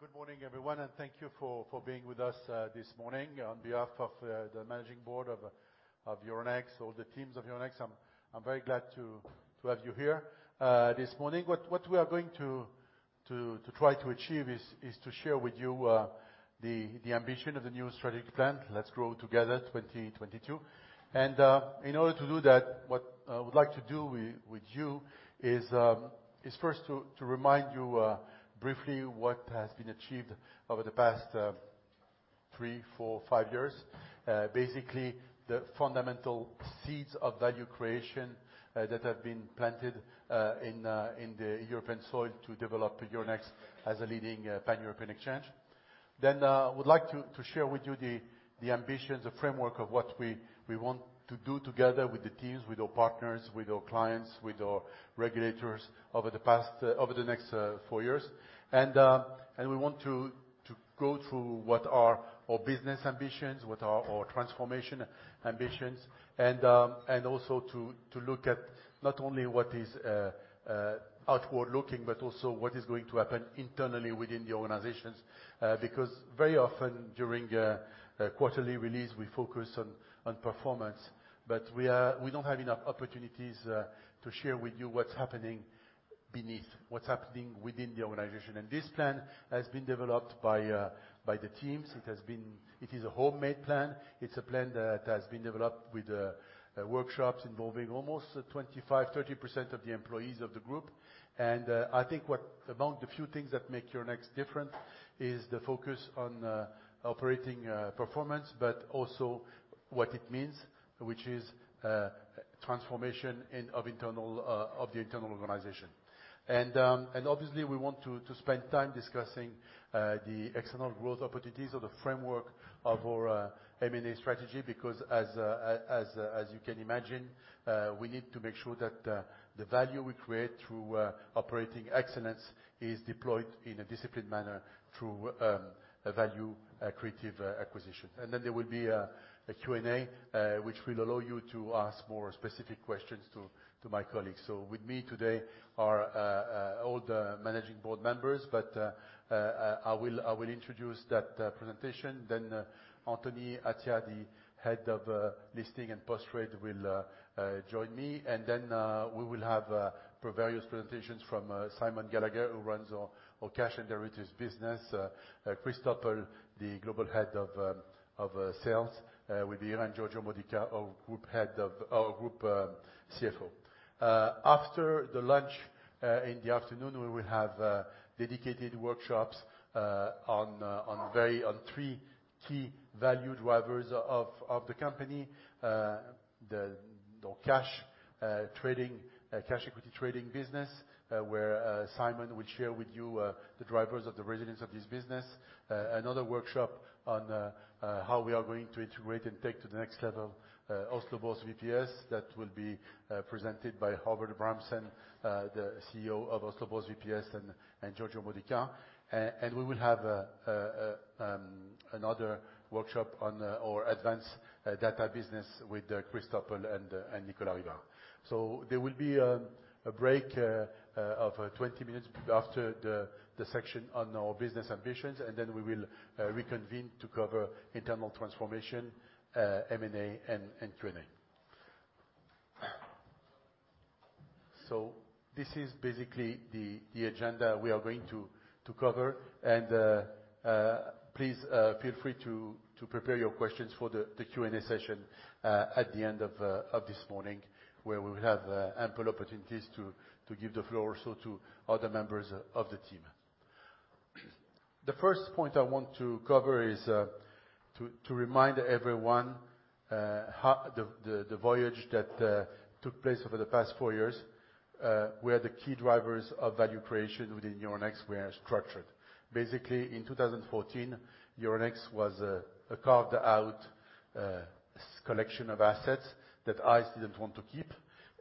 Good morning, everyone, and thank you for being with us this morning. On behalf of the managing board of Euronext, all the teams of Euronext, I'm very glad to have you here this morning. What we are going to try to achieve is to share with you the ambition of the new strategic plan, Let's Grow Together 2022. In order to do that, what I would like to do with you is first to remind you briefly what has been achieved over the past three, four, five years. Basically, the fundamental seeds of value creation that have been planted in the European soil to develop Euronext as a leading pan-European exchange. I would like to share with you the ambitions, the framework of what we want to do together with the teams, with our partners, with our clients, with our regulators over the next four years. We want to go through what are our business ambitions, what are our transformation ambitions, and also to look at not only what is outward-looking, but also what is going to happen internally within the organizations. Very often during a quarterly release, we focus on performance, but we don't have enough opportunities to share with you what's happening beneath, what's happening within the organization. This plan has been developed by the teams. It is a homemade plan. It's a plan that has been developed with workshops involving almost 25%, 30% of the employees of the group. I think among the few things that make Euronext different is the focus on operating performance, but also what it means, which is transformation of the internal organization. Obviously, we want to spend time discussing the external growth opportunities or the framework of our M&A strategy, because as you can imagine, we need to make sure that the value we create through operating excellence is deployed in a disciplined manner through value-accretive acquisition. There will be a Q&A, which will allow you to ask more specific questions to my colleagues. With me today are all the managing board members, but I will introduce that presentation, then Anthony Attia, the head of Listing and Post-Trade, will join me. We will have various presentations from Simon Gallagher, who runs our cash and derivatives business, Christophe Oppel, the global head of Sales will be here, and Giorgio Modica, our Group CFO. After the lunch, in the afternoon, we will have dedicated workshops on three key value drivers of the company, the cash equity trading business, where Simon will share with you the drivers of the resilience of this business. Another workshop on how we are going to integrate and take to the next level Oslo Børs VPS, that will be presented by Håvard Abrahamsen, the CEO of Oslo Børs VPS, and Giorgio Modica. We will have another workshop on our advanced data business with Christophe Oppel and Nicolas Rivard. There will be a break of 20 minutes after the section on our business ambitions, and then we will reconvene to cover internal transformation, M&A, and Q&A. This is basically the agenda we are going to cover. Please feel free to prepare your questions for the Q&A session at the end of this morning, where we will have ample opportunities to give the floor also to other members of the team. The first point I want to cover is to remind everyone the voyage that took place over the past 4 years, where the key drivers of value creation within Euronext were structured. Basically, in 2014, Euronext was a carved-out collection of assets that ICE didn't want to keep,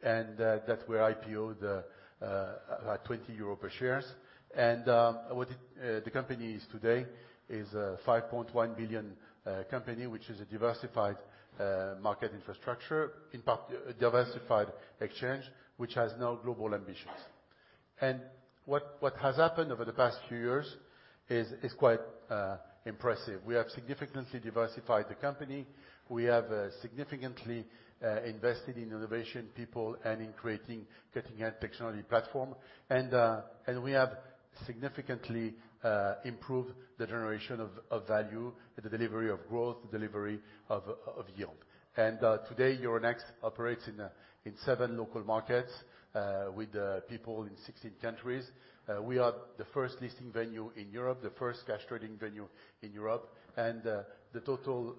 and that we IPO-ed at 20 euro per shares. What the company is today is a 5.1 billion company, which is a diversified market infrastructure, in part a diversified exchange, which has now global ambitions. What has happened over the past few years is quite impressive. We have significantly diversified the company. We have significantly invested in innovation, people, and in creating a cutting-edge technology platform. We have significantly improved the generation of value, the delivery of growth, the delivery of yield. Today, Euronext operates in seven local markets, with people in 16 countries. We are the first listing venue in Europe, the first cash trading venue in Europe, and the total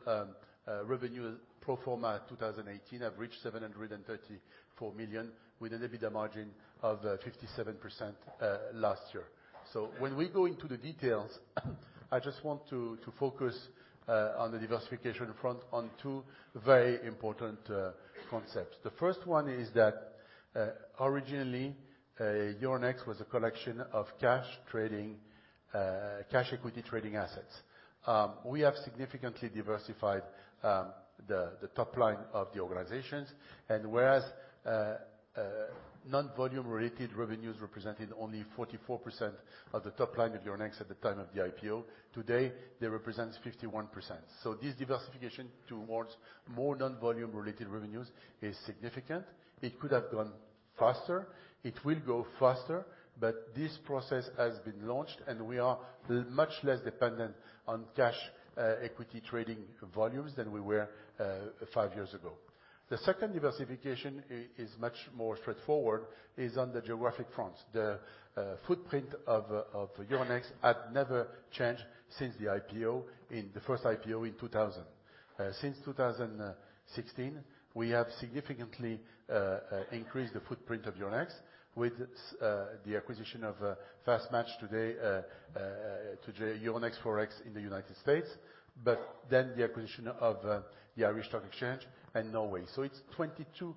revenue pro forma 2018 have reached 734 million, with an EBITDA margin of 57% last year. When we go into the details, I just want to focus on the diversification front on two very important concepts. The first one is that originally, Euronext was a collection of cash equity trading assets. We have significantly diversified the top line of the organizations, and whereas non-volume related revenues represented only 44% of the top line of Euronext at the time of the IPO, today they represent 51%. This diversification towards more non-volume related revenues is significant. It could have gone faster, it will go faster, but this process has been launched, and we are much less dependent on cash equity trading volumes than we were five years ago. The second diversification is much more straightforward, is on the geographic front. The footprint of Euronext had never changed since the first IPO in 2000. Since 2016, we have significantly increased the footprint of Euronext with the acquisition of FastMatch today, Euronext FX in the United States, then the acquisition of the Irish Stock Exchange and Norway. It's 22%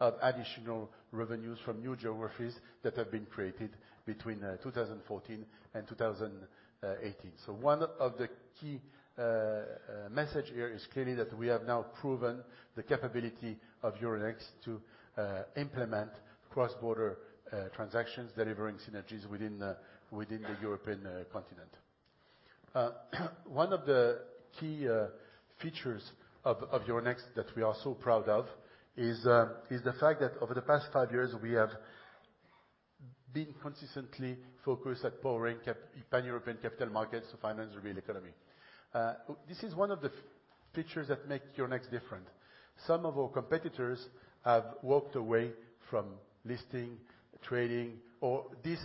of additional revenues from new geographies that have been created between 2014 and 2018. One of the key messages here is clearly that we have now proven the capability of Euronext to implement cross-border transactions, delivering synergies within the European continent. One of the key features of Euronext that we are so proud of is the fact that over the past five years, we have been consistently focused at powering pan-European capital markets to finance the real economy. This is one of the features that make Euronext different. Some of our competitors have walked away from listing, trading, or these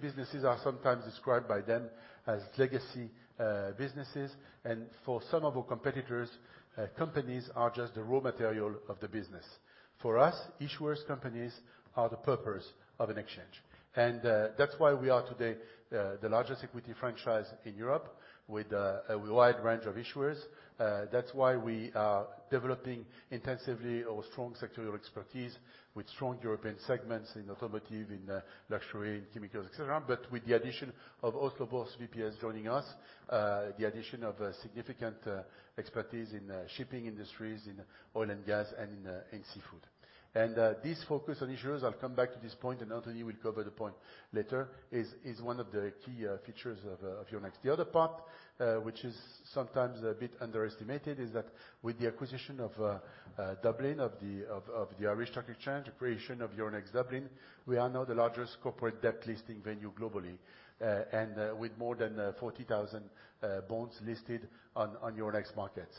businesses are sometimes described by them as legacy businesses. For some of our competitors, companies are just the raw material of the business. For us, issuers companies are the purpose of an exchange. That's why we are today the largest equity franchise in Europe with a wide range of issuers. That's why we are developing intensively our strong sectoral expertise with strong European segments in automotive, in luxury, in chemicals, et cetera, but with the addition of Oslo Børs VPS joining us, the addition of significant expertise in shipping industries, in oil and gas, and in seafood. This focus on issuers, I'll come back to this point, Anthony will cover the point later, is one of the key features of Euronext. The other part, which is sometimes a bit underestimated, is that with the acquisition of Dublin, of the Irish Stock Exchange, the creation of Euronext Dublin, we are now the largest corporate debt listing venue globally, with more than 40,000 bonds listed on Euronext markets.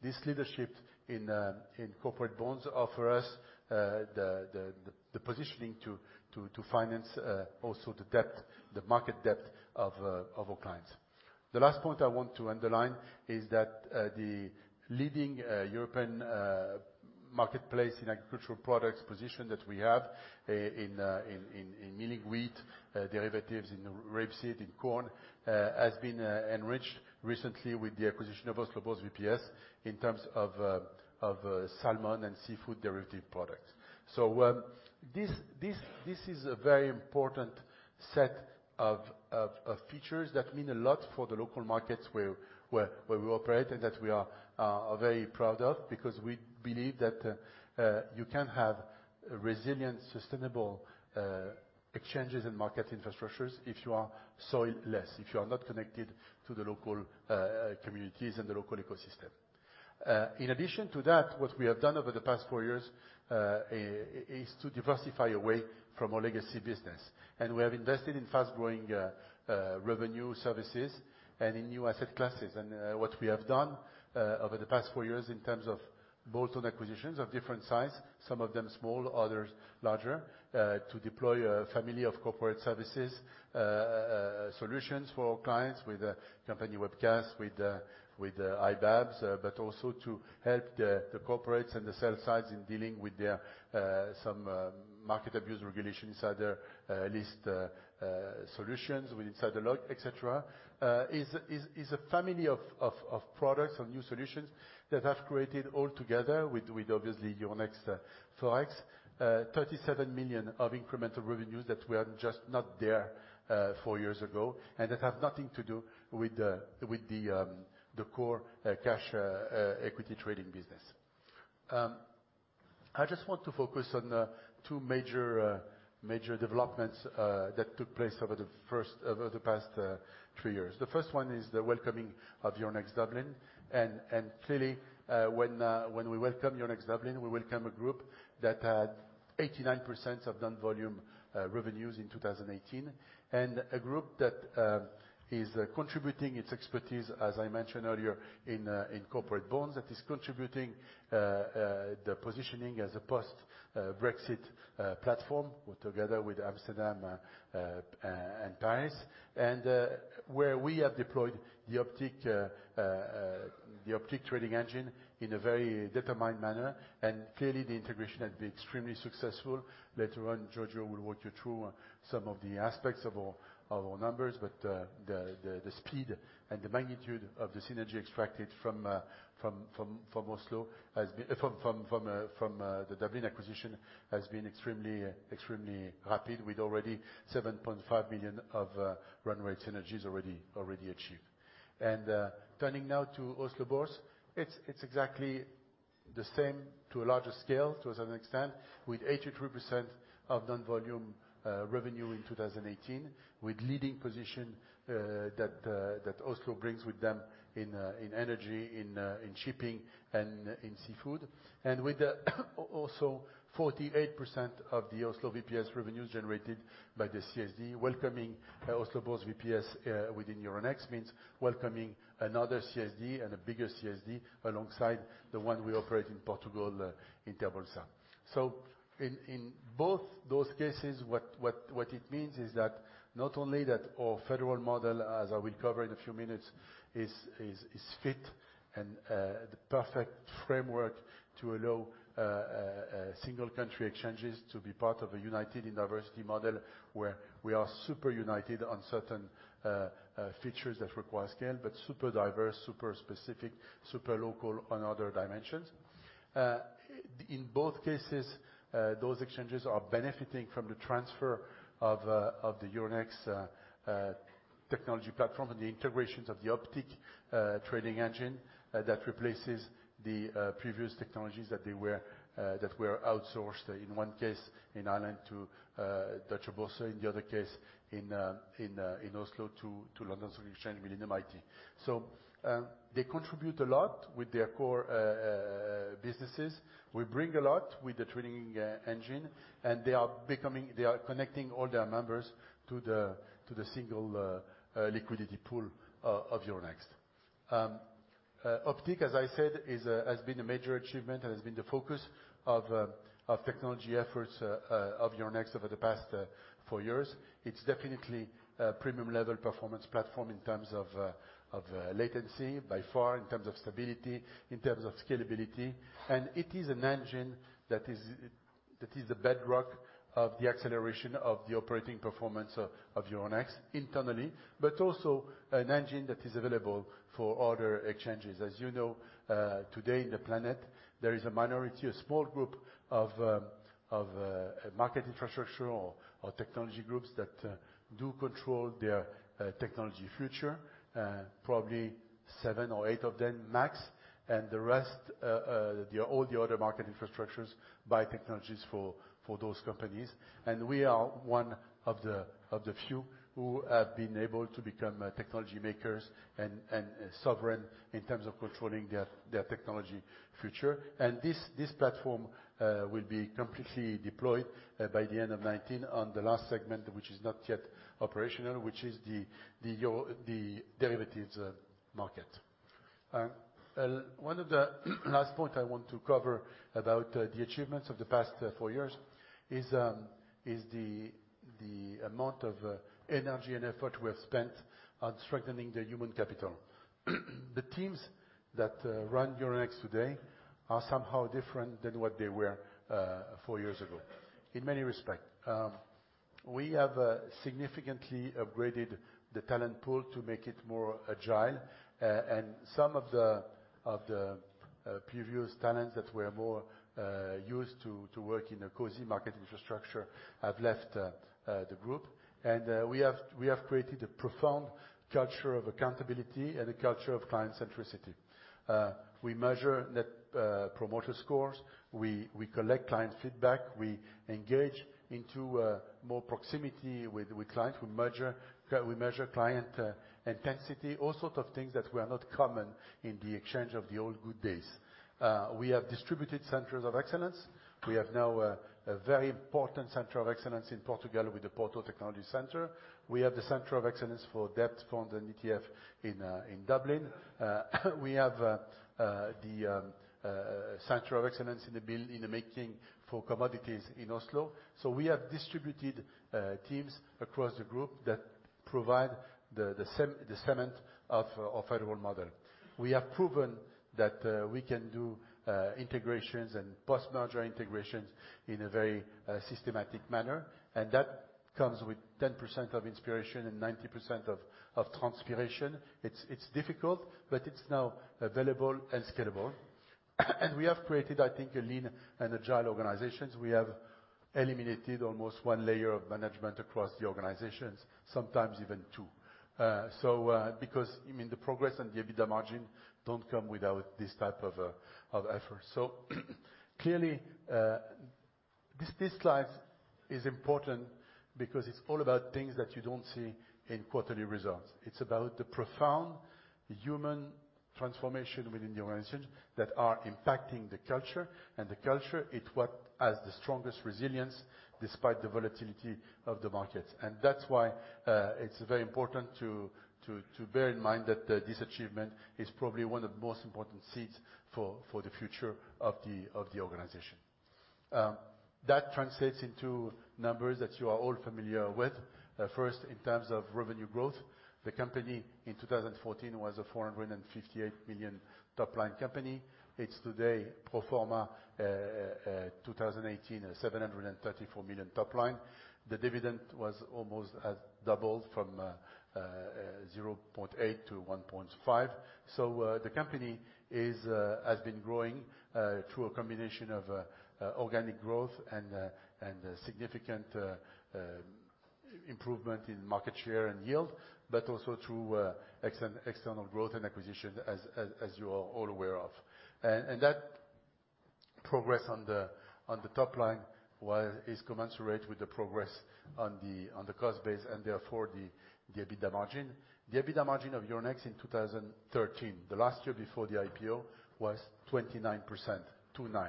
This leadership in corporate bonds offer us the positioning to finance also the market debt of our clients. The last point I want to underline is that the leading European marketplace in agricultural products position that we have in milling wheat, derivatives in rapeseed, in corn, has been enriched recently with the acquisition of Oslo Børs VPS in terms of salmon and seafood derivative products. This is a very important set of features that mean a lot for the local markets where we operate and that we are very proud of because we believe that you can have resilient, sustainable, exchanges and market infrastructures if you are soil less, if you are not connected to the local communities and the local ecosystem. In addition to that, what we have done over the past four years, is to diversify away from our legacy business. We have invested in fast-growing revenue services and in new asset classes. What we have done, over the past four years in terms of bolt-on acquisitions of different size, some of them small, others larger, to deploy a family of corporate services, solutions for our clients with Company Webcast, with iBabs, but also to help the corporates and the sell sides in dealing with some market abuse regulations, either list solutions with InsiderLog, et cetera, is a family of products and new solutions that have created all together with, obviously, Euronext FX, 37 million of incremental revenues that were just not there four years ago and that have nothing to do with the core cash equity trading business. I just want to focus on two major developments that took place over the past three years. The first one is the welcoming of Euronext Dublin. Clearly, when we welcome Euronext Dublin, we welcome a group that had 89% of non-volume revenues in 2018, and a group that is contributing its expertise, as I mentioned earlier, in corporate bonds, that is contributing the positioning as a post-Brexit platform together with Amsterdam and Paris, and where we have deployed the Optiq trading engine in a very determined manner, and clearly the integration has been extremely successful. Later on, Giorgio will walk you through some of the aspects of our numbers, but the speed and the magnitude of the synergy extracted from the Dublin acquisition has been extremely rapid, with already 7.5 million of run rate synergies already achieved. Turning now to Oslo Børs, it's exactly the same to a larger scale, to a certain extent, with 83% of non-volume revenue in 2018, with leading position that Oslo brings with them in energy, in shipping, and in seafood. With also 48% of the Oslo VPS revenues generated by the CSD. Welcoming Oslo Børs VPS within Euronext means welcoming another CSD and a bigger CSD alongside the one we operate in Portugal, in Euronext. In both those cases, what it means is not only that our federal model, as I will cover in a few minutes, is fit and the perfect framework to allow single country exchanges to be part of a united in diversity model, where we are super united on certain features that require scale, but super diverse, super specific, super local on other dimensions. In both cases, those exchanges are benefiting from the transfer of the Euronext technology platform and the integrations of the Optiq trading engine that replaces the previous technologies that were outsourced, in one case, in Ireland to Deutsche Börse, in the other case, in Oslo to London Stock Exchange within MIT. They contribute a lot with their core businesses. We bring a lot with the trading engine, and they are connecting all their members to the single liquidity pool of Euronext. Optiq, as I said, has been a major achievement and has been the focus of technology efforts of Euronext over the past four years. It's definitely a premium level performance platform in terms of latency, by far, in terms of stability, in terms of scalability. It is an engine that is the bedrock of the acceleration of the operating performance of Euronext internally, but also an engine that is available for other exchanges. As you know, today in the planet, there is a minority, a small group of market infrastructure or technology groups that do control their technology future. Probably seven or eight of them max, and the rest, all the other market infrastructures, buy technologies for those companies. We are one of the few who have been able to become technology makers and sovereign in terms of controlling their technology future. This platform will be completely deployed by the end of 2019 on the last segment, which is not yet operational, which is the derivatives market. One of the last point I want to cover about the achievements of the past 4 years is the amount of energy and effort we have spent on strengthening the human capital. The teams that run Euronext today are somehow different than what they were 4 years ago, in many respects. We have significantly upgraded the talent pool to make it more agile. Some of the previous talents that were more used to work in a cozy market infrastructure have left the group. We have created a profound culture of accountability and a culture of client centricity. We measure Net Promoter Scores. We collect client feedback. We engage into more proximity with clients. We measure client intensity, all sorts of things that were not common in the exchange of the old good days. We have distributed centers of excellence. We have now a very important center of excellence in Portugal with the Porto Technology Center. We have the center of excellence for debt fund and ETF in Dublin. We have the center of excellence in the making for commodities in Oslo. We have distributed teams across the group that provide the cement of our federal model. We have proven that we can do integrations and post-merger integrations in a very systematic manner, and that comes with 10% of inspiration and 90% of transpiration. It's difficult, but it's now available and scalable. We have created, I think, a lean and agile organization. We have eliminated almost one layer of management across the organizations, sometimes even two. Because the progress and the EBITDA margin don't come without this type of effort. Clearly, this slide is important because it's all about things that you don't see in quarterly results. It's about the profound human transformation within the organization that are impacting the culture. The culture, it has the strongest resilience despite the volatility of the market. That's why it's very important to bear in mind that this achievement is probably one of the most important seeds for the future of the organization. That translates into numbers that you are all familiar with. First, in terms of revenue growth, the company in 2014 was a 458 million top-line company. It's today, pro forma 2018, a 734 million top line. The dividend has almost doubled from 0.8 to 1.5. The company has been growing through a combination of organic growth and significant improvement in market share and yield, but also through external growth and acquisition, as you are all aware of. That progress on the top line is commensurate with the progress on the cost base and therefore the EBITDA margin. The EBITDA margin of Euronext in 2013, the last year before the IPO, was 29%, 2-9.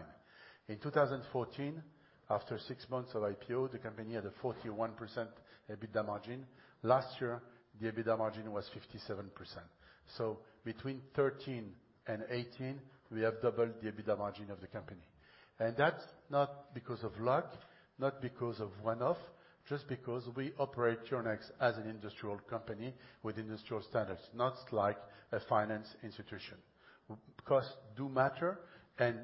In 2014, after six months of IPO, the company had a 41% EBITDA margin. Last year, the EBITDA margin was 57%. Between 2013 and 2018, we have doubled the EBITDA margin of the company. That's not because of luck, not because of one-off, just because we operate Euronext as an industrial company with industrial standards, not like a finance institution. Costs do matter and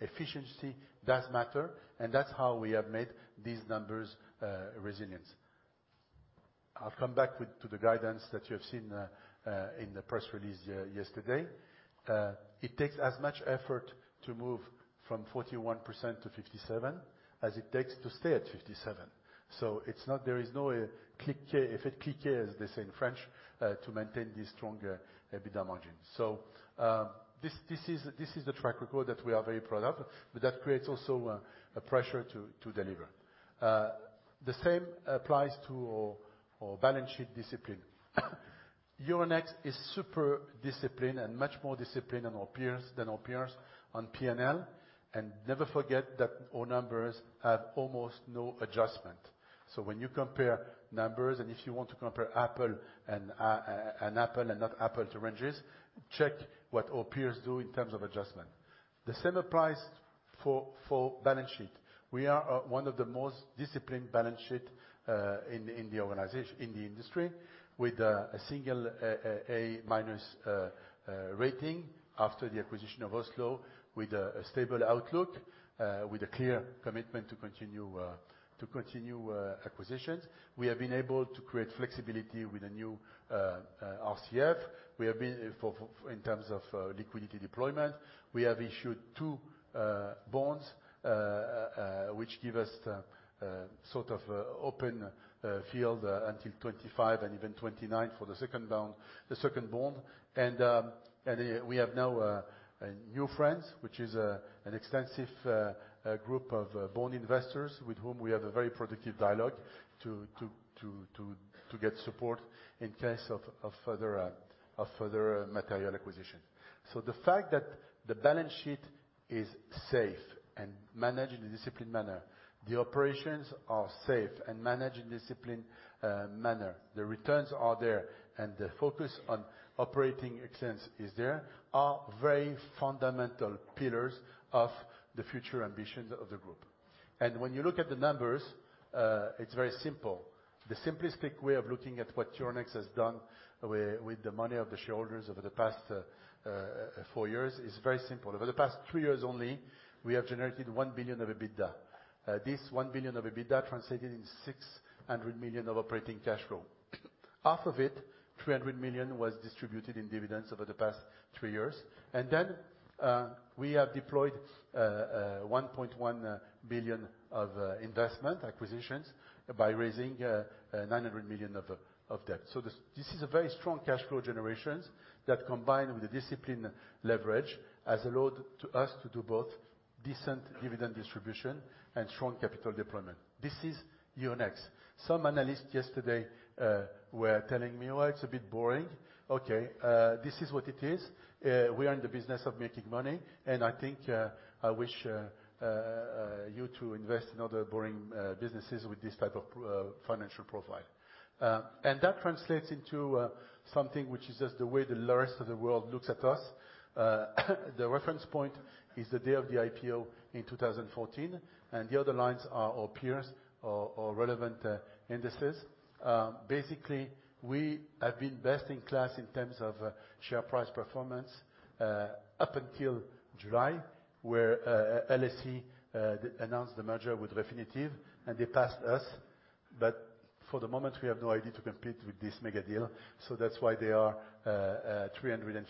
efficiency does matter, and that's how we have made these numbers resilient. I'll come back to the guidance that you have seen in the press release yesterday. It takes as much effort to move from 41% to 57% as it takes to stay at 57%. There is no effet de cliquet, as they say in French, to maintain this stronger EBITDA margin. This is the track record that we are very proud of, but that creates also a pressure to deliver. The same applies to our balance sheet discipline. Euronext is super disciplined and much more disciplined than our peers on P&L. Never forget that our numbers have almost no adjustment. When you compare numbers, and if you want to compare apple and apple and not apples to oranges, check what our peers do in terms of adjustment. The same applies for balance sheet. We are one of the most disciplined balance sheet in the industry with a single A-minus rating after the acquisition of Oslo with a stable outlook, with a clear commitment to continue acquisitions. We have been able to create flexibility with a new RCF. We have been, in terms of liquidity deployment. We have issued two bonds, which give us sort of open field until 2025 and even 2029 for the second bond. We have now new friends, which is an extensive group of bond investors with whom we have a very productive dialogue to get support in case of further material acquisition. The fact that the balance sheet is safe and managed in a disciplined manner, the operations are safe and managed in a disciplined manner, the returns are there, and the focus on operating excellence is there, are very fundamental pillars of the future ambitions of the group. When you look at the numbers, it's very simple. The simplistic way of looking at what Euronext has done with the money of the shareholders over the past four years is very simple. Over the past three years only, we have generated 1 billion of EBITDA. This 1 billion of EBITDA translated into 600 million of operating cash flow. Half of it, 300 million, was distributed in dividends over the past three years. We have deployed 1.1 billion of investment acquisitions by raising 900 million of debt. This is a very strong cash flow generations that combine with the discipline leverage, has allowed us to do both decent dividend distribution and strong capital deployment. This is Euronext. Some analysts yesterday were telling me, "Oh, it's a bit boring." Okay, this is what it is. We are in the business of making money, and I think, I wish you to invest in other boring businesses with this type of financial profile. That translates into something which is just the way the rest of the world looks at us. The reference point is the day of the IPO in 2014, and the other lines are our peers or relevant indices. Basically, we have been best in class in terms of share price performance up until July, where LSE announced the merger with Refinitiv, and they passed us. For the moment, we have no idea to compete with this mega deal, so that's why they are 315%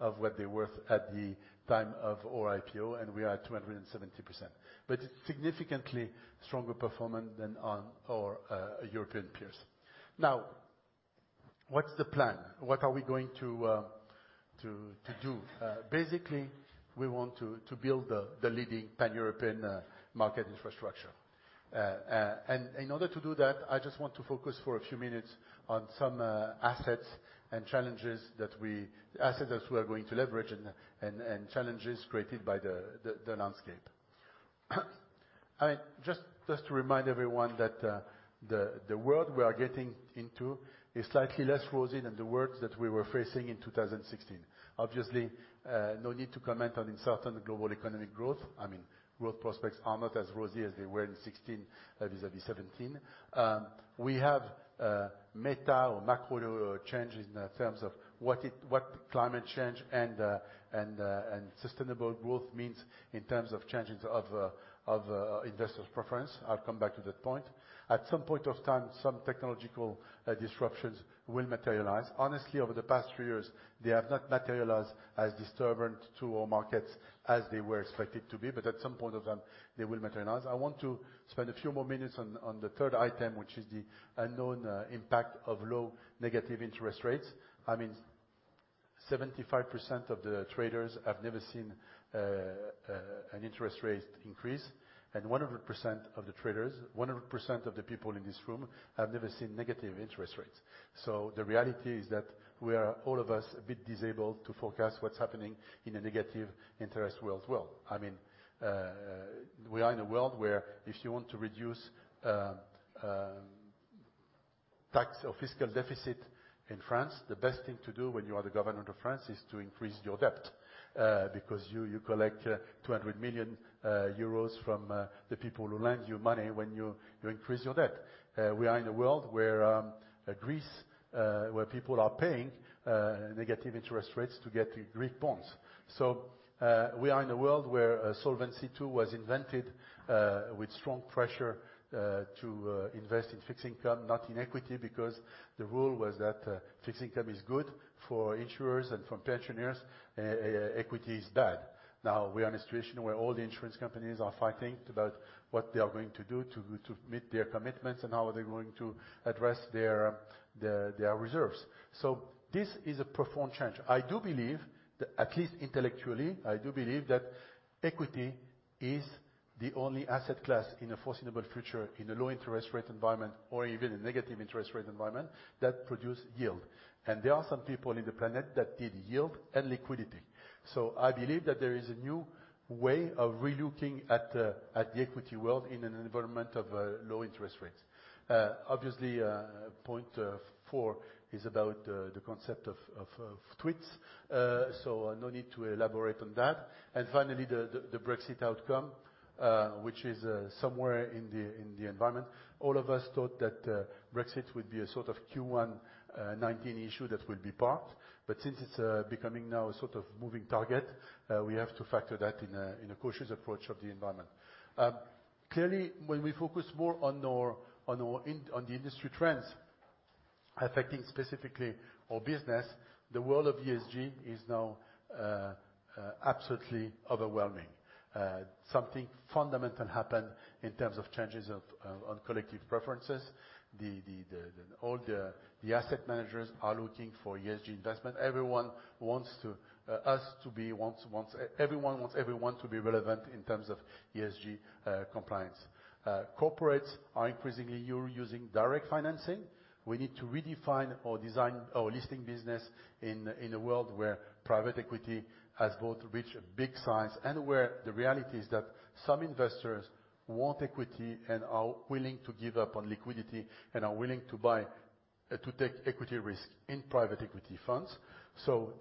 of what they're worth at the time of our IPO, and we are 270%. Significantly stronger performance than our European peers. Now, what's the plan? What are we going to do? Basically, we want to build the leading pan-European market infrastructure. In order to do that, I just want to focus for a few minutes on some assets and challenges. Assets that we are going to leverage and challenges created by the landscape. Just to remind everyone that the world we are getting into is slightly less rosy than the world that we were facing in 2016. Obviously, no need to comment on uncertain global economic growth. Growth prospects are not as rosy as they were in 2016 vis-à-vis 2017. We have meta or macro changes in terms of what climate change and sustainable growth means in terms of changes of investors' preference. I'll come back to that point. At some point of time, some technological disruptions will materialize. Honestly, over the past few years, they have not materialized as disturbance to our markets as they were expected to be. At some point of time, they will materialize. I want to spend a few more minutes on the third item, which is the unknown impact of low negative interest rates. 75% of the traders have never seen an interest rate increase, and 100% of the traders, 100% of the people in this room, have never seen negative interest rates. The reality is that we are, all of us, a bit disabled to forecast what's happening in a negative interest rates world. We are in a world where if you want to reduce tax or fiscal deficit in France, the best thing to do when you are the government of France is to increase your debt, because you collect 200 million euros from the people who lend you money when you increase your debt. We are in a world where Greece, where people are paying negative interest rates to get Greek bonds. We are in a world where Solvency II was invented with strong pressure to invest in fixed income, not in equity, because the rule was that fixed income is good for insurers and for pensioners, equity is bad. Now we are in a situation where all the insurance companies are fighting about what they are going to do to meet their commitments, and how are they going to address their reserves. This is a profound change. I do believe that, at least intellectually, I do believe that equity is the only asset class in the foreseeable future in the low interest rate environment, or even a negative interest rate environment, that produce yield. And there are some people in the planet that need yield and liquidity. I believe that there is a new way of re-looking at the equity world in an environment of low interest rates. Point four is about the concept of tweets, no need to elaborate on that. Finally, the Brexit outcome, which is somewhere in the environment. All of us thought that Brexit would be a sort of Q1 2019 issue that will be parked. Since it's becoming now a sort of moving target, we have to factor that in a cautious approach of the environment. When we focus more on the industry trends affecting specifically our business, the world of ESG is now absolutely overwhelming. Something fundamental happened in terms of changes on collective preferences. All the asset managers are looking for ESG investment. Everyone wants everyone to be relevant in terms of ESG compliance. Corporates are increasingly using direct financing. We need to redefine or design our listing business in a world where private equity has both reached big size, and where the reality is that some investors want equity and are willing to give up on liquidity, and are willing to take equity risk in private equity funds.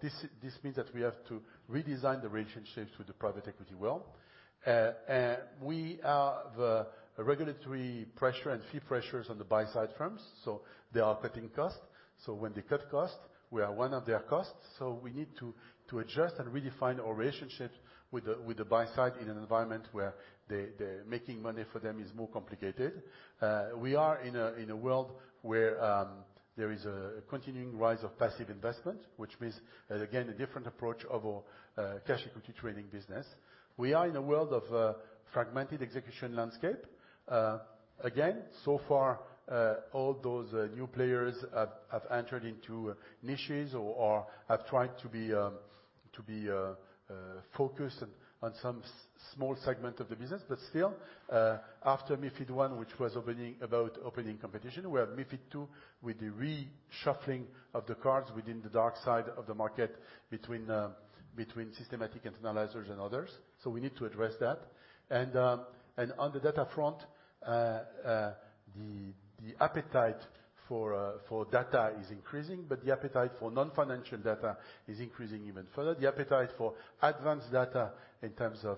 This means that we have to redesign the relationships with the private equity world. We have regulatory pressure and fee pressures on the buy side firms, they are cutting costs. When they cut costs, we are one of their costs. We need to adjust and redefine our relationships with the buy side in an environment where making money for them is more complicated. We are in a world where there is a continuing rise of passive investment, which means, again, a different approach of our cash equity trading business. We are in a world of a fragmented execution landscape. Again, so far, all those new players have entered into niches or have tried to be focused on some small segment of the business. Still, after MiFID I, which was about opening competition, we have MiFID II, with the reshuffling of the cards within the dark side of the market between systematic internalizers and others. We need to address that. On the data front, the appetite for data is increasing, but the appetite for non-financial data is increasing even further. The appetite for advanced data in terms of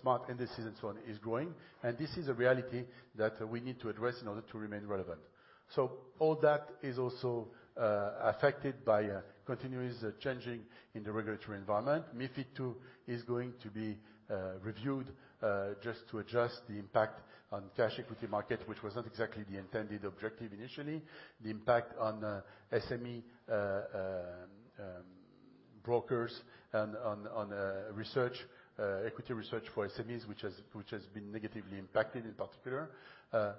smart indices and so on is growing, and this is a reality that we need to address in order to remain relevant. All that is also affected by continuous changing in the regulatory environment. MiFID II is going to be reviewed just to adjust the impact on cash equity market, which was not exactly the intended objective initially. The impact on SME brokers and on research, equity research for SMEs, which has been negatively impacted in particular.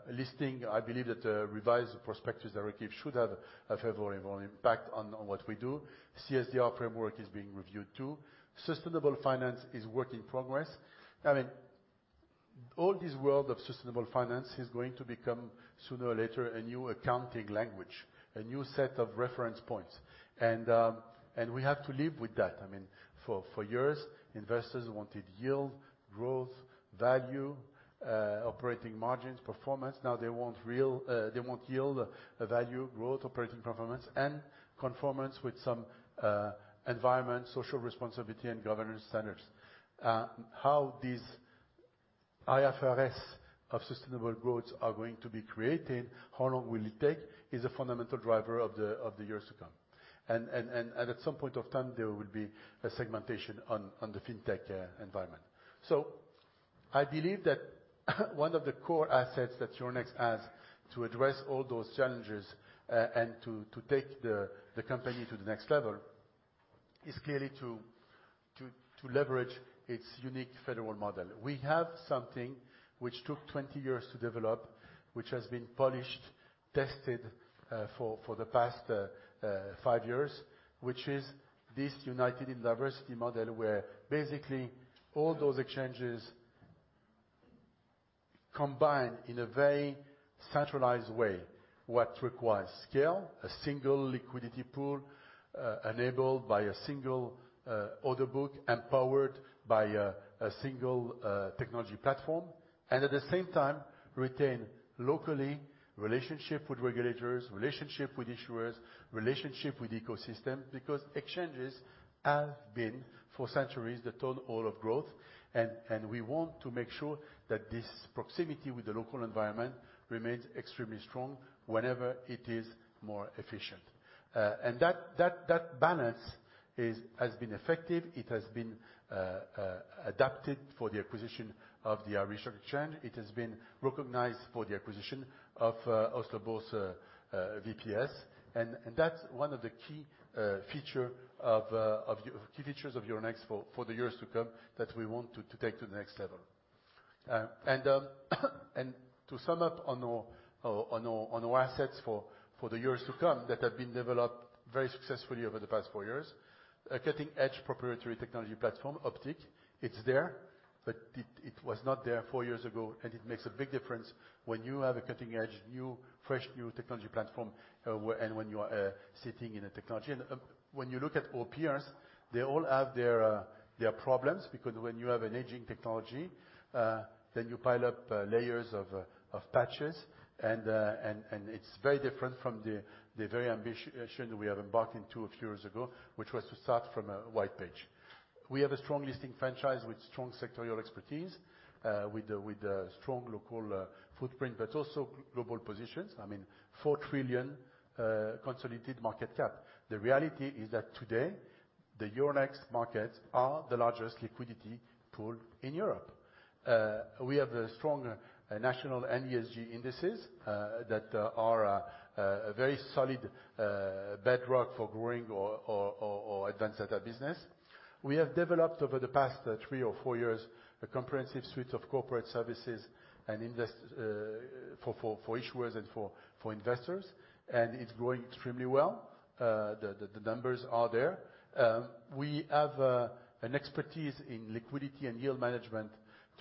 Listing, I believe that revised Prospectus Directive should have a favorable impact on what we do. CSRD framework is being reviewed, too. Sustainable finance is work in progress. All this world of sustainable finance is going to become, sooner or later, a new accounting language, a new set of reference points. We have to live with that. For years, investors wanted yield, growth, value, operating margins, performance. Now they want yield, value, growth, operating performance, and conformance with some environment, social responsibility, and governance standards. How these IFRS of sustainable growth are going to be created, how long will it take, is a fundamental driver of the years to come. At some point of time, there will be a segmentation on the fintech environment. I believe that one of the core assets that Euronext has to address all those challenges and to take the company to the next level is clearly to leverage its unique federal model. We have something which took 20 years to develop, which has been polished, tested for the past five years, which is this united in diversity model, where basically all those exchanges combine in a very centralized way what requires scale, a single liquidity pool, enabled by a single order book, empowered by a single technology platform. At the same time, retain locally relationship with regulators, relationship with issuers, relationship with ecosystem, because exchanges have been, for centuries, the tone-all of growth. We want to make sure that this proximity with the local environment remains extremely strong whenever it is more efficient. That balance has been effective. It has been adapted for the acquisition of the Irish Stock Exchange. It has been recognized for the acquisition of Oslo Børs VPS, and that's one of the key features of Euronext for the years to come that we want to take to the next level. To sum up on our assets for the years to come that have been developed very successfully over the past four years. A cutting-edge proprietary technology platform, Optiq, it's there, but it was not there four years ago. It makes a big difference when you have a cutting-edge, fresh, new technology platform. When you are sitting in a technology. When you look at our peers, they all have their problems, because when you have an aging technology, you pile up layers of patches. It's very different from the very ambition that we have embarked in two or few years ago, which was to start from a white page. We have a strong listing franchise with strong sectorial expertise, with a strong local footprint, also global positions. I mean, 4 trillion consolidated market cap. The reality is that today, the Euronext markets are the largest liquidity pool in Europe. We have a strong national and ESG indices that are a very solid bedrock for growing our advance data business. We have developed, over the past three or four years, a comprehensive suite of corporate services for issuers and for investors, and it's growing extremely well. The numbers are there. We have an expertise in liquidity and yield management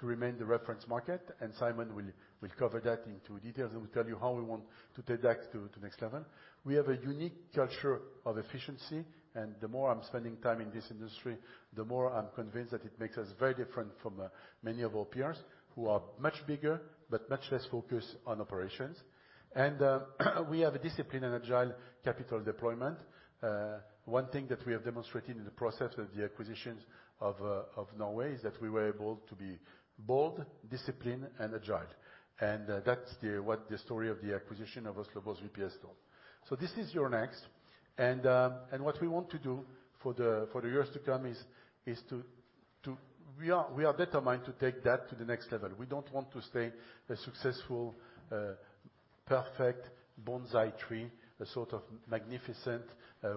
to remain the reference market, and Simon will cover that into details and will tell you how we want to take that to next level. We have a unique culture of efficiency, and the more I'm spending time in this industry, the more I'm convinced that it makes us very different from many of our peers, who are much bigger, but much less focused on operations. We have a discipline and agile capital deployment. One thing that we have demonstrated in the process of the acquisitions of Norway is that we were able to be bold, disciplined, and agile. That's what the story of the acquisition of Oslo Børs VPS told. This is Euronext. What we want to do for the years to come is, we are determined to take that to the next level. We don't want to stay a successful, perfect bonsai tree, a sort of magnificent,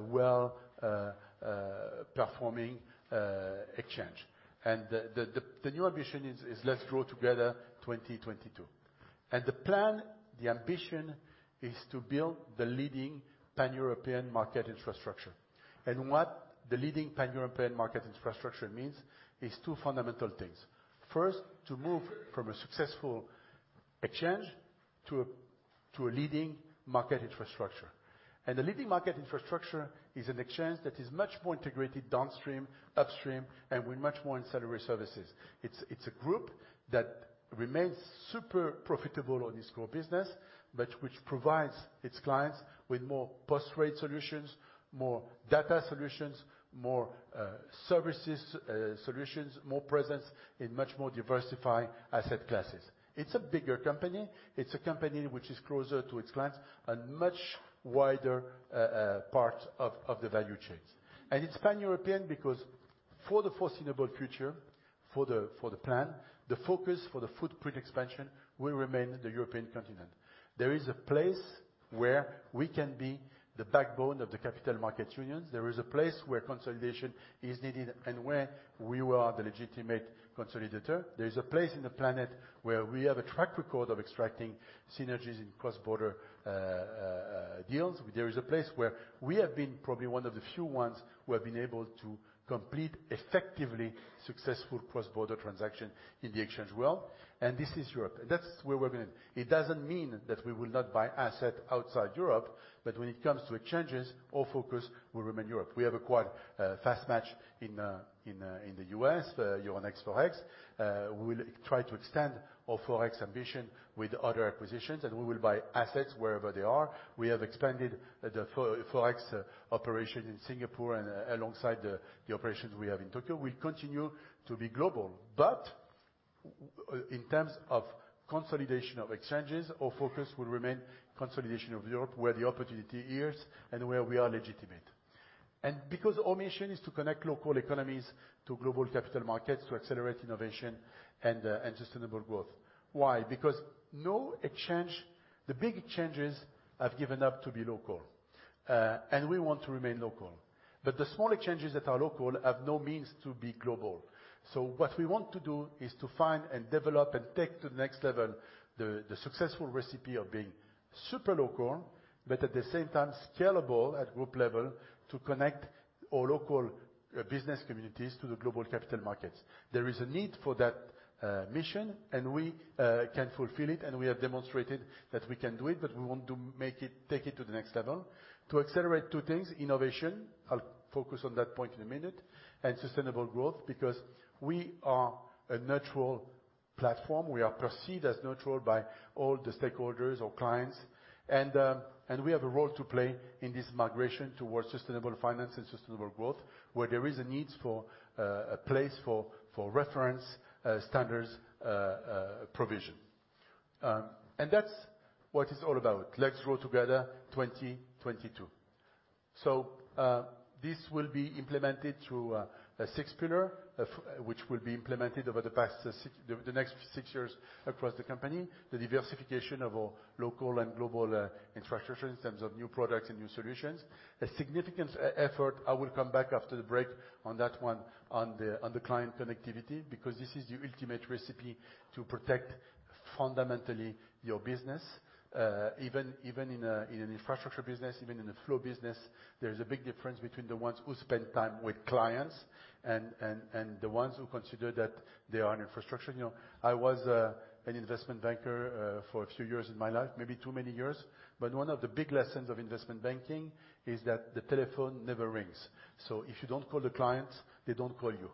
well-performing exchange. The new ambition is, Let's Grow Together 2022. The plan, the ambition, is to build the leading pan-European market infrastructure. What the leading pan-European market infrastructure means is two fundamental things. First, to move from a successful exchange to a leading market infrastructure. A leading market infrastructure is an exchange that is much more integrated downstream, upstream, and with much more ancillary services. It's a group that remains super profitable on its core business, but which provides its clients with more post-trade solutions, more data solutions, more services solutions, more presence in much more diversified asset classes. It's a bigger company. It's a company which is closer to its clients and much wider parts of the value chains. It's pan-European because for the foreseeable future, for the plan, the focus for the footprint expansion will remain the European continent. There is a place where we can be the backbone of the capital markets unions. There is a place where consolidation is needed and where we are the legitimate consolidator. There is a place in the planet where we have a track record of extracting synergies in cross-border deals. There is a place where we have been probably one of the few ones who have been able to complete effectively successful cross-border transaction in the exchange world. This is Europe. That's where we're going. It doesn't mean that we will not buy asset outside Europe, but when it comes to exchanges, our focus will remain Europe. We have acquired FastMatch in the U.S., Euronext FX. We will try to extend our FX ambition with other acquisitions, and we will buy assets wherever they are. We have expanded the FX operation in Singapore and alongside the operations we have in Tokyo. We continue to be global. In terms of consolidation of exchanges, our focus will remain consolidation of Europe, where the opportunity is and where we are legitimate. Because our mission is to connect local economies to global capital markets to accelerate innovation and sustainable growth. Why? No exchange, the big exchanges, have given up to be local. We want to remain local. The smaller exchanges that are local have no means to be global. What we want to do is to find and develop and take to the next level the successful recipe of being super local, but at the same time, scalable at group level to connect our local business communities to the global capital markets. There is a need for that mission, and we can fulfill it, and we have demonstrated that we can do it, but we want to take it to the next level. To accelerate two things, innovation, I'll focus on that point in a minute, and sustainable growth, because we are a neutral platform. We are perceived as neutral by all the stakeholders or clients. We have a role to play in this migration towards sustainable finance and sustainable growth, where there is a need for a place for reference, standards, provision. That's what it's all about. Let's Grow Together 2022. This will be implemented through a six pillar, which will be implemented over the next six years across the company, the diversification of our local and global infrastructure in terms of new products and new solutions. A significant effort, I will come back after the break on that one, on the client connectivity, because this is the ultimate recipe to protect fundamentally your business. Even in an infrastructure business, even in a flow business, there's a big difference between the ones who spend time with clients and the ones who consider that they are an infrastructure. I was an investment banker, for a few years in my life, maybe too many years. One of the big lessons of investment banking is that the telephone never rings. If you don't call the clients, they don't call you.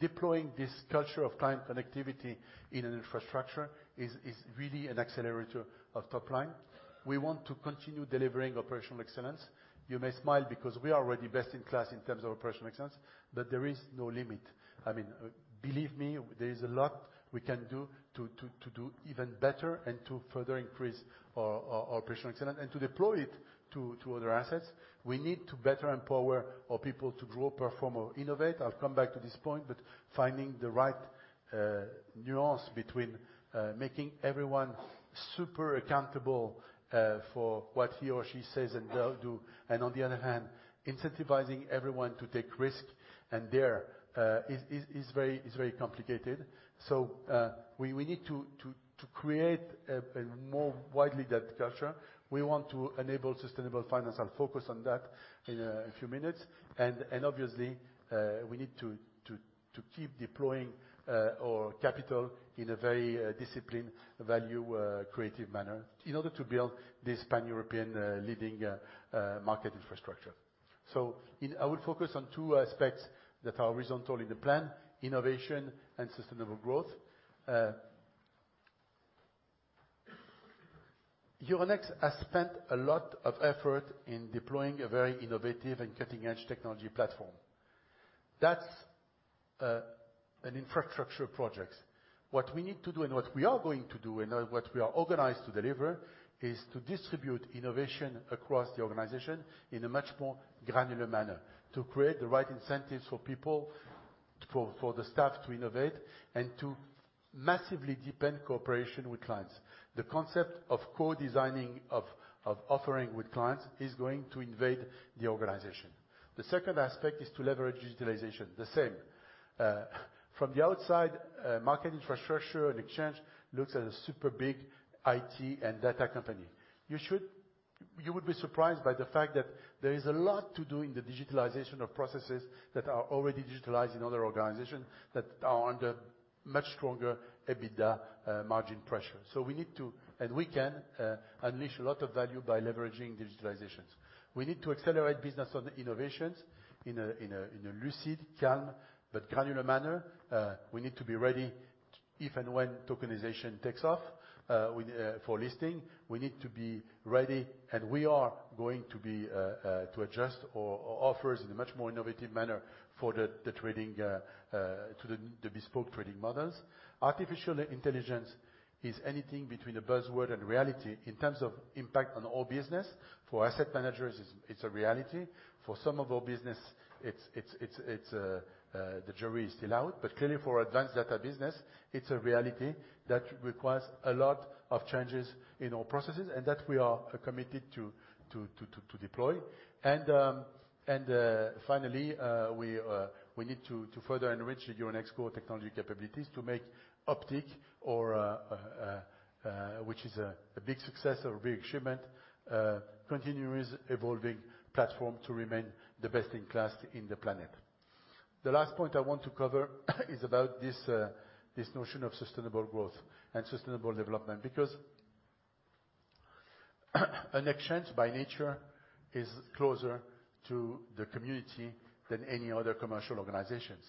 Deploying this culture of client connectivity in an infrastructure is really an accelerator of top line. We want to continue delivering operational excellence. You may smile because we are already best in class in terms of operational excellence, but there is no limit. Believe me, there is a lot we can do to do even better and to further increase our operational excellence and to deploy it to other assets. We need to better empower our people to grow, perform, or innovate. I'll come back to this point, but finding the right nuance between making everyone super accountable, for what he or she says and they'll do, and on the other hand, incentivizing everyone to take risk and there, is very complicated. We need to create a more widely debt culture. We want to enable sustainable finance. I'll focus on that in a few minutes. Obviously, we need to keep deploying our capital in a very disciplined value, creative manner in order to build this Pan-European leading market infrastructure. I will focus on two aspects that are horizontal in the plan, innovation and sustainable growth. Euronext has spent a lot of effort in deploying a very innovative and cutting-edge technology platform. That's an infrastructure project. What we need to do and what we are going to do and what we are organized to deliver is to distribute innovation across the organization in a much more granular manner. To create the right incentives for people, for the staff to innovate, and to massively deepen cooperation with clients. The concept of co-designing, of offering with clients is going to invade the organization. The second aspect is to leverage digitalization, the same. From the outside, market infrastructure and exchange looks at a super big IT and data company. You would be surprised by the fact that there is a lot to do in the digitalization of processes that are already digitalized in other organizations that are under much stronger EBITDA margin pressure. We need to, and we can, unleash a lot of value by leveraging digitalizations. We need to accelerate business on innovations in a lucid, calm, but granular manner. We need to be ready if and when tokenization takes off, for listing. We need to be ready, we are going to adjust our offers in a much more innovative manner for the bespoke trading models. Artificial intelligence is anything between a buzzword and reality in terms of impact on our business. For asset managers, it's a reality. For some of our business, the jury is still out. Clearly for advanced data business, it's a reality that requires a lot of changes in our processes and that we are committed to deploy. Finally, we need to further enrich the Euronext core technology capabilities to make Optiq, which is a big success, a big achievement, continuous evolving platform to remain the best in class in the planet. The last point I want to cover is about this notion of sustainable growth and sustainable development because an exchange by nature is closer to the community than any other commercial organizations.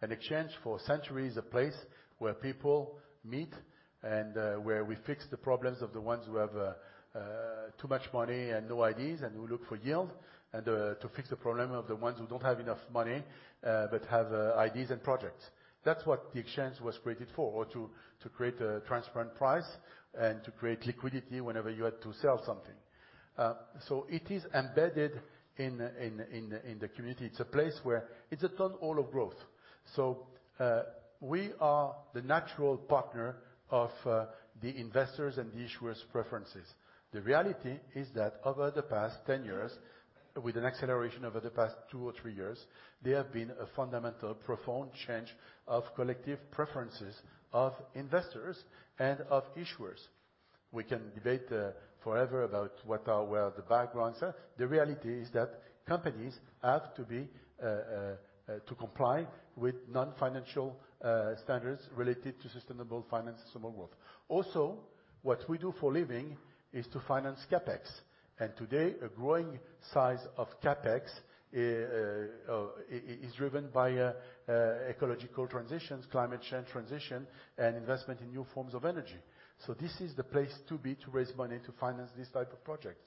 An exchange for a century is a place where people meet and where we fix the problems of the ones who have too much money and no ideas, and who look for yield, and to fix the problem of the ones who don't have enough money, but have ideas and projects. That's what the exchange was created for, to create a transparent price and to create liquidity whenever you had to sell something. It is embedded in the community. It's a place where it's a tunnel of growth. We are the natural partner of the investors' and the issuers' preferences. The reality is that over the past 10 years, with an acceleration over the past two or three years, there has been a fundamental, profound change of collective preferences of investors and of issuers. We can debate forever about what or where the backgrounds are. The reality is that companies have to comply with non-financial standards related to sustainable finance, sustainable growth. Also, what we do for a living is to finance CapEx. Today, a growing size of CapEx is driven by ecological transitions, climate change transition, and investment in new forms of energy. This is the place to be to raise money to finance these types of projects.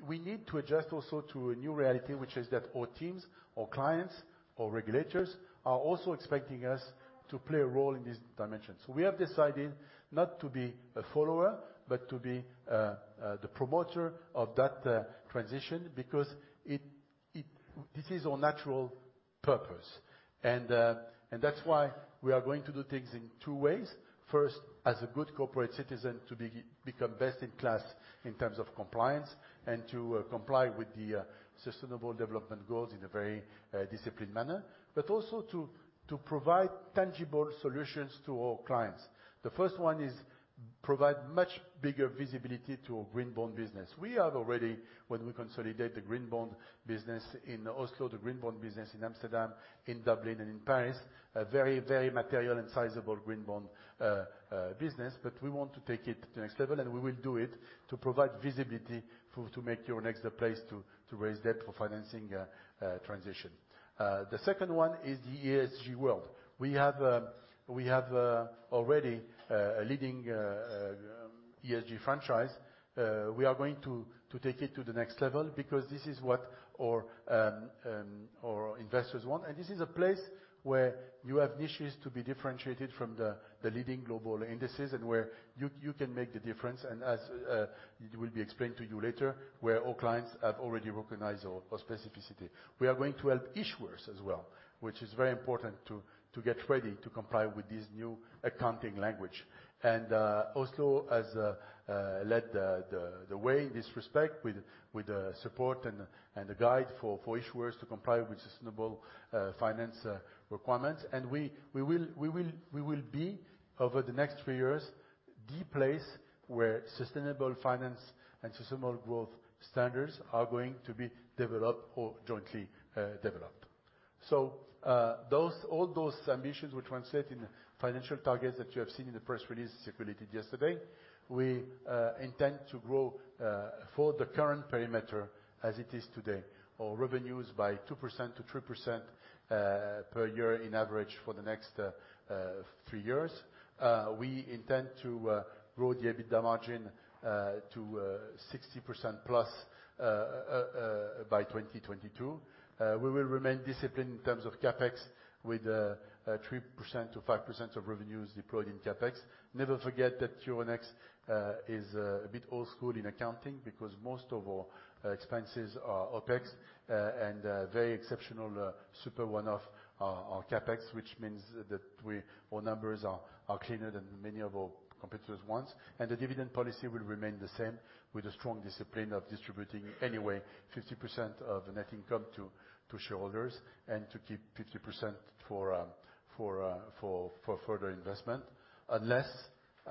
We need to adjust also to a new reality, which is that our teams, our clients, our regulators, are also expecting us to play a role in this dimension. We have decided not to be a follower, but to be the promoter of that transition, because this is our natural purpose. That's why we are going to do things in two ways. First, as a good corporate citizen, to become best in class in terms of compliance and to comply with the sustainable development goals in a very disciplined manner, but also to provide tangible solutions to our clients. The first one is provide much bigger visibility to our green bond business. We have already, when we consolidate the green bond business in Oslo, the green bond business in Amsterdam, in Dublin, and in Paris, a very material and sizable green bond business. We want to take it to the next level, and we will do it to provide visibility to make Euronext the place to raise debt for financing transition. The second one is the ESG world. We have already a leading ESG franchise. We are going to take it to the next level because this is what our investors want. This is a place where you have niches to be differentiated from the leading global indices and where you can make the difference, and as it will be explained to you later, where our clients have already recognized our specificity. We are going to help issuers as well, which is very important to get ready to comply with this new accounting language. Oslo has led the way in this respect with the support and the guide for issuers to comply with sustainable finance requirements. We will be, over the next three years, the place where sustainable finance and sustainable growth standards are going to be developed or jointly developed. All those ambitions will translate in financial targets that you have seen in the press release circulated yesterday. We intend to grow for the current perimeter as it is today, our revenues by 2%-3% per year in average for the next three years. We intend to grow the EBITDA margin to 60%-plus by 2022. We will remain disciplined in terms of CapEx, with 3%-5% of revenues deployed in CapEx. Never forget that Euronext is a bit old school in accounting because most of our expenses are OpEx, and very exceptional super one-off are CapEx, which means that our numbers are cleaner than many of our competitors' ones. The dividend policy will remain the same, with a strong discipline of distributing anyway 50% of the net income to shareholders and to keep 50% for further investment. Unless,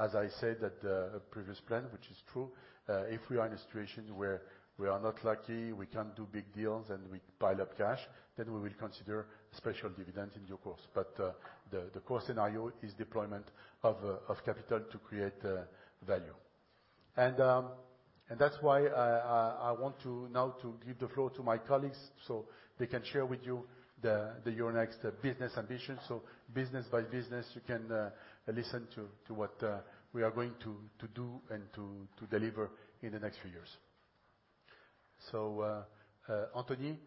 as I said at the previous plan, which is true, if we are in a situation where we are not lucky, we cannot do big deals, and we pile up cash, then we will consider special dividends in due course. The core scenario is deployment of capital to create value. That's why I want now to give the floor to my colleagues so they can share with you the Euronext business ambition. Business by business, you can listen to what we are going to do and to deliver in the next few years. Anthony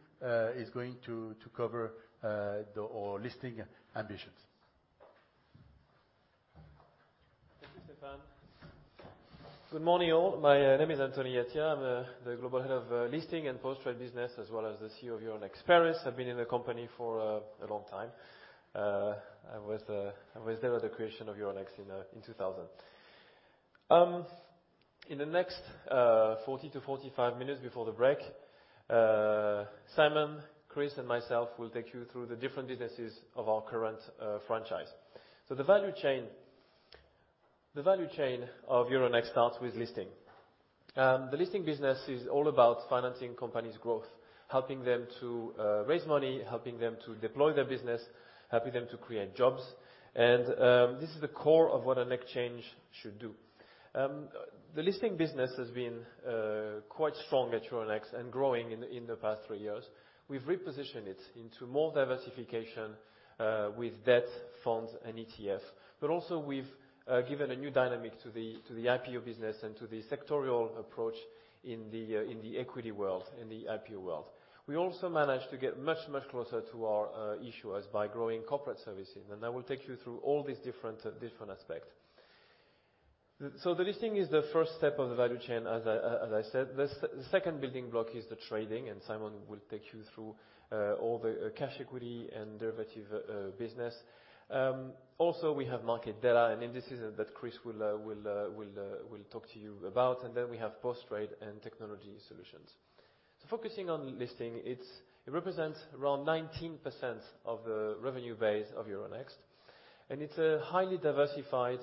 is going to cover our listing ambitions. Thank you, Stéphane. Good morning, all. My name is Anthony Attia. I'm the Global Head of Listing and Post-Trade business, as well as the CEO of Euronext Paris. I've been in the company for a long time. I was there at the creation of Euronext in 2000. In the next 40 to 45 minutes before the break, Simon, Chris, and myself will take you through the different businesses of our current franchise. The value chain of Euronext starts with listing. The listing business is all about financing companies' growth, helping them to raise money, helping them to deploy their business, helping them to create jobs. This is the core of what an exchange should do. The listing business has been quite strong at Euronext and growing in the past three years. We've repositioned it into more diversification with debt, funds, and ETF. Also, we've given a new dynamic to the IPO business and to the sectorial approach in the equity world, in the IPO world. We also managed to get much closer to our issuers by growing corporate services, and I will take you through all these different aspects. The listing is the first step of the value chain, as I said. The second building block is the trading, and Simon will take you through all the cash equity and derivative business. We have market data and indices that Chris will talk to you about. We have post-trade and technology solutions. Focusing on listing, it represents around 19% of the revenue base of Euronext, and it's a highly diversified,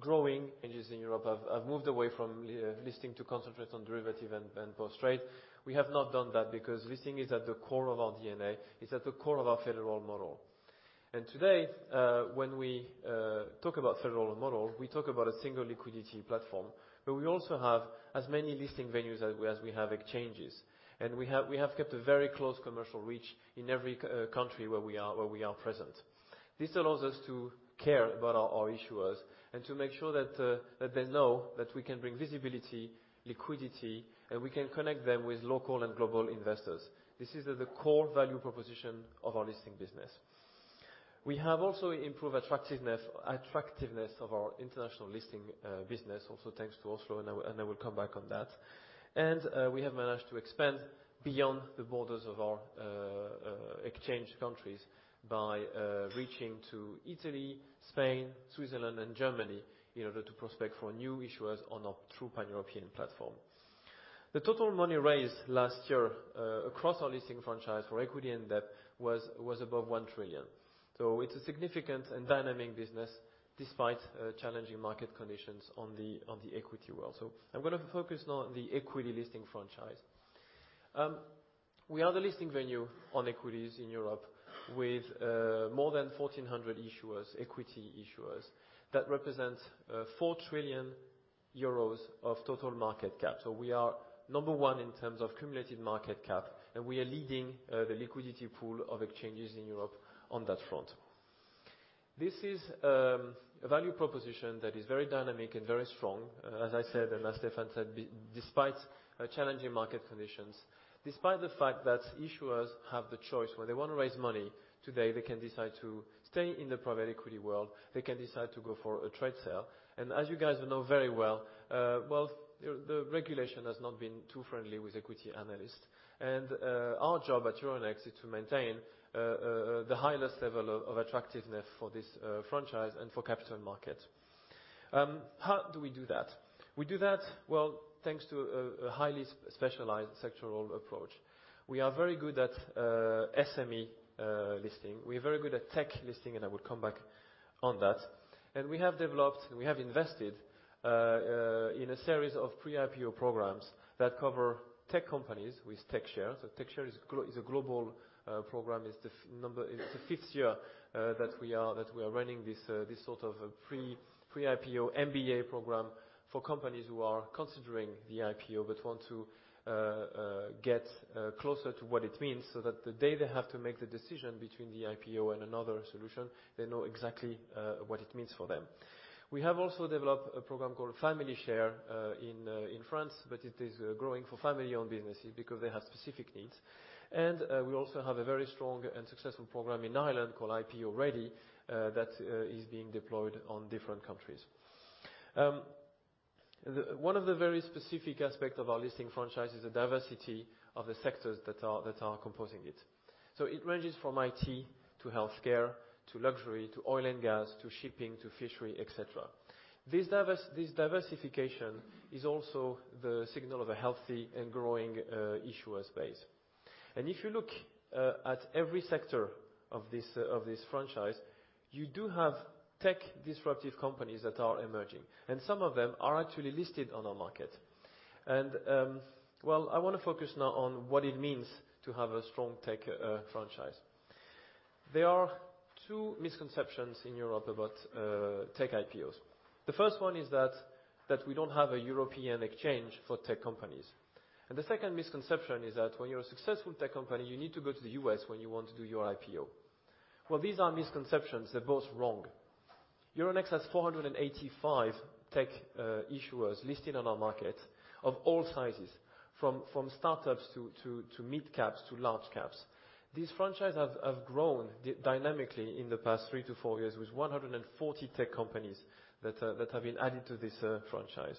growing. Exchanges in Europe have moved away from listing to concentrate on derivative and post-trade. We have not done that because listing is at the core of our DNA. It's at the core of our federal model. Today, when we talk about federal model, we talk about a single liquidity platform, but we also have as many listing venues as we have exchanges. We have kept a very close commercial reach in every country where we are present. This allows us to care about our issuers and to make sure that they know that we can bring visibility, liquidity, and we can connect them with local and global investors. This is the core value proposition of our listing business. We have also improved attractiveness of our international listing business, also thanks to Oslo, and I will come back on that. We have managed to expand beyond the borders of our exchange countries by reaching to Italy, Spain, Switzerland, and Germany in order to prospect for new issuers on our true Pan-European platform. The total money raised last year, across our listing franchise for equity and debt, was above 1 trillion. It's a significant and dynamic business despite challenging market conditions on the equity world. I'm going to focus now on the equity listing franchise. We are the listing venue on equities in Europe with more than 1,400 equity issuers. That represents €4 trillion of total market cap. We are number one in terms of cumulative market cap, and we are leading the liquidity pool of exchanges in Europe on that front. This is a value proposition that is very dynamic and very strong. As I said, as Stéphane said, despite challenging market conditions, despite the fact that issuers have the choice, when they want to raise money today, they can decide to stay in the private equity world, they can decide to go for a trade sale. As you guys know very well, the regulation has not been too friendly with equity analysts. Our job at Euronext is to maintain the highest level of attractiveness for this franchise and for capital market. How do we do that? We do that, well, thanks to a highly specialized sectoral approach. We are very good at SME listing. We are very good at tech listing, and I will come back on that. We have invested in a series of pre-IPO programs that cover tech companies with TechShare. TechShare is a global program. It's the fifth year that we are running this sort of pre-IPO MBA program for companies who are considering the IPO but want to get closer to what it means so that the day they have to make the decision between the IPO and another solution, they know exactly what it means for them. We have also developed a program called FamilyShare in France, but it is growing for family-owned businesses because they have specific needs. We also have a very strong and successful program in Ireland called IPOready that is being deployed on different countries. One of the very specific aspect of our listing franchise is the diversity of the sectors that are composing it. So it ranges from IT, to healthcare, to luxury, to oil and gas, to shipping, to fishery, et cetera. This diversification is also the signal of a healthy and growing issuer space. If you look at every sector of this franchise, you do have tech disruptive companies that are emerging, and some of them are actually listed on our market. Well, I want to focus now on what it means to have a strong tech franchise. There are two misconceptions in Europe about tech IPOs. The first one is that we don't have a European exchange for tech companies. The second misconception is that when you're a successful tech company, you need to go to the U.S. when you want to do your IPO. Well, these are misconceptions. They're both wrong. Euronext has 485 tech issuers listed on our market of all sizes, from startups to mid caps to large caps. This franchise has grown dynamically in the past three to four years with 140 tech companies that have been added to this franchise.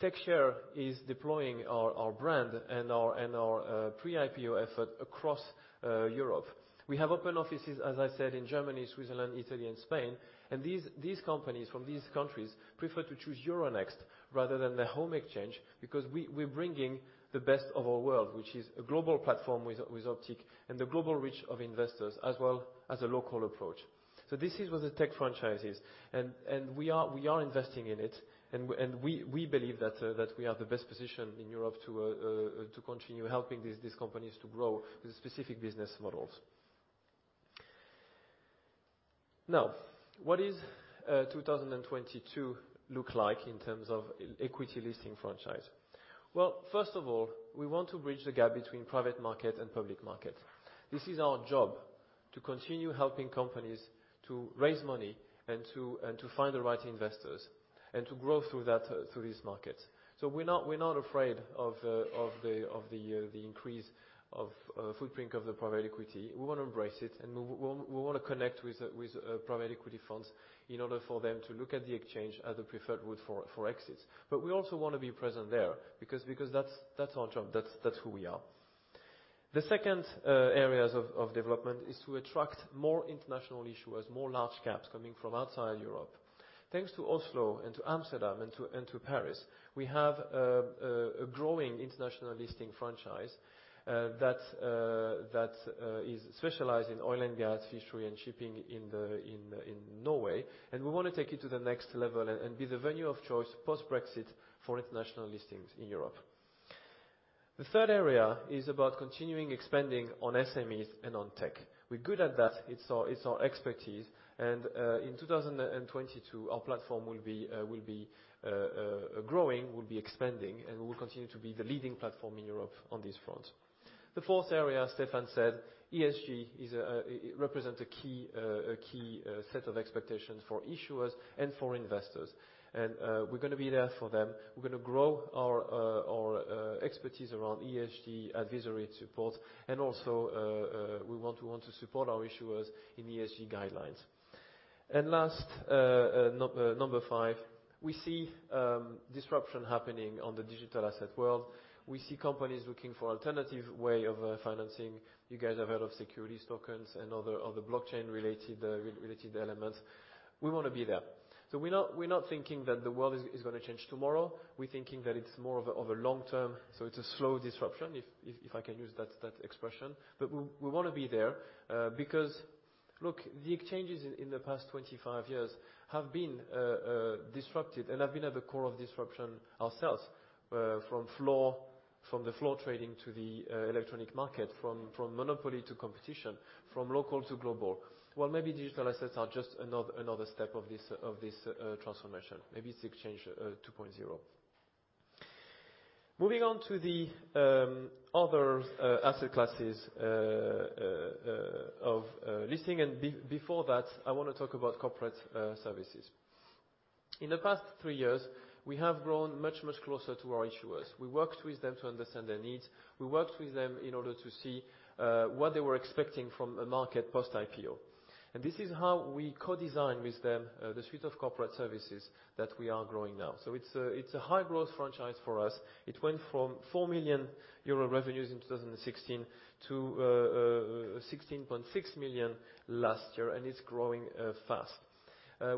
TechShare is deploying our brand and our pre-IPO effort across Europe. We have opened offices, as I said, in Germany, Switzerland, Italy, and Spain. These companies from these countries prefer to choose Euronext rather than their home exchange because we're bringing the best of our world, which is a global platform with Optiq and the global reach of investors as well as a local approach. This is what the tech franchise is, and we are investing in it, and we believe that we are the best positioned in Europe to continue helping these companies to grow these specific business models. Now, what is 2022 look like in terms of equity listing franchise? First of all, we want to bridge the gap between private market and public market. This is our job to continue helping companies to raise money, and to find the right investors, and to grow through these markets. We're not afraid of the increase of footprint of the private equity. We want to embrace it, and we want to connect with private equity funds in order for them to look at the exchange as a preferred route for exits. We also want to be present there, because that's our job, that's who we are. The second areas of development is to attract more international issuers, more large caps coming from outside Europe. Thanks to Oslo and to Amsterdam and to Paris, we have a growing international listing franchise that is specialized in oil and gas, fishery and shipping in Norway. We want to take it to the next level and be the venue of choice post-Brexit for international listings in Europe. The third area is about continuing expanding on SMEs and on tech. We're good at that. It's our expertise. In 2022, our platform will be growing, will be expanding, and we will continue to be the leading platform in Europe on this front. The fourth area, Stéphane said, ESG, it represent a key set of expectations for issuers and for investors. We're going to be there for them. We're going to grow our expertise around ESG advisory support and also, we want to support our issuers in ESG guidelines. Last, number 5, we see disruption happening on the digital asset world. We see companies looking for alternative way of financing. You guys have heard of securities tokens and other blockchain-related elements. We want to be there. We're not thinking that the world is going to change tomorrow. We're thinking that it's more of a long term, so it's a slow disruption, if I can use that expression. We want to be there, because, look, the exchanges in the past 25 years have been disrupted and have been at the core of disruption ourselves, from the floor trading to the electronic market, from monopoly to competition, from local to global. Well, maybe digital assets are just another step of this transformation. Maybe it's exchange 2.0. Moving on to the other asset classes of listing. Before that, I want to talk about corporate services. In the past three years, we have grown much, much closer to our issuers. We worked with them to understand their needs. We worked with them in order to see what they were expecting from a market post-IPO. This is how we co-designed with them the suite of corporate services that we are growing now. It's a high-growth franchise for us. It went from 4 million euro revenues in 2016 to 16.6 million last year, and it's growing fast.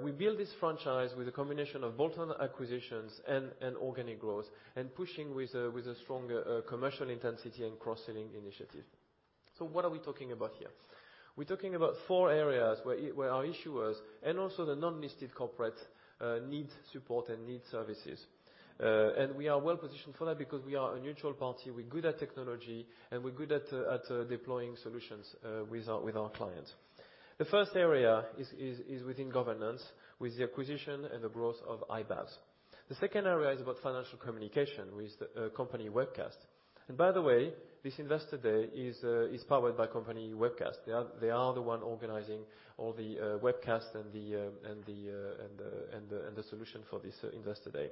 We build this franchise with a combination of bolt-on acquisitions and organic growth and pushing with a stronger commercial intensity and cross-selling initiative. What are we talking about here? We're talking about four areas where our issuers and also the non-listed corporate need support and need services. We are well-positioned for that because we are a neutral party, we're good at technology, and we're good at deploying solutions with our clients. The first area is within governance with the acquisition and the growth of iBabs. The second area is about financial communication with Company Webcast. By the way, this investor day is powered by Company Webcast. They are the one organizing all the webcasts and the solution for this investor day.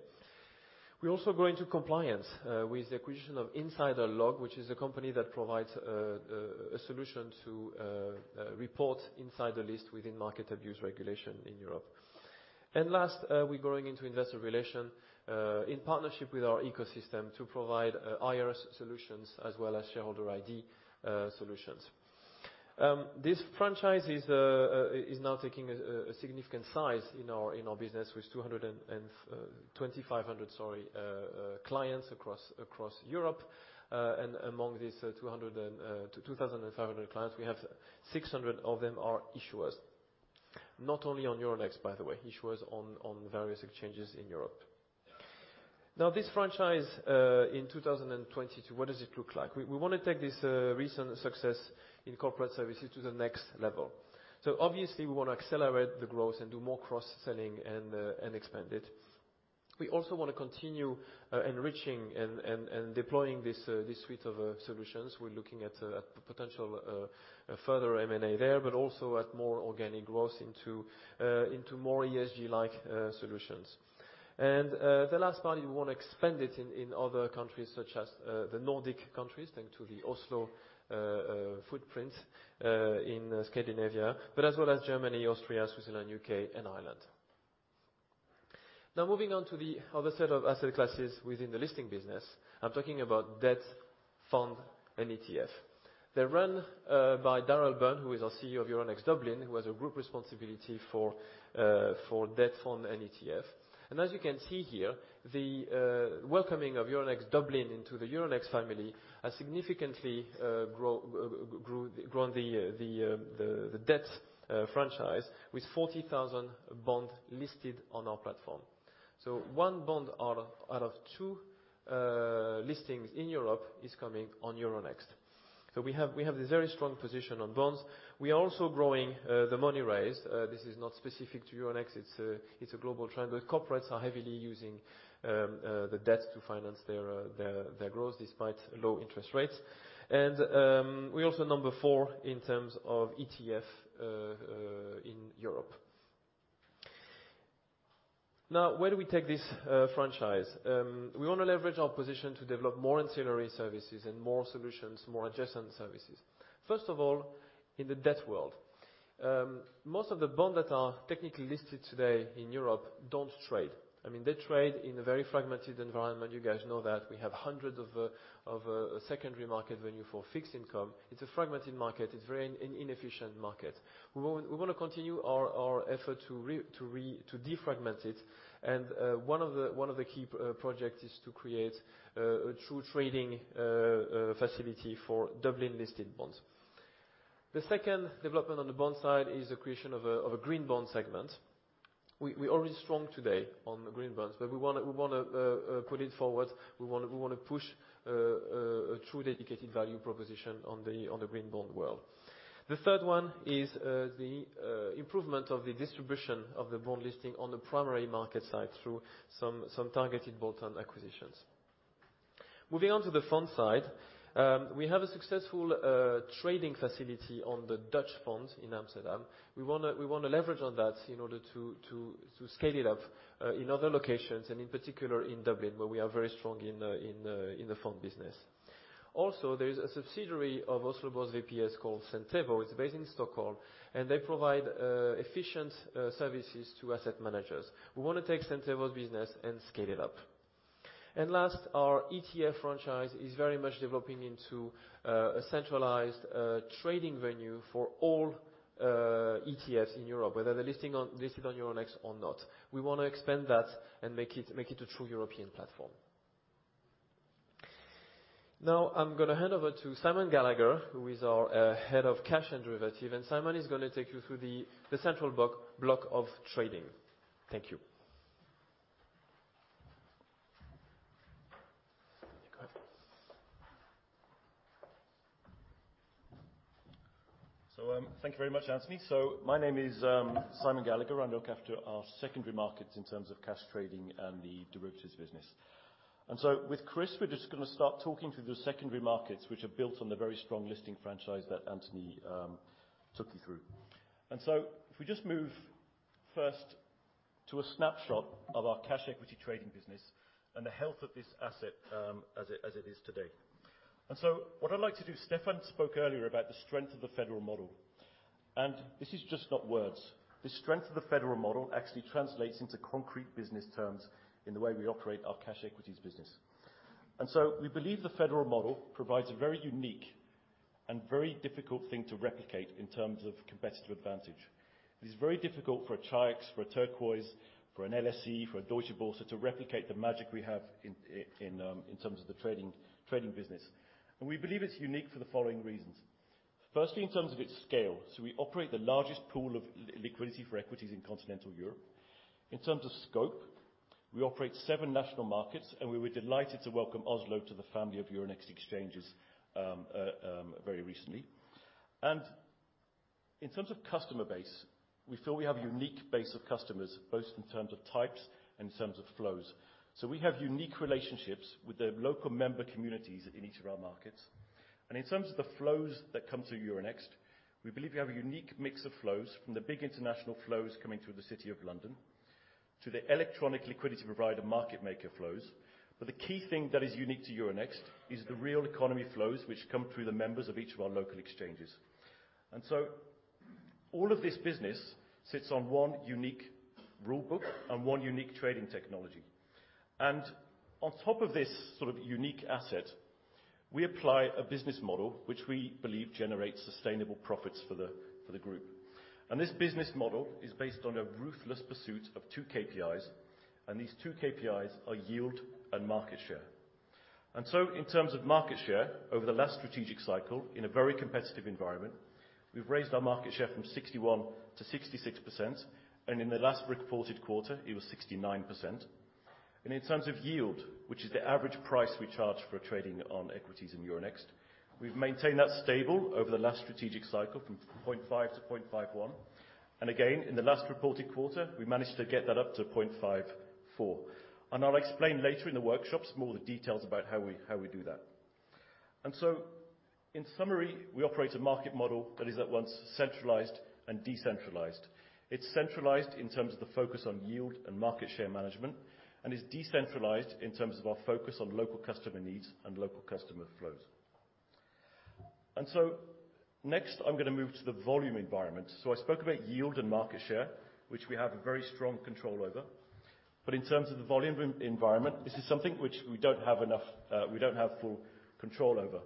We're also growing to compliance, with the acquisition of InsiderLog, which is a company that provides a solution to report insider list within market abuse regulation in Europe. Last, we're growing into investor relation, in partnership with our ecosystem to provide IR solutions as well as shareholder ID solutions. This franchise is now taking a significant size in our business with 2,500 clients across Europe. Among these 2,500 clients, we have 600 of them are issuers. Not only on Euronext, by the way, issuers on various exchanges in Europe. This franchise, in 2022, what does it look like? We want to take this recent success in corporate services to the next level. Obviously, we want to accelerate the growth and do more cross-selling and expand it. We also want to continue enriching and deploying this suite of solutions. We're looking at potential further M&A there, but also at more organic growth into more ESG-like solutions. The last part, we want to expand it in other countries such as the Nordic countries, thanks to the Oslo footprint in Scandinavia, but as well as Germany, Austria, Switzerland, U.K. and Ireland. Moving on to the other set of asset classes within the listing business. I'm talking about debt, fund and ETF. They're run by Daryl Byrne, who is our CEO of Euronext Dublin, who has a group responsibility for debt, fund and ETF. As you can see here, the welcoming of Euronext Dublin into the Euronext family has significantly grown the debt franchise with 40,000 bond listed on our platform. One bond out of two listings in Europe is coming on Euronext. We have this very strong position on bonds. We are also growing the money raised. This is not specific to Euronext, it's a global trend, but corporates are heavily using the debt to finance their growth despite low interest rates. We're also number 4 in terms of ETF in Europe. Now, where do we take this franchise? We want to leverage our position to develop more ancillary services and more solutions, more adjacent services. First of all, in the debt world. Most of the bonds that are technically listed today in Europe don't trade. I mean, they trade in a very fragmented environment. You guys know that we have hundreds of secondary market venue for fixed income. It's a fragmented market. It's very inefficient market. We want to continue our effort to defragment it, and one of the key projects is to create a true trading facility for Dublin-listed bonds. The second development on the bond side is the creation of a green bond segment. We're already strong today on the green bonds, but we want to put it forward. We want to push a true dedicated value proposition on the green bond world. The third one is the improvement of the distribution of the bond listing on the primary market side through some targeted bolt-on acquisitions. Moving on to the fund side. We have a successful trading facility on the Dutch funds in Amsterdam. We want to leverage on that in order to scale it up in other locations, and in particular in Dublin, where we are very strong in the fund business. Also, there is a subsidiary of Oslo Børs VPS called Centevo. It's based in Stockholm, and they provide efficient services to asset managers. We want to take Centevo's business and scale it up. Last, our ETF franchise is very much developing into a centralized trading venue for all ETFs in Europe, whether they're listed on Euronext or not. We want to expand that and make it a true European platform. Now, I'm going to hand over to Simon Gallagher, who is our Head of Cash and Derivatives. Simon is going to take you through the central block of trading. Thank you. Thank you very much, Anthony. My name is Simon Gallagher. I look after our secondary markets in terms of cash trading and the derivatives business. With Chris, we're just going to start talking through the secondary markets, which are built on the very strong listing franchise that Anthony took you through. If we just move first to a snapshot of our cash equity trading business and the health of this asset as it is today. What I'd like to do, Stéphane spoke earlier about the strength of the federal model, and this is just not words. The strength of the federal model actually translates into concrete business terms in the way we operate our cash equities business. We believe the federal model provides a very unique and very difficult thing to replicate in terms of competitive advantage. It is very difficult for an Aquis, for a Turquoise, for an LSE, for a Deutsche Börse, to replicate the magic we have in terms of the trading business. We believe it's unique for the following reasons. Firstly, in terms of its scale. We operate the largest pool of liquidity for equities in continental Europe. In terms of scope, we operate seven national markets, and we were delighted to welcome Oslo to the family of Euronext exchanges very recently. In terms of customer base, we feel we have a unique base of customers, both in terms of types and in terms of flows. We have unique relationships with the local member communities in each of our markets. In terms of the flows that come through Euronext, we believe we have a unique mix of flows from the big international flows coming through the City of London to the electronic liquidity provider market maker flows. The key thing that is unique to Euronext is the real economy flows, which come through the members of each of our local exchanges. All of this business sits on one unique rule book and one unique trading technology. On top of this sort of unique asset, we apply a business model which we believe generates sustainable profits for the group. This business model is based on a ruthless pursuit of two KPIs, and these two KPIs are yield and market share. In terms of market share, over the last strategic cycle, in a very competitive environment, we've raised our market share from 61%-66%, and in the last reported quarter, it was 69%. In terms of yield, which is the average price we charge for trading on equities in Euronext, we've maintained that stable over the last strategic cycle from 0.5-0.51. Again, in the last reported quarter, we managed to get that up to 0.54. I'll explain later in the workshops more of the details about how we do that. In summary, we operate a market model that is at once centralized and decentralized. It's centralized in terms of the focus on yield and market share management, and is decentralized in terms of our focus on local customer needs and local customer flows. Next, I'm going to move to the volume environment. I spoke about yield and market share, which we have a very strong control over. In terms of the volume environment, this is something which we don't have full control over.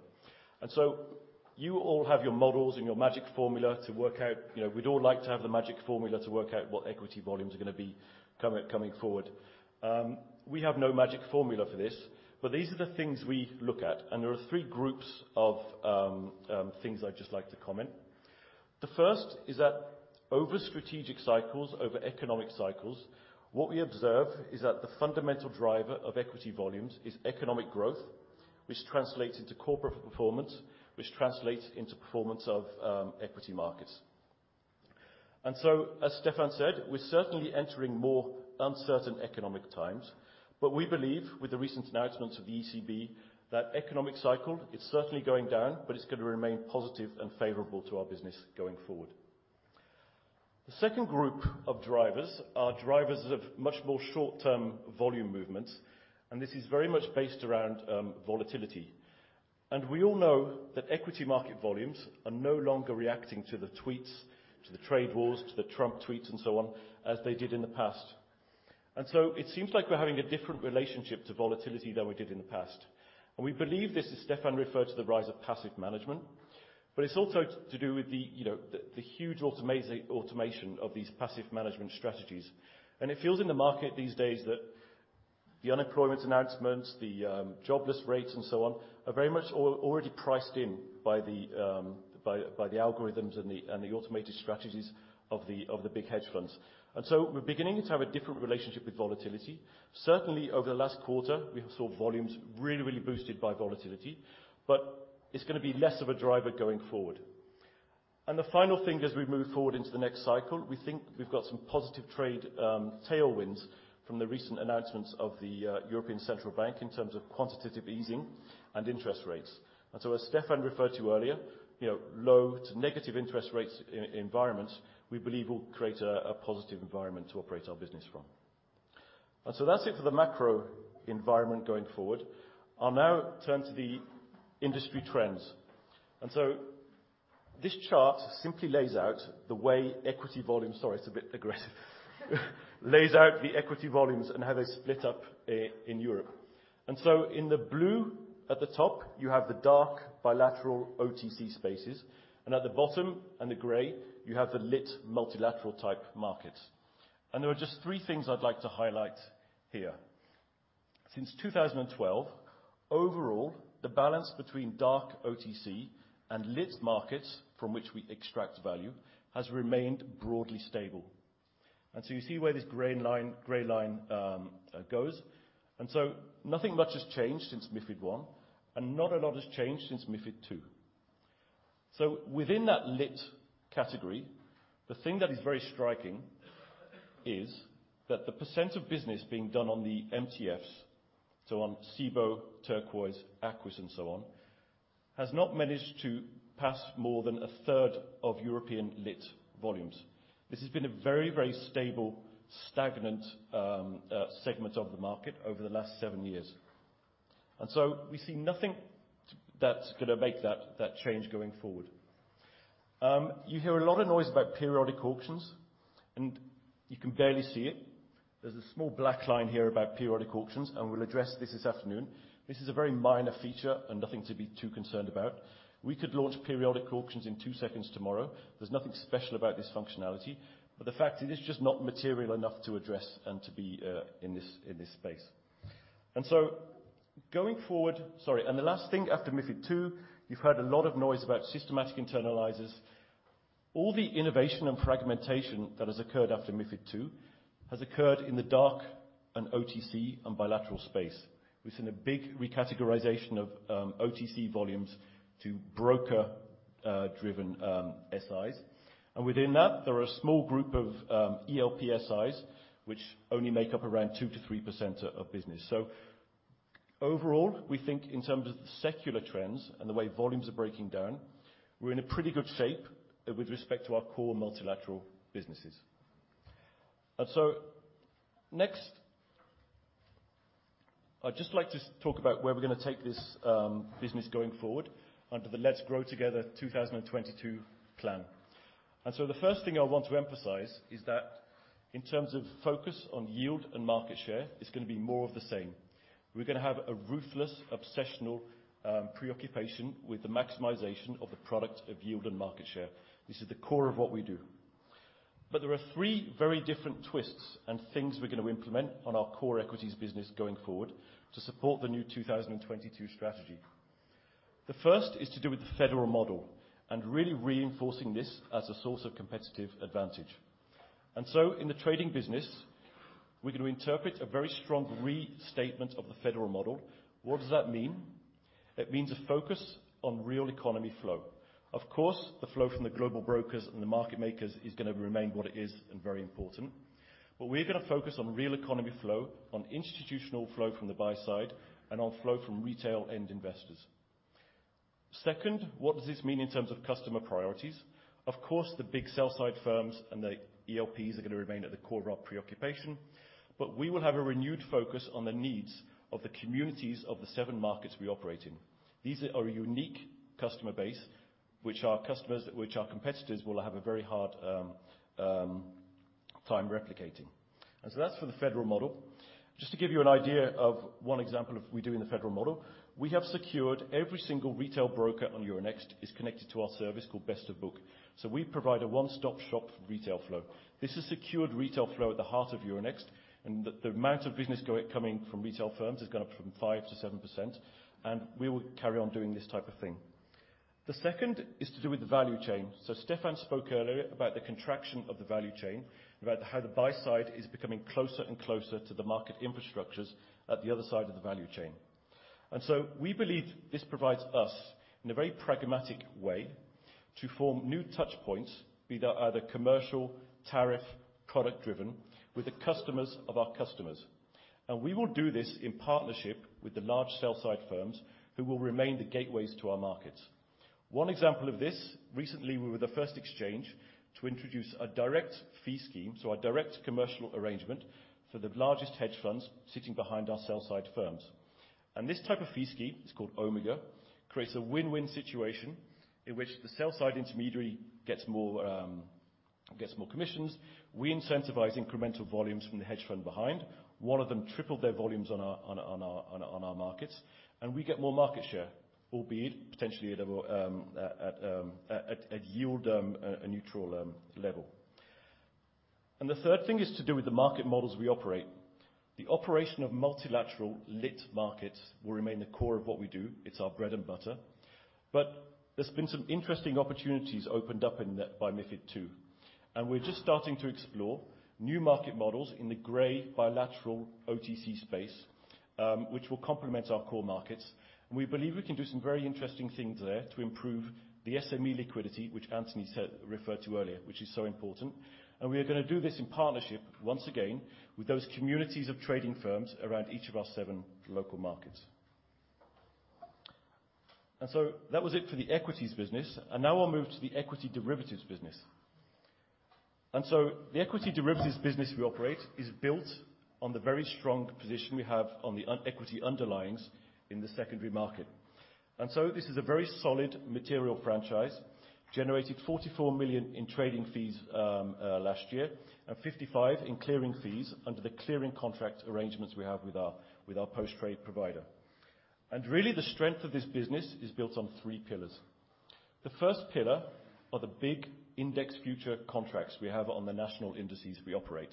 You all have your models and your magic formula to work out, we'd all like to have the magic formula to work out what equity volumes are going to be coming forward. We have no magic formula for this, but these are the things we look at, and there are three groups of things I'd just like to comment. The first is that over strategic cycles, over economic cycles, what we observe is that the fundamental driver of equity volumes is economic growth, which translates into corporate performance, which translates into performance of equity markets. As Stéphane said, we're certainly entering more uncertain economic times, but we believe with the recent announcements of the ECB, that economic cycle is certainly going down, but it's going to remain positive and favorable to our business going forward. The second group of drivers are drivers of much more short-term volume movements, and this is very much based around volatility. We all know that equity market volumes are no longer reacting to the tweets, to the trade wars, to the Trump tweets and so on, as they did in the past. It seems like we're having a different relationship to volatility than we did in the past. We believe this, as Stéphane referred to, the rise of passive management, but it's also to do with the huge automation of these passive management strategies. It feels in the market these days that the unemployment announcements, the jobless rates, and so on, are very much already priced in by the algorithms and the automated strategies of the big hedge funds. We're beginning to have a different relationship with volatility. Certainly over the last quarter, we have saw volumes really boosted by volatility, but it's going to be less of a driver going forward. The final thing as we move forward into the next cycle, we think we've got some positive trade tailwinds from the recent announcements of the European Central Bank in terms of quantitative easing and interest rates. As Stéphane referred to earlier, low to negative interest rates environments, we believe, will create a positive environment to operate our business from. That's it for the macro environment going forward. I'll now turn to the industry trends. This chart simply lays out the equity volumes and how they split up in Europe. In the blue at the top, you have the dark bilateral OTC spaces, and at the bottom in the gray, you have the lit multilateral type markets. There are just three things I'd like to highlight here. Since 2012, overall, the balance between dark OTC and lit markets from which we extract value has remained broadly stable. You see where this gray line goes. Nothing much has changed since MiFID I, and not a lot has changed since MiFID II. Within that lit category, the thing that is very striking is that the percent of business being done on the MTFs, on Cboe, Turquoise, Aquis, and so on, has not managed to pass more than a third of European lit volumes. This has been a very stable, stagnant segment of the market over the last seven years. We see nothing that's going to make that change going forward. You hear a lot of noise about periodic auctions, and you can barely see it. There's a small black line here about periodic auctions, and we'll address this this afternoon. This is a very minor feature and nothing to be too concerned about. We could launch periodic auctions in two seconds tomorrow. There's nothing special about this functionality, but the fact it is just not material enough to address and to be in this space. Going forward Sorry, and the last thing after MiFID II, you've heard a lot of noise about systematic internalizers. All the innovation and fragmentation that has occurred after MiFID II has occurred in the dark and OTC and bilateral space. We've seen a big recategorization of OTC volumes to broker-driven SIs. Within that, there are a small group of ELP SIs, which only make up around 2%-3% of business. Overall, we think in terms of the secular trends and the way volumes are breaking down, we're in a pretty good shape with respect to our core multilateral businesses. Next, I'd just like to talk about where we're going to take this business going forward under the Let's Grow Together 2022 plan. The first thing I want to emphasize is that in terms of focus on yield and market share, it's going to be more of the same. We're going to have a ruthless, obsessional preoccupation with the maximization of the product of yield and market share. This is the core of what we do. There are three very different twists and things we're going to implement on our core equities business going forward to support the new 2022 strategy. The first is to do with the federal model and really reinforcing this as a source of competitive advantage. In the trading business, we're going to interpret a very strong restatement of the federal model. What does that mean? It means a focus on real economy flow. Of course, the flow from the global brokers and the market makers is going to remain what it is and very important. We're going to focus on real economy flow, on institutional flow from the buy side, and on flow from retail end investors. Second, what does this mean in terms of customer priorities? Of course, the big sell side firms and the ELPs are going to remain at the core of our preoccupation, but we will have a renewed focus on the needs of the communities of the seven markets we operate in. These are a unique customer base, which are customers that which our competitors will have a very hard time replicating. That's for the federal model. Just to give you an idea of one example of we do in the federal model, we have secured every single retail broker on Euronext is connected to our service called Best of Book. We provide a one-stop shop for retail flow. This has secured retail flow at the heart of Euronext, and the amount of business coming from retail firms has gone up from 5% to 7%, and we will carry on doing this type of thing. The second is to do with the value chain. Stéphane spoke earlier about the contraction of the value chain, about how the buy side is becoming closer and closer to the market infrastructures at the other side of the value chain. We believe this provides us, in a very pragmatic way, to form new touch points, be they either commercial, tariff, product driven, with the customers of our customers. We will do this in partnership with the large sell side firms who will remain the gateways to our markets. One example of this, recently, we were the first exchange to introduce a direct fee scheme, so our direct commercial arrangement for the largest hedge funds sitting behind our sell side firms. This type of fee scheme, it's called Omega, creates a win-win situation in which the sell side intermediary gets more commissions. We incentivize incremental volumes from the hedge fund behind. One of them tripled their volumes on our markets, and we get more market share, albeit potentially at yield, a neutral level. The third thing is to do with the market models we operate. The operation of multilateral lit markets will remain the core of what we do. It's our bread and butter. There's been some interesting opportunities opened up by MiFID II, and we're just starting to explore new market models in the gray bilateral OTC space, which will complement our core markets. We believe we can do some very interesting things there to improve the SME liquidity, which Anthony referred to earlier, which is so important, and we are going to do this in partnership once again with those communities of trading firms around each of our seven local markets. That was it for the equities business, and now I'll move to the equity derivatives business. The equity derivatives business we operate is built on the very strong position we have on the equity underlyings in the secondary market. This is a very solid material franchise, generated 44 million in trading fees last year, and 55 million in clearing fees under the clearing contract arrangements we have with our post-trade provider. Really the strength of this business is built on three pillars. The first pillar are the big index future contracts we have on the national indices we operate,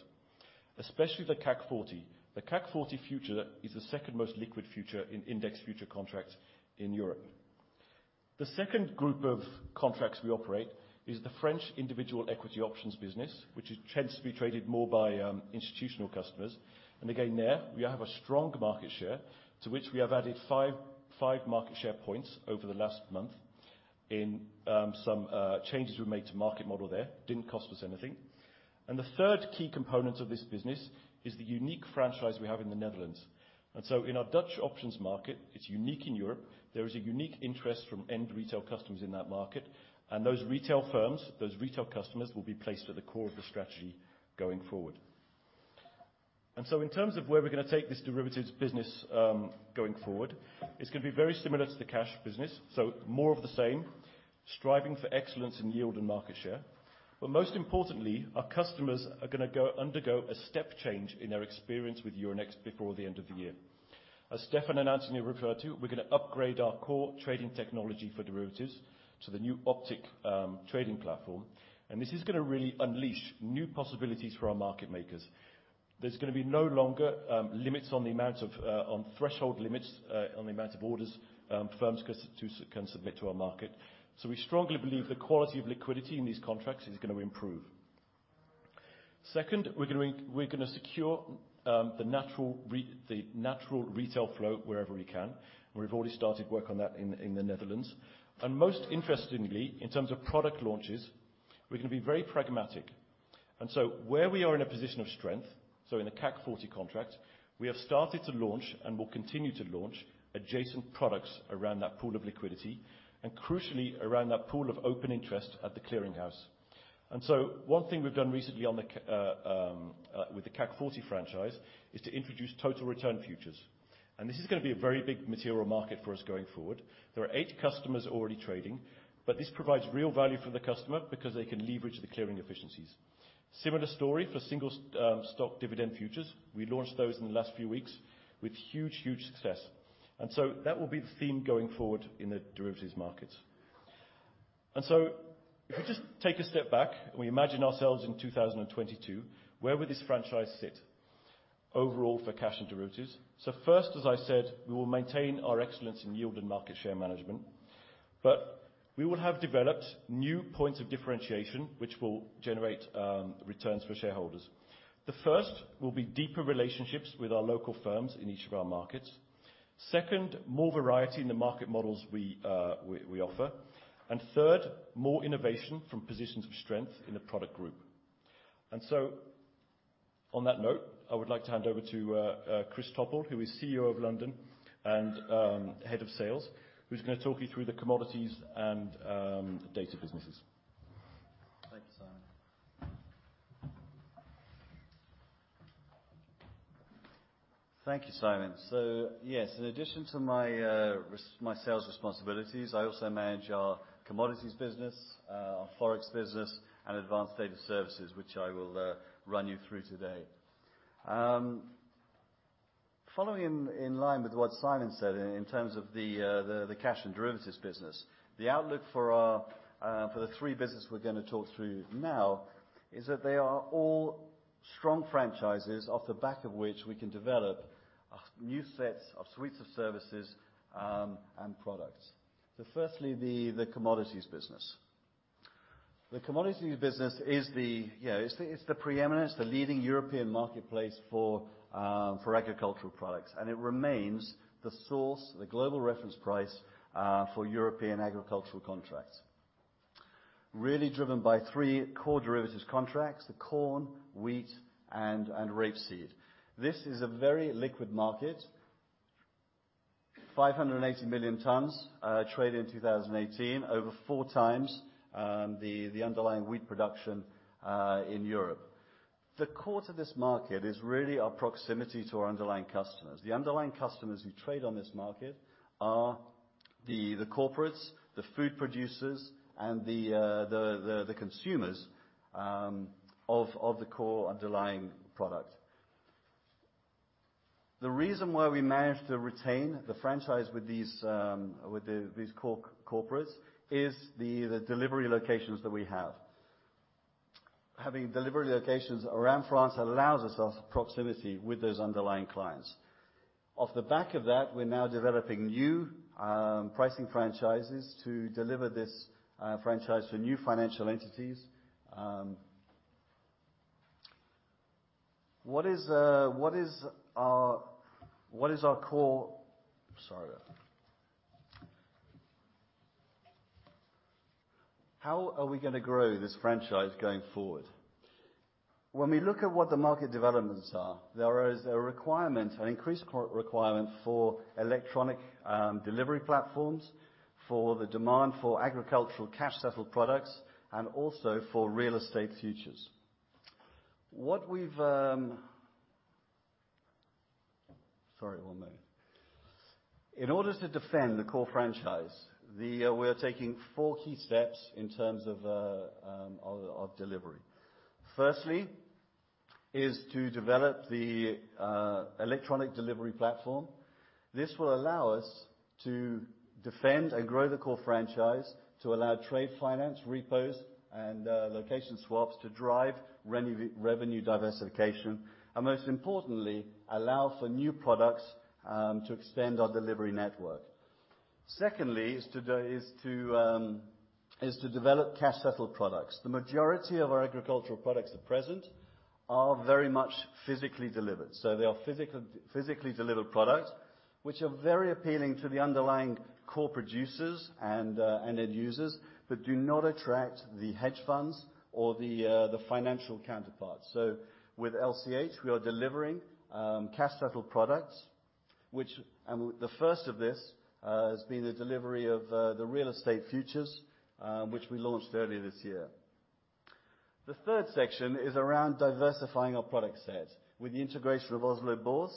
especially the CAC 40. The CAC 40 future is the second most liquid future in index future contracts in Europe. The second group of contracts we operate is the French individual equity options business, which tends to be traded more by institutional customers. Again, there we have a strong market share to which we have added five market share points over the last month in some changes we've made to market model there. Didn't cost us anything. The third key component of this business is the unique franchise we have in the Netherlands. In our Dutch options market, it's unique in Europe, there is a unique interest from end retail customers in that market. Those retail firms, those retail customers, will be placed at the core of the strategy going forward. In terms of where we're going to take this derivatives business going forward, it's going to be very similar to the cash business. More of the same, striving for excellence in yield and market share. Most importantly, our customers are going to undergo a step change in their experience with Euronext before the end of the year. As Stéphane and Anthony referred to, we're going to upgrade our core trading technology for derivatives to the new Optiq trading platform. This is going to really unleash new possibilities for our market makers. There's going to be no longer threshold limits on the amount of orders firms can submit to our market. We strongly believe the quality of liquidity in these contracts is going to improve. Second, we're going to secure the natural retail flow wherever we can, and we've already started work on that in the Netherlands. Most interestingly, in terms of product launches, we're going to be very pragmatic. Where we are in a position of strength, so in a CAC 40 contract, we have started to launch and will continue to launch adjacent products around that pool of liquidity and crucially around that pool of open interest at the clearing house. One thing we've done recently with the CAC 40 franchise is to introduce Total Return Futures. This is going to be a very big material market for us going forward. There are eight customers already trading. This provides real value for the customer because they can leverage the clearing efficiencies. Similar story for Single Stock Dividend Futures. We launched those in the last few weeks with huge success. That will be the theme going forward in the derivatives markets. If we just take a step back and we imagine ourselves in 2022, where would this franchise sit overall for cash and derivatives? First, as I said, we will maintain our excellence in yield and market share management, but we will have developed new points of differentiation, which will generate returns for shareholders. The first will be deeper relationships with our local firms in each of our markets. Second, more variety in the market models we offer. Third, more innovation from positions of strength in the product group. On that note, I would like to hand over to Chris Topple, who is CEO of London and Head of Sales, who's going to talk you through the commodities and data businesses. Thank you, Simon. Thank you, Simon. Yes, in addition to my sales responsibilities, I also manage our commodities business, our Forex business, and advanced data services, which I will run you through today. Following in line with what Simon said in terms of the cash and derivatives business, the outlook for the three business we're going to talk through now is that they are all strong franchises off the back of which we can develop new sets of suites of services and products. Firstly, the commodities business. The commodities business is the preeminent, the leading European marketplace for agricultural products, and it remains the source, the global reference price, for European agricultural contracts. Really driven by three core derivatives contracts, the corn, wheat, and rapeseed. This is a very liquid market, 580 million tons traded in 2018, over four times the underlying wheat production in Europe. The core to this market is really our proximity to our underlying customers. The underlying customers who trade on this market are the corporates, the food producers, and the consumers of the core underlying product. The reason why we managed to retain the franchise with these core corporates is the delivery locations that we have. Having delivery locations around France allows us proximity with those underlying clients. Off the back of that, we're now developing new pricing franchises to deliver this franchise for new financial entities. How are we going to grow this franchise going forward? When we look at what the market developments are, there is an increased core requirement for electronic delivery platforms, for the demand for agricultural cash-settled products, and also for real estate futures. In order to defend the core franchise, we are taking four key steps in terms of delivery. Firstly, is to develop the electronic delivery platform. This will allow us to defend and grow the core franchise to allow trade finance, repos, and location swaps to drive revenue diversification, and most importantly, allow for new products to expand our delivery network. Secondly, is to develop cash-settled products. The majority of our agricultural products at present are very much physically delivered. They are physically delivered products, which are very appealing to the underlying core producers and end users, but do not attract the hedge funds or the financial counterparts. With LCH, we are delivering cash-settled products. The first of this has been the delivery of the real estate futures, which we launched earlier this year. The third section is around diversifying our product set. With the integration of Oslo Børs,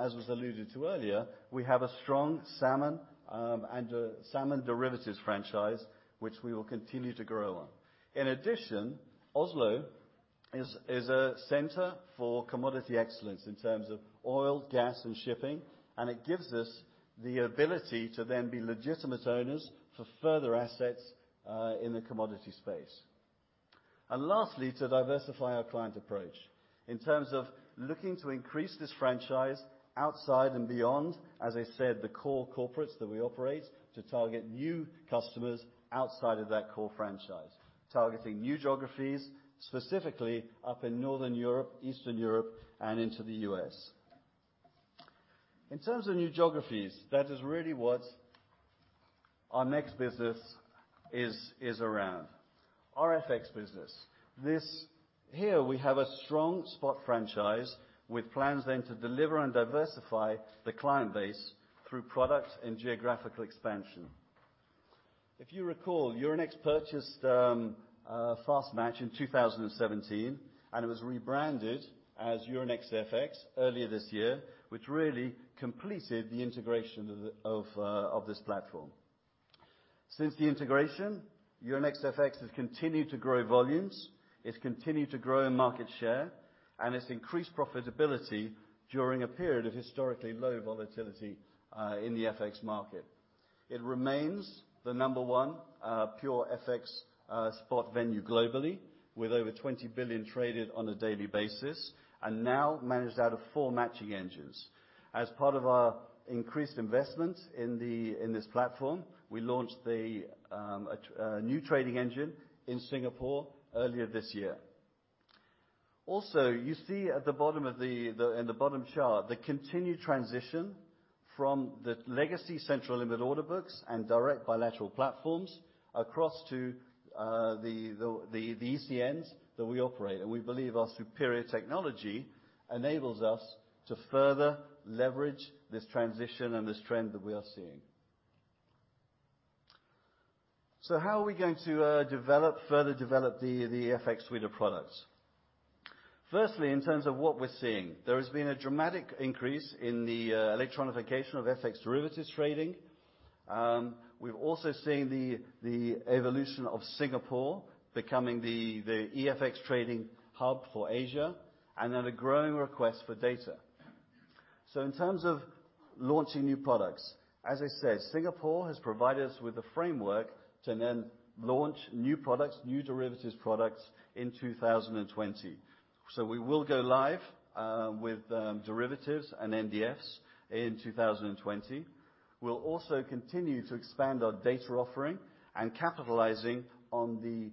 as was alluded to earlier, we have a strong salmon and a salmon derivatives franchise, which we will continue to grow on. Oslo is a center for commodity excellence in terms of oil, gas, and shipping, and it gives us the ability to then be legitimate owners for further assets, in the commodity space. Lastly, to diversify our client approach in terms of looking to increase this franchise outside and beyond, as I said, the core corporates that we operate to target new customers outside of that core franchise. Targeting new geographies, specifically up in Northern Europe, Eastern Europe, and into the U.S. In terms of new geographies, that is really what our next business is around. Our FX business. Here we have a strong spot franchise with plans then to deliver and diversify the client base through product and geographical expansion. If you recall, Euronext purchased FastMatch in 2017, and it was rebranded as Euronext FX earlier this year, which really completed the integration of this platform. Since the integration, Euronext FX has continued to grow volumes, it's continued to grow in market share, and it's increased profitability during a period of historically low volatility in the FX market. It remains the number one pure FX spot venue globally, with over 20 billion traded on a daily basis, and now managed out of four matching engines. As part of our increased investment in this platform, we launched a new trading engine in Singapore earlier this year. You see in the bottom chart, the continued transition from the legacy central limit order books and direct bilateral platforms across to the ECNs that we operate. We believe our superior technology enables us to further leverage this transition and this trend that we are seeing. How are we going to further develop the FX suite of products? Firstly, in terms of what we're seeing, there has been a dramatic increase in the electronification of FX derivatives trading. We've also seen the evolution of Singapore becoming the FX trading hub for Asia, and then a growing request for data. In terms of launching new products, as I said, Singapore has provided us with a framework to then launch new derivatives products in 2020. We will go live with derivatives and NDFs in 2020. We'll also continue to expand our data offering and capitalizing on the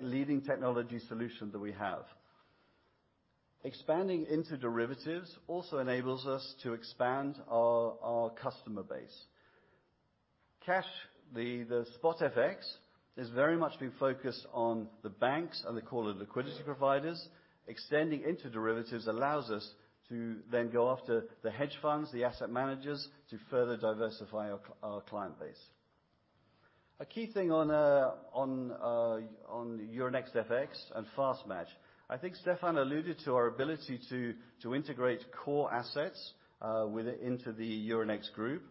leading technology solution that we have. Expanding into derivatives also enables us to expand our customer base. Cash, the spot FX, is very much being focused on the banks and they call it liquidity providers. Extending into derivatives allows us to then go after the hedge funds, the asset managers, to further diversify our client base. A key thing on Euronext FX and FastMatch, I think Stéphane alluded to our ability to integrate core assets into the Euronext Group.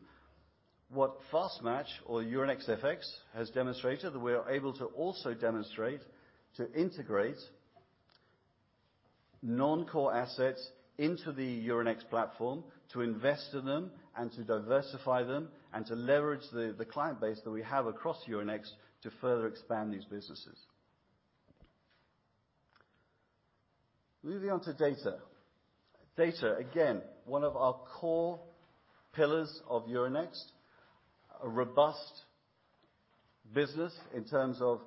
What FastMatch or Euronext FX has demonstrated, that we're able to also demonstrate to integrate non-core assets into the Euronext platform to invest in them and to diversify them, and to leverage the client base that we have across Euronext to further expand these businesses. Moving on to data. Data, again, one of our core pillars of Euronext, a robust business in terms of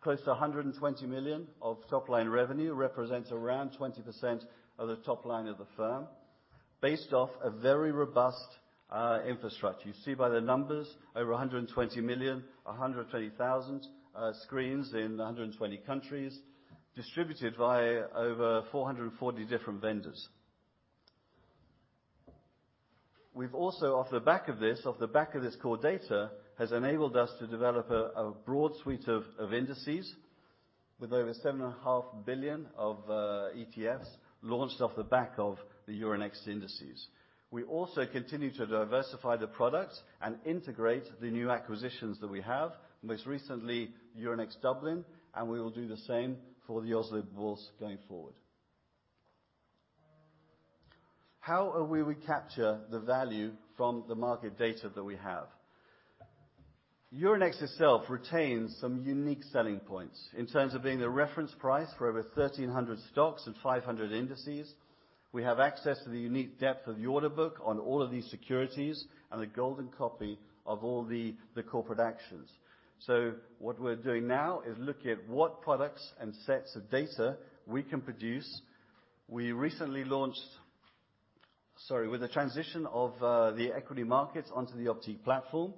close to 120 million of top-line revenue, represents around 20% of the top line of the firm, based off a very robust infrastructure. You see by the numbers, over 120 million, 120,000 screens in 120 countries, distributed by over 440 different vendors. We've also, off the back of this core data, has enabled us to develop a broad suite of indices with over 7.5 billion of ETFs launched off the back of the Euronext indices. We also continue to diversify the products and integrate the new acquisitions that we have, most recently, Euronext Dublin. We will do the same for the Oslo Børs going forward. How are we capturing the value from the market data that we have? Euronext itself retains some unique selling points in terms of being the reference price for over 1,300 stocks and 500 indices. We have access to the unique depth of the order book on all of these securities and the golden copy of all the corporate actions. What we're doing now is looking at what products and sets of data we can produce. With the transition of the equity markets onto the Optiq platform,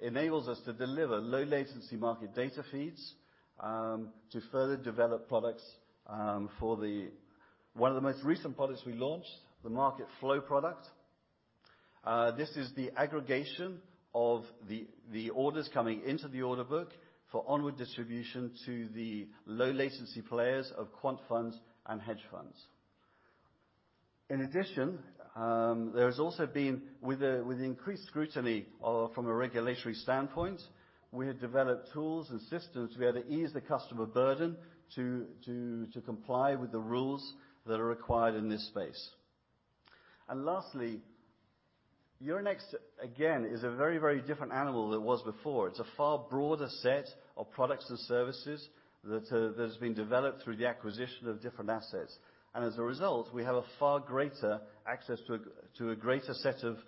enables us to deliver low latency market data feeds, to further develop products. One of the most recent products we launched, the Market Flow product. This is the aggregation of the orders coming into the order book for onward distribution to the low latency players of quant funds and hedge funds. In addition, there has also been, with increased scrutiny from a regulatory standpoint, we have developed tools and systems where they ease the customer burden to comply with the rules that are required in this space. Lastly, Euronext again, is a very different animal than it was before. It's a far broader set of products and services that has been developed through the acquisition of different assets. As a result, we have a far greater access to a greater set of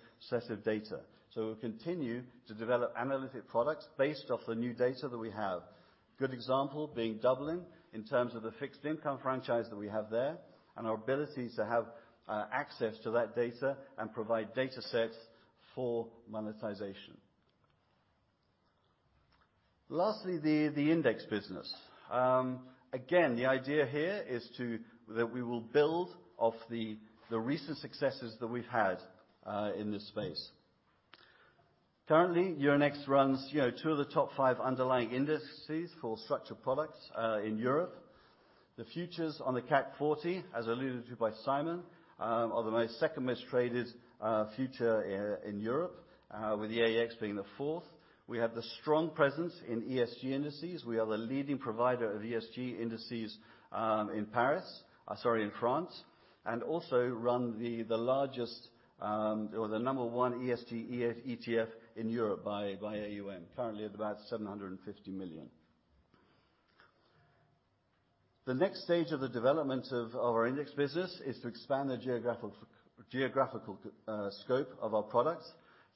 data. We'll continue to develop analytic products based off the new data that we have. A good example being Dublin, in terms of the fixed income franchise that we have there, and our abilities to have access to that data and provide data sets for monetization. Lastly, the index business. Again, the idea here is that we will build off the recent successes that we've had in this space. Currently, Euronext runs two of the top five underlying indices for structured products in Europe. The futures on the CAC 40, as alluded to by Simon, are the second-most traded future in Europe, with the AEX being the fourth. We have the strong presence in ESG indices. We are the leading provider of ESG indices in France, and also run the largest, or the number one ESG ETF in Europe by AUM, currently at about 750 million. The next stage of the development of our index business is to expand the geographical scope of our products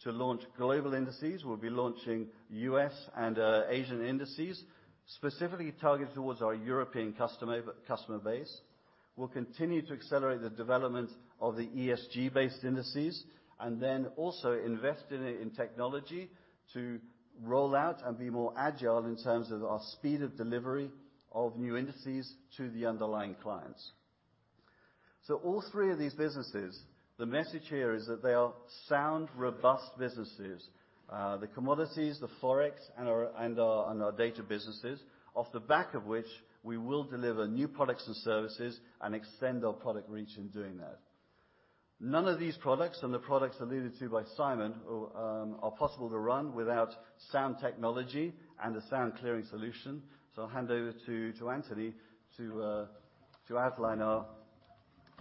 to launch global indices. We'll be launching U.S. and Asian indices, specifically targeted towards our European customer base. We'll continue to accelerate the development of the ESG-based indices, also invest in technology to roll out and be more agile in terms of our speed of delivery of new indices to the underlying clients. All three of these businesses, the message here is that they are sound, robust businesses. The commodities, the Forex, and our data businesses, off the back of which we will deliver new products and services and extend our product reach in doing that. None of these products and the products alluded to by Simon are possible to run without sound technology and a sound clearing solution. I'll hand over to Anthony to outline our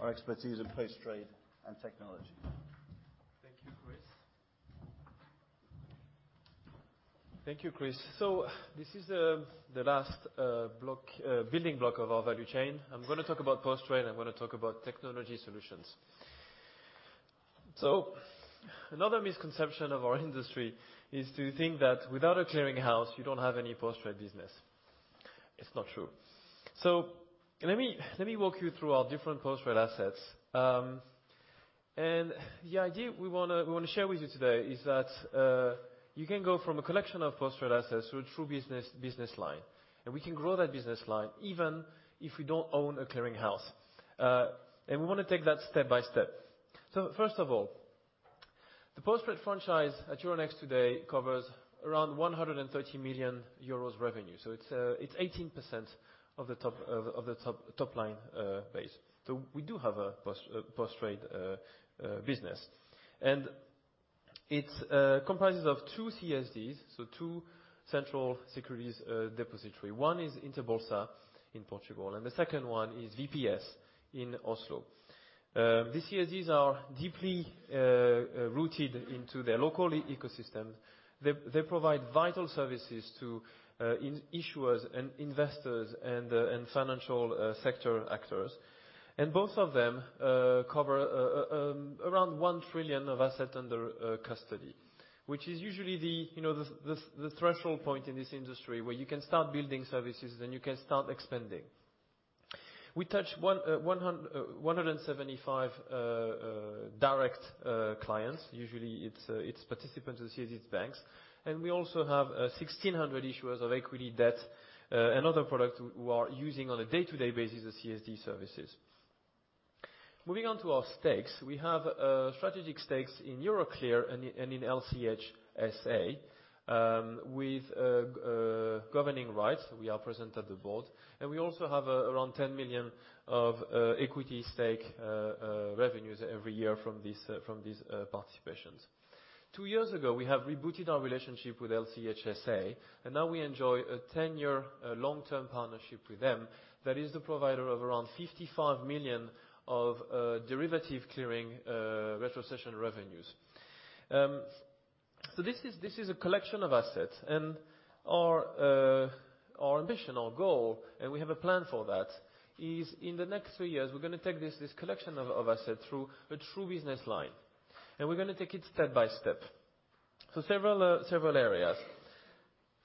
expertise in post-trade and technology. Thank you, Chris. This is the last building block of our value chain. I'm going to talk about post-trade, and I'm going to talk about technology solutions. Another misconception of our industry is to think that without a clearinghouse, you don't have any post-trade business. It's not true. Let me walk you through our different post-trade assets. The idea we want to share with you today is that you can go from a collection of post-trade assets to a true business line, and we can grow that business line even if we don't own a clearinghouse. We want to take that step by step. First of all, the post-trade franchise at Euronext today covers around 130 million euros revenue. It's 18% of the top line base. We do have a post-trade business, and it comprises of two CSDs, so two central securities depository. One is Interbolsa in Portugal, and the second one is VPS in Oslo. These CSDs are deeply rooted into their local ecosystem. They provide vital services to issuers, and investors, and financial sector actors. Both of them cover around 1 trillion of assets under custody, which is usually the threshold point in this industry where you can start building services and you can start expanding. We touch 175 direct clients. Usually it's participants with CSDs banks. We also have 1,600 issuers of equity debt and other products who are using on a day-to-day basis the CSD services. Moving on to our stakes, we have strategic stakes in Euroclear and in LCH SA, with governing rights. We are present at the board. We also have around 10 million of equity stake revenues every year from these participations. Two years ago, we have rebooted our relationship with LCH SA, and now we enjoy a 10-year long-term partnership with them. That is the provider of around 55 million of derivative clearing retrocession revenues. This is a collection of assets, and our ambition, our goal, and we have a plan for that, is in the next three years, we're going to take this collection of assets through a true business line. We're going to take it step by step. Several areas.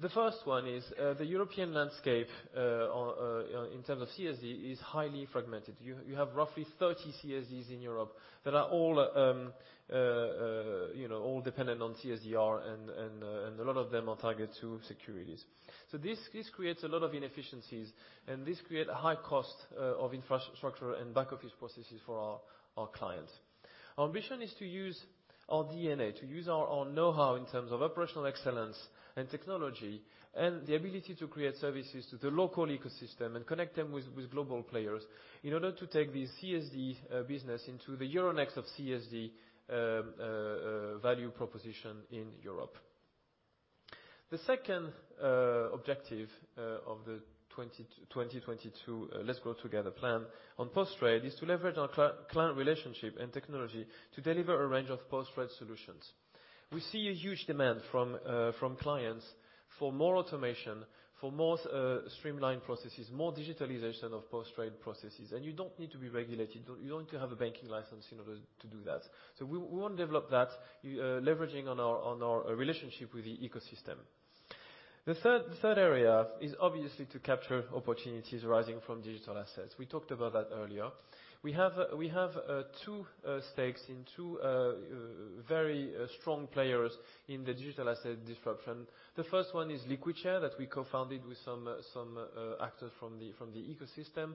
The first one is the European landscape, in terms of CSD, is highly fragmented. You have roughly 30 CSDs in Europe that are all dependent on CSDR and a lot of them are TARGET2-Securities. This creates a lot of inefficiencies and this creates a high cost of infrastructure and back-office processes for our clients. Our ambition is to use our DNA, to use our own knowhow in terms of operational excellence and technology, and the ability to create services to the local ecosystem and connect them with global players in order to take the CSD business into the Euronext of CSD value proposition in Europe. The second objective of the 2022 Let's Grow Together plan on post-trade, is to leverage our client relationship and technology to deliver a range of post-trade solutions. We see a huge demand from clients for more automation, for more streamlined processes, more digitalization of post-trade processes. You don't need to be regulated, you don't need to have a banking license in order to do that. We want to develop that, leveraging on our relationship with the ecosystem. The third area is obviously to capture opportunities rising from digital assets. We talked about that earlier. We have two stakes in two very strong players in the digital asset disruption. The first one is LiquidShare, that we co-founded with some actors from the ecosystem.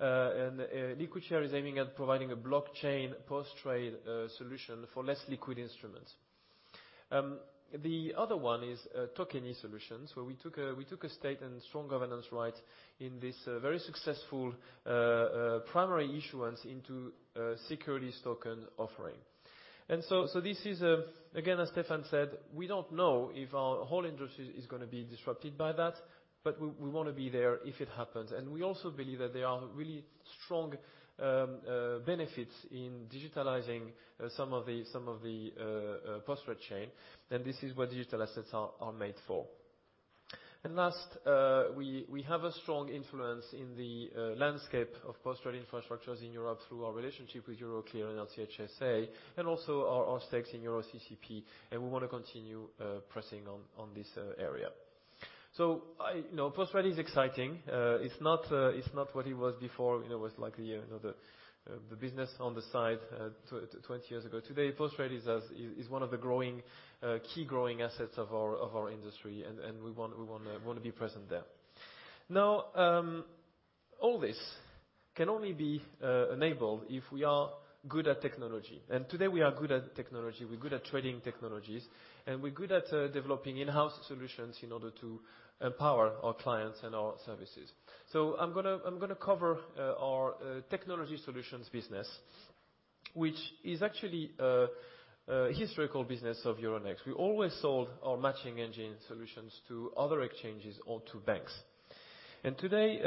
LiquidShare is aiming at providing a blockchain post-trade solution for less liquid instruments. The other one is Tokeny Solutions, where we took a stake and strong governance right in this very successful primary issuance into securities token offering. This is, again, as Stéphane said, we don't know if our whole industry is going to be disrupted by that, but we want to be there if it happens. We also believe that there are really strong benefits in digitalizing some of the post-trade chain, then this is what digital assets are made for. Last, we have a strong influence in the landscape of post-trade infrastructures in Europe through our relationship with Euroclear and LCH SA, and also our stakes in EuroCCP, and we want to continue pressing on this area. Post-trade is exciting. It's not what it was before. It was like the business on the side 20 years ago. Today, post-trade is one of the key growing assets of our industry, and we want to be present there. All this can only be enabled if we are good at technology. Today we are good at technology. We're good at trading technologies, and we're good at developing in-house solutions in order to empower our clients and our services. I'm going to cover our technology solutions business, which is actually a historical business of Euronext. We always sold our matching engine solutions to other exchanges or to banks. Today,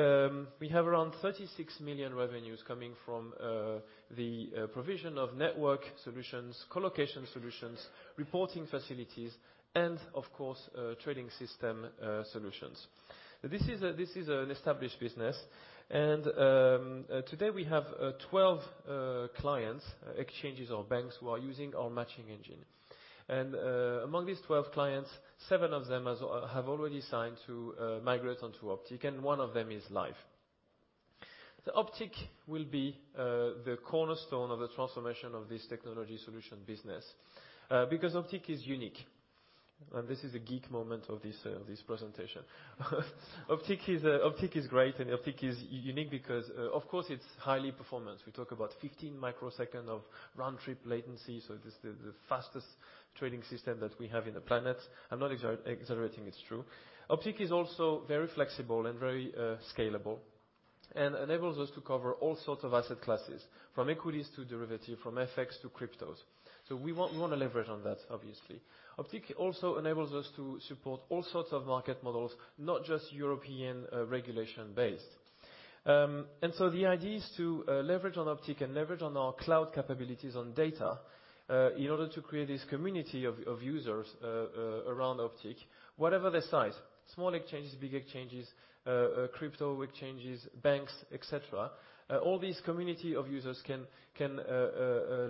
we have around 36 million revenues coming from the provision of network solutions, colocation solutions, reporting facilities, and of course, trading system solutions. This is an established business. Today, we have 12 clients, exchanges, or banks who are using our matching engine. Among these 12 clients, seven of them have already signed to migrate onto Optiq, and one of them is live. Optiq will be the cornerstone of the transformation of this technology solution business, because Optiq is unique. This is a geek moment of this presentation. Optiq is great, and Optiq is unique because, of course, it's highly performant. We talk about 15 microseconds of round-trip latency, so it is the fastest trading system that we have in the planet. I'm not exaggerating. It's true. Optiq is also very flexible and very scalable and enables us to cover all sorts of asset classes, from equities to derivatives, from FX to cryptos. We want to leverage on that, obviously. Optiq also enables us to support all sorts of market models, not just European regulation-based. The idea is to leverage on Optiq and leverage on our cloud capabilities on data in order to create this community of users around Optiq, whatever the size. Small exchanges, big exchanges, crypto exchanges, banks, et cetera. All this community of users can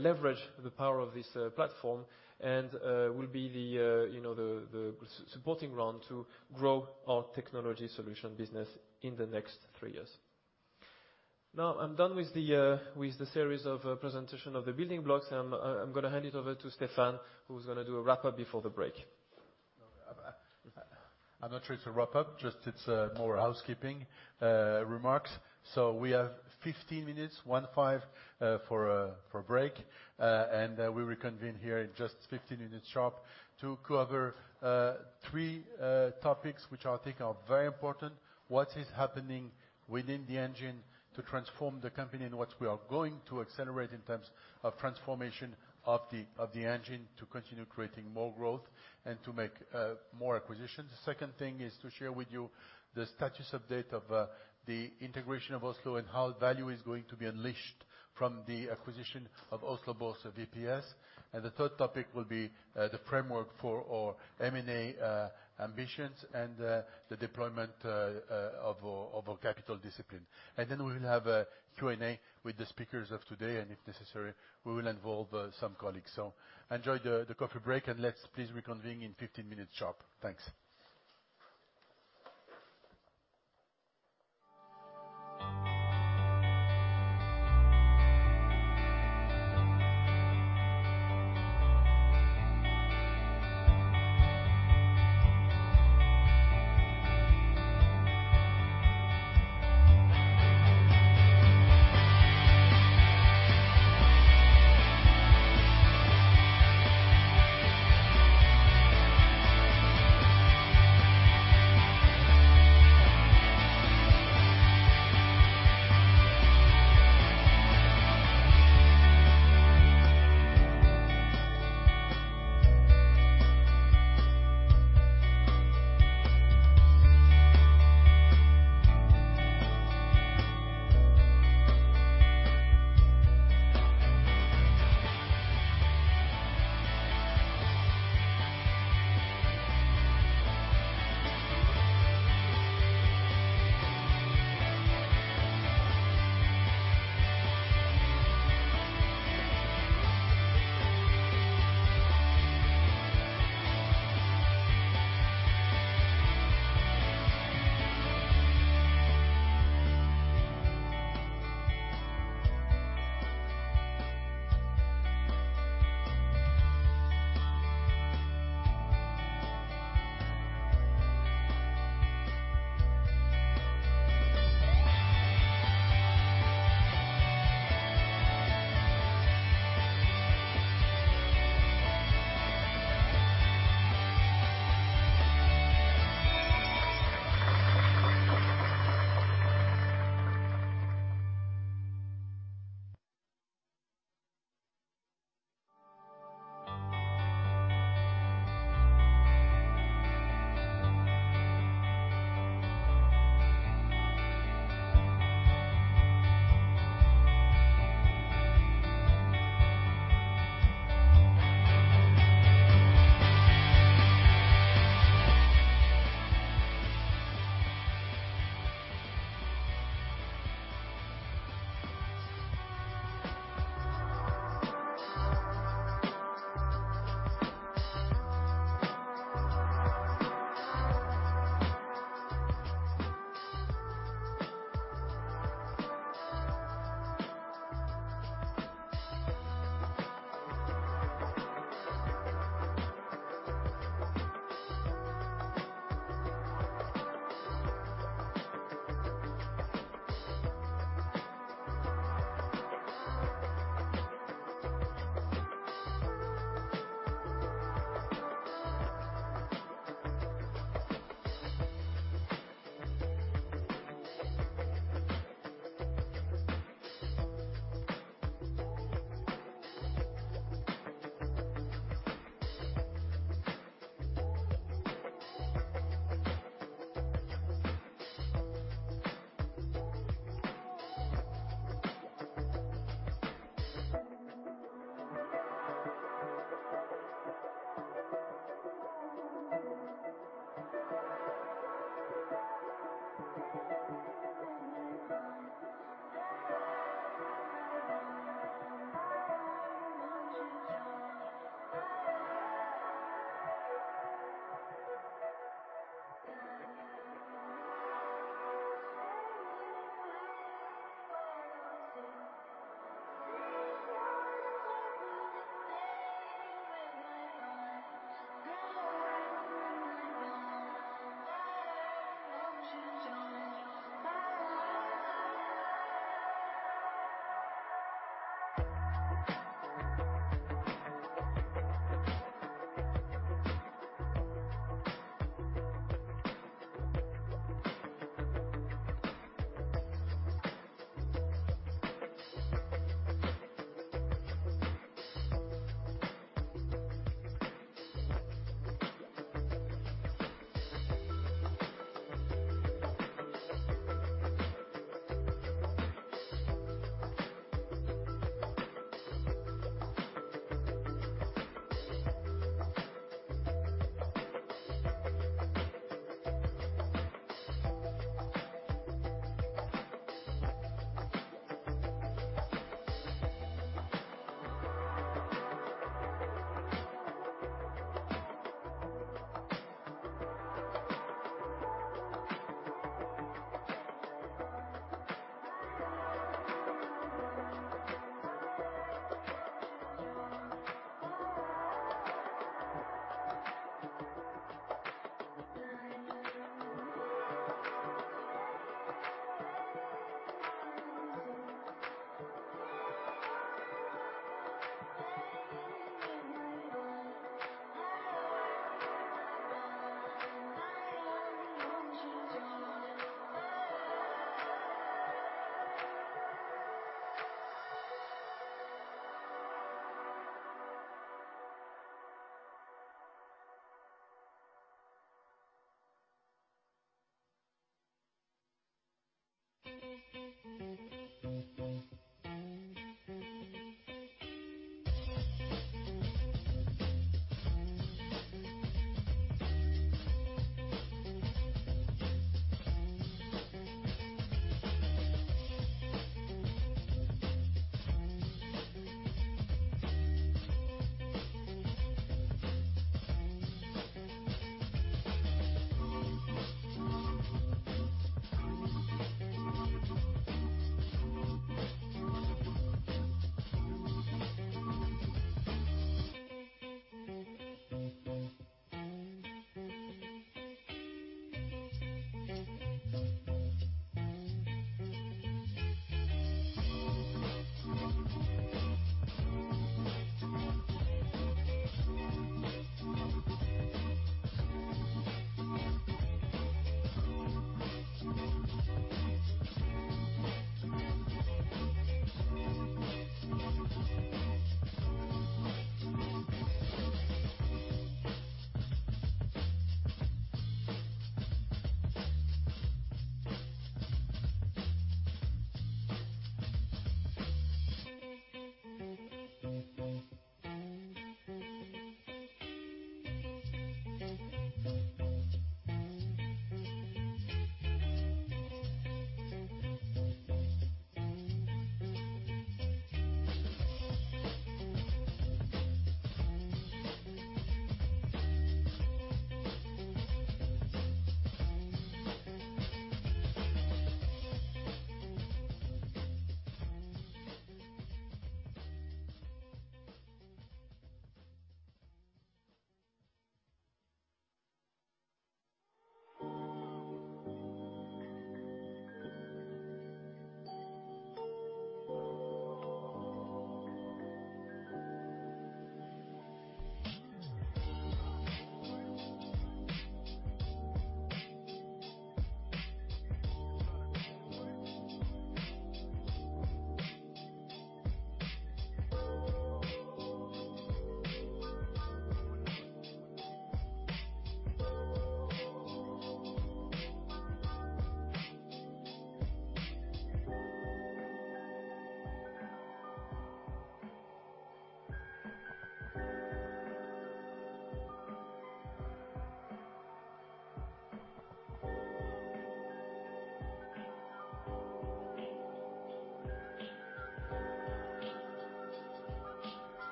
leverage the power of this platform and will be the supporting ground to grow our technology solution business in the next three years. Now I'm done with the series of presentation of the building blocks. I'm going to hand it over to Stéphane, who's going to do a wrap-up before the break. I'm not sure it's a wrap-up, just it's more housekeeping remarks. We have 15 minutes, one five, for break. We'll reconvene here in just 15 minutes sharp to cover three topics, which I think are very important. What is happening within the engine to transform the company, and what we are going to accelerate in terms of transformation of the engine to continue creating more growth and to make more acquisitions. The second thing is to share with you the status update of the integration of Oslo and how value is going to be unleashed from the acquisition of Oslo Børs VPS. The third topic will be the framework for our M&A ambitions and the deployment of our capital discipline. We will have a Q&A with the speakers of today, and if necessary, we will involve some colleagues. Enjoy the coffee break, and let's please reconvene in 15 minutes sharp. Thanks.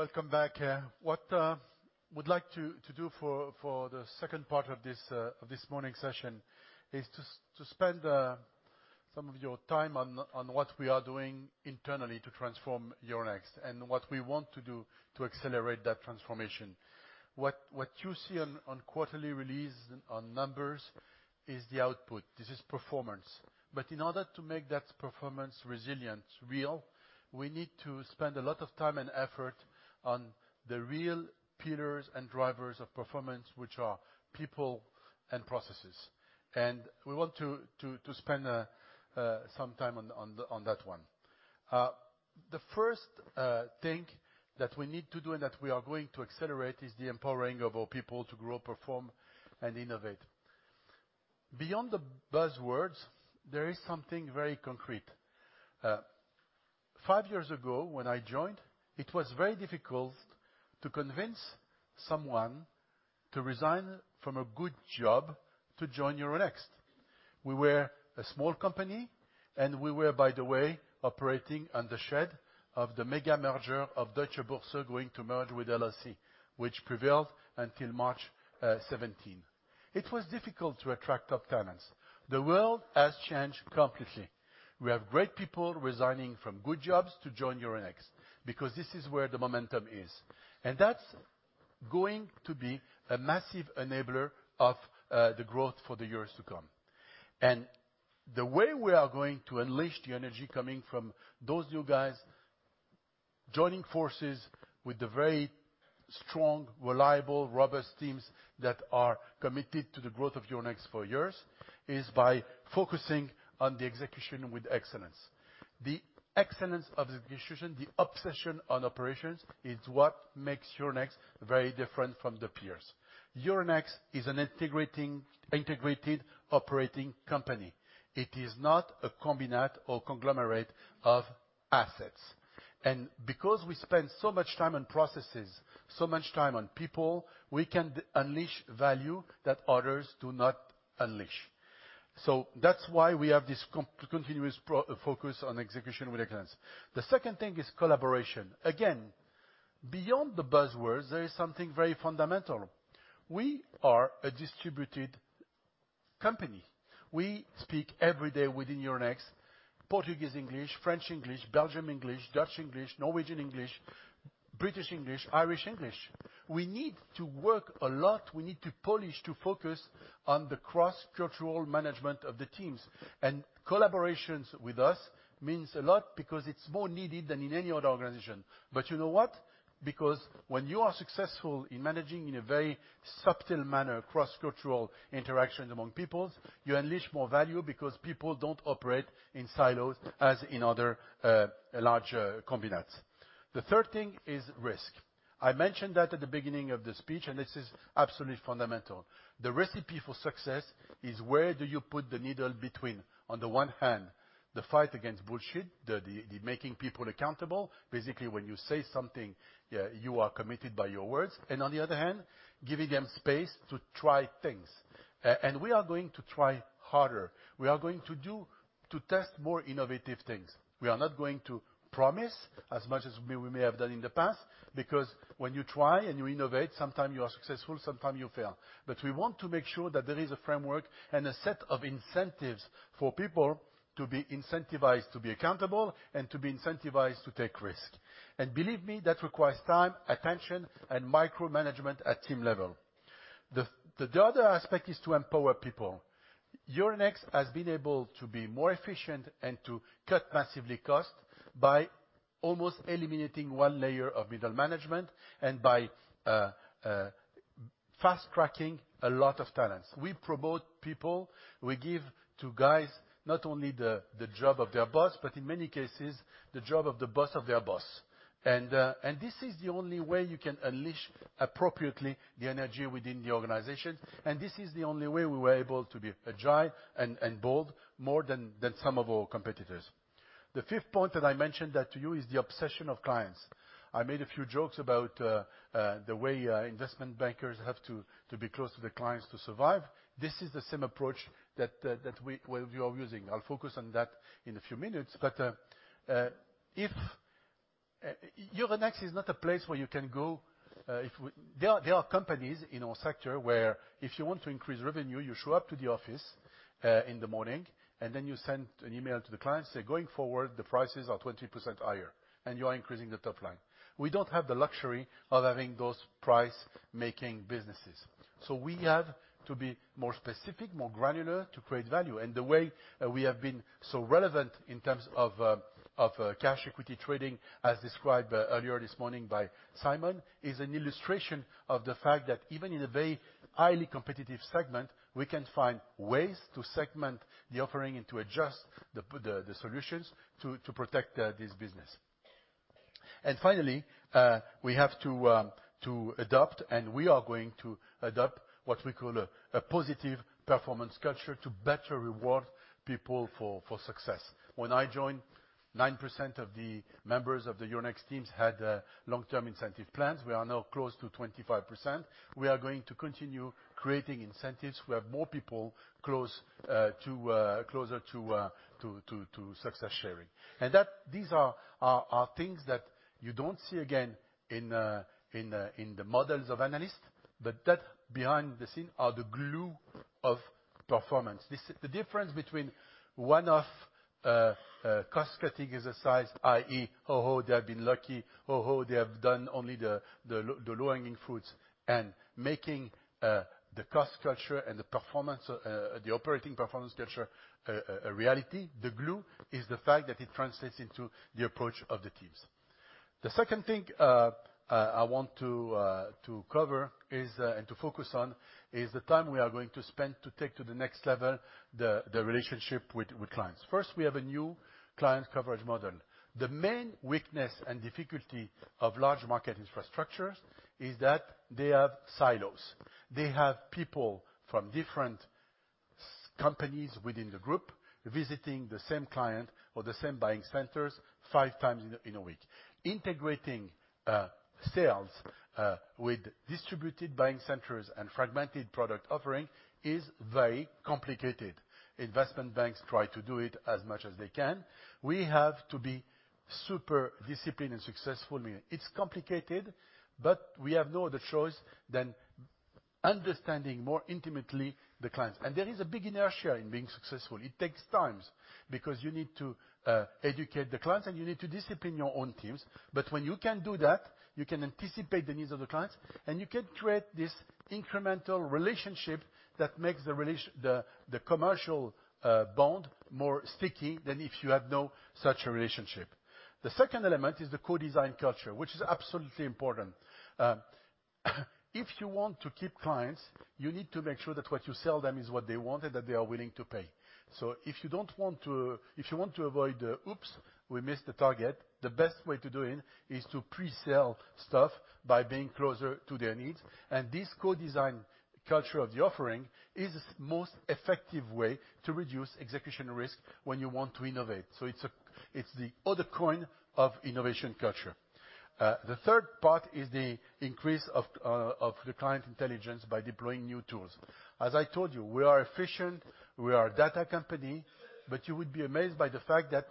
Welcome back. What I would like to do for the second part of this morning session is to spend some of your time on what we are doing internally to transform Euronext and what we want to do to accelerate that transformation. What you see on quarterly release on numbers is the output. This is performance. In order to make that performance resilient, real, we need to spend a lot of time and effort on the real pillars and drivers of performance, which are people and processes. We want to spend some time on that one. The first thing that we need to do and that we are going to accelerate is the empowering of our people to grow, perform, and innovate. Beyond the buzzwords, there is something very concrete. Five years ago, when I joined, it was very difficult to convince someone to resign from a good job to join Euronext. We were a small company, we were, by the way, operating under the shed of the mega-merger of Deutsche Börse going to merge with LSE, which prevailed until March 17. It was difficult to attract top talents. The world has changed completely. We have great people resigning from good jobs to join Euronext, because this is where the momentum is. That's going to be a massive enabler of the growth for the years to come. The way we are going to unleash the energy coming from those new guys, joining forces with the very strong, reliable, robust teams that are committed to the growth of Euronext for years, is by focusing on the execution with excellence. The excellence of the execution, the obsession on operations, is what makes Euronext very different from the peers. Euronext is an integrated operating company. It is not a combination or conglomerate of assets. Because we spend so much time on processes, so much time on people, we can unleash value that others do not unleash. That's why we have this continuous focus on execution with excellence. The second thing is collaboration. Again, beyond the buzzwords, there is something very fundamental. We are a distributed company. We speak every day within Euronext, Portuguese English, French English, Belgium English, Dutch English, Norwegian English, British English, Irish English. We need to work a lot, we need to polish, to focus on the cross-cultural management of the teams. Collaborations with us means a lot because it's more needed than in any other organization. You know what? When you are successful in managing, in a very subtle manner, cross-cultural interactions among peoples, you unleash more value because people don't operate in silos as in other larger conglomerates. The third thing is risk. I mentioned that at the beginning of the speech. This is absolutely fundamental. The recipe for success is where do you put the needle between, on the one hand, the fight against bullshit, the making people accountable. Basically, when you say something, you are committed by your words. On the other hand, giving them space to try things. We are going to try harder. We are going to test more innovative things. We are not going to promise as much as we may have done in the past, when you try and you innovate, sometimes you are successful, sometimes you fail. We want to make sure that there is a framework and a set of incentives for people to be incentivized to be accountable and to be incentivized to take risk. Believe me, that requires time, attention, and micromanagement at team level. The other aspect is to empower people. Euronext has been able to be more efficient and to cut massively cost by almost eliminating one layer of middle management and by fast-tracking a lot of talents. We promote people. We give to guys not only the job of their boss, but in many cases, the job of the boss of their boss. This is the only way you can unleash appropriately the energy within the organization. This is the only way we were able to be agile and bold, more than some of our competitors. The fifth point that I mentioned that to you is the obsession of clients. I made a few jokes about the way investment bankers have to be close to the clients to survive. This is the same approach that we are using. I'll focus on that in a few minutes. Euronext is not a place where you can go. There are companies in our sector where if you want to increase revenue, you show up to the office in the morning, and then you send an email to the client say, "Going forward, the prices are 20% higher," and you are increasing the top line. We don't have the luxury of having those price-making businesses. We have to be more specific, more granular to create value. The way we have been so relevant in terms of cash equity trading, as described earlier this morning by Simon, is an illustration of the fact that even in a very highly competitive segment, we can find ways to segment the offering and to adjust the solutions to protect this business. Finally, we have to adopt, and we are going to adopt what we call a positive performance culture to better reward people for success. When I joined, 9% of the members of the Euronext teams had long-term incentive plans. We are now close to 25%. We are going to continue creating incentives. We have more people closer to success sharing. These are things that you don't see again in the models of analysts. That, behind the scene, are the glue of performance. The difference between one-off cost-cutting exercise, i.e., oh-ho, they have been lucky, oh-ho, they have done only the low-hanging fruits, and making the cost culture and the operating performance culture a reality. The glue is the fact that it translates into the approach of the teams. The second thing I want to cover and to focus on is the time we are going to spend to take to the next level the relationship with clients. First, we have a new client coverage model. The main weakness and difficulty of large market infrastructures is that they have silos. They have people from different companies within the group visiting the same client or the same buying centers five times in a week. Integrating sales with distributed buying centers and fragmented product offering is very complicated. Investment banks try to do it as much as they can. We have to be super disciplined and successful. It's complicated, but we have no other choice than understanding more intimately the clients. There is a big inertia in being successful. It takes time because you need to educate the clients, and you need to discipline your own teams. When you can do that, you can anticipate the needs of the clients, and you can create this incremental relationship that makes the commercial bond more sticky than if you have no such a relationship. The second element is the co-design culture, which is absolutely important. If you want to keep clients, you need to make sure that what you sell them is what they want and that they are willing to pay. If you want to avoid the, "Oops, we missed the target," the best way to do it is to pre-sell stuff by being closer to their needs. This co-design culture of the offering is the most effective way to reduce execution risk when you want to innovate. It's the other coin of innovation culture. The third part is the increase of the client intelligence by deploying new tools. As I told you, we are efficient, we are a data company, but you would be amazed by the fact that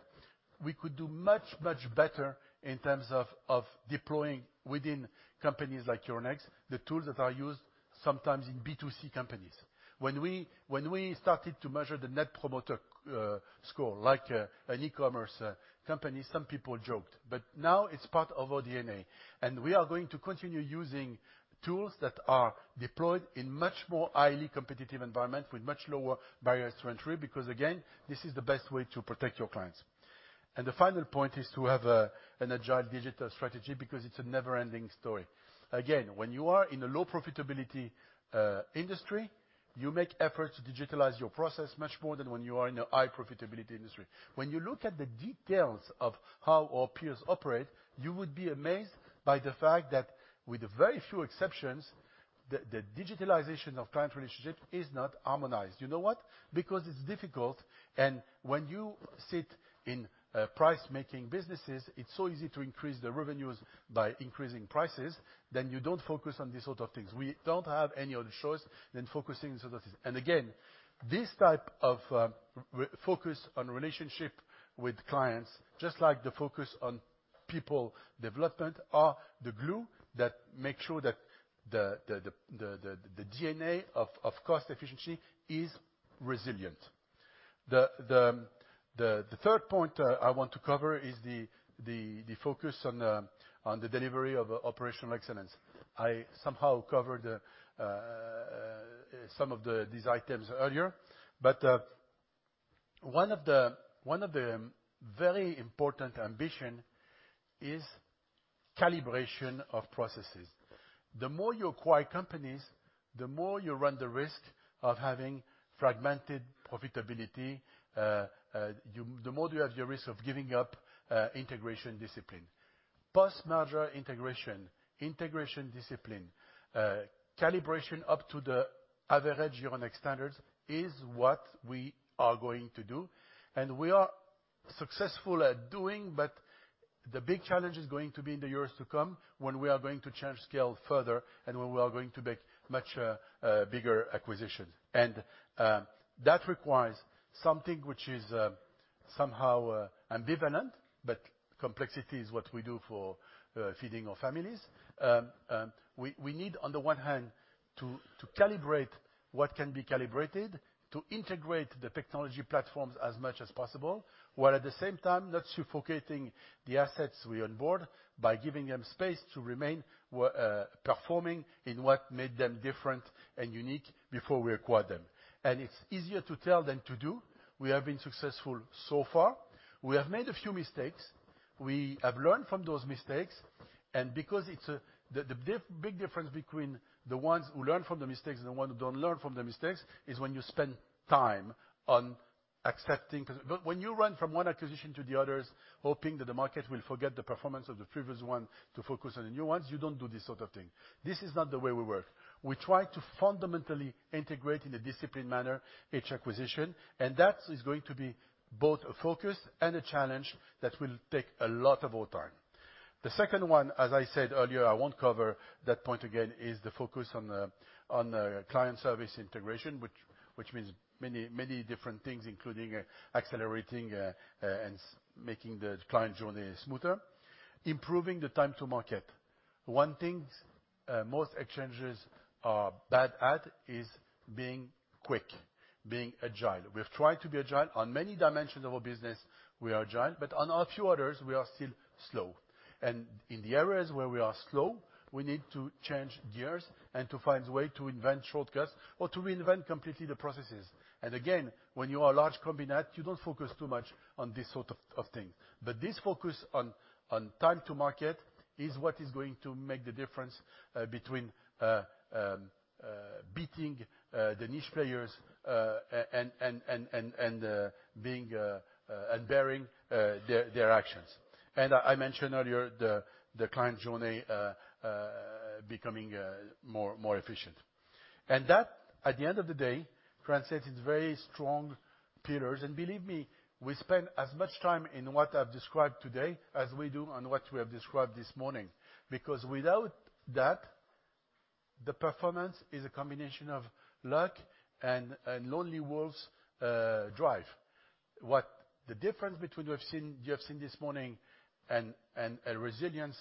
we could do much, much better in terms of deploying within companies like Euronext, the tools that are used sometimes in B2C companies. When we started to measure the net promoter score, like an e-commerce company, some people joked, but now it's part of our DNA. We are going to continue using tools that are deployed in much more highly competitive environment with much lower barriers to entry, because again, this is the best way to protect your clients. The final point is to have an agile digital strategy, because it's a never-ending story. When you are in a low profitability industry, you make efforts to digitalize your process much more than when you are in a high profitability industry. When you look at the details of how our peers operate, you would be amazed by the fact that with very few exceptions, the digitalization of client relationship is not harmonized. You know what? Because it's difficult, and when you sit in price-making businesses, it's so easy to increase the revenues by increasing prices, then you don't focus on these sort of things. We don't have any other choice than focusing on these sort of things. Again, this type of focus on relationship with clients, just like the focus on people development, are the glue that make sure that the DNA of cost efficiency is resilient. The third point I want to cover is the focus on the delivery of operational excellence. One of the very important ambition is calibration of processes. The more you acquire companies, the more you run the risk of having fragmented profitability, the more you have your risk of giving up integration discipline. Post-merger integration discipline, calibration up to the average Euronext standards is what we are going to do. We are successful at doing, but the big challenge is going to be in the years to come when we are going to change scale further and when we are going to make much bigger acquisitions. That requires something which is somehow ambivalent, but complexity is what we do for feeding our families. We need, on the one hand, to calibrate what can be calibrated, to integrate the technology platforms as much as possible, while at the same time, not suffocating the assets we onboard by giving them space to remain performing in what made them different and unique before we acquired them. It's easier to tell than to do. We have been successful so far. We have made a few mistakes. We have learned from those mistakes. Because the big difference between the ones who learn from the mistakes and the ones who don't learn from the mistakes is when you spend time on accepting, because when you run from one acquisition to the others, hoping that the market will forget the performance of the previous one to focus on the new ones, you don't do this sort of thing. This is not the way we work. We try to fundamentally integrate in a disciplined manner each acquisition, and that is going to be both a focus and a challenge that will take a lot of our time. The second one, as I said earlier, I won't cover that point again, is the focus on the client service integration, which means many different things, including accelerating and making the client journey smoother. Improving the time to market. One thing most exchanges are bad at is being quick, being agile. We've tried to be agile. On many dimensions of our business, we are agile, but on a few others, we are still slow. In the areas where we are slow, we need to change gears and to find a way to invent shortcuts or to reinvent completely the processes. Again, when you are a large combinet, you don't focus too much on this sort of things. This focus on time to market is what is going to make the difference between beating the niche players and bearing their actions. I mentioned earlier, the client journey becoming more efficient. That, at the end of the day, translates very strong pillars. Believe me, we spend as much time in what I've described today as we do on what we have described this morning, because without that, the performance is a combination of luck and lonely wolves drive. What the difference between you have seen this morning and a resilience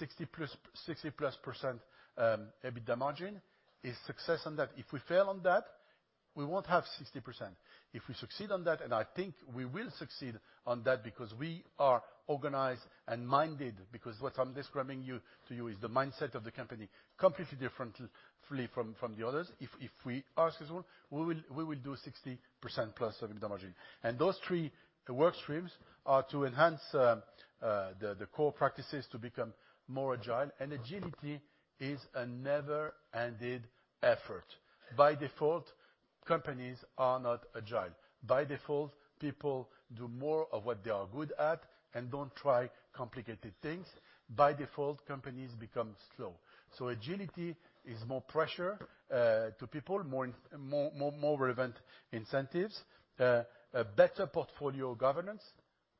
60%-plus EBITDA margin is success on that. If we fail on that, we won't have 60%. If we succeed on that, and I think we will succeed on that because we are organized and minded, because what I'm describing to you is the mindset of the company, completely differently from the others. If we are successful, we will do 60%-plus of EBITDA margin. Those three work streams are to enhance the core practices to become more agile, and agility is a never-ended effort. By default, companies are not agile. By default, people do more of what they are good at and don't try complicated things. By default, companies become slow. Agility is more pressure to people, more relevant incentives, better portfolio governance.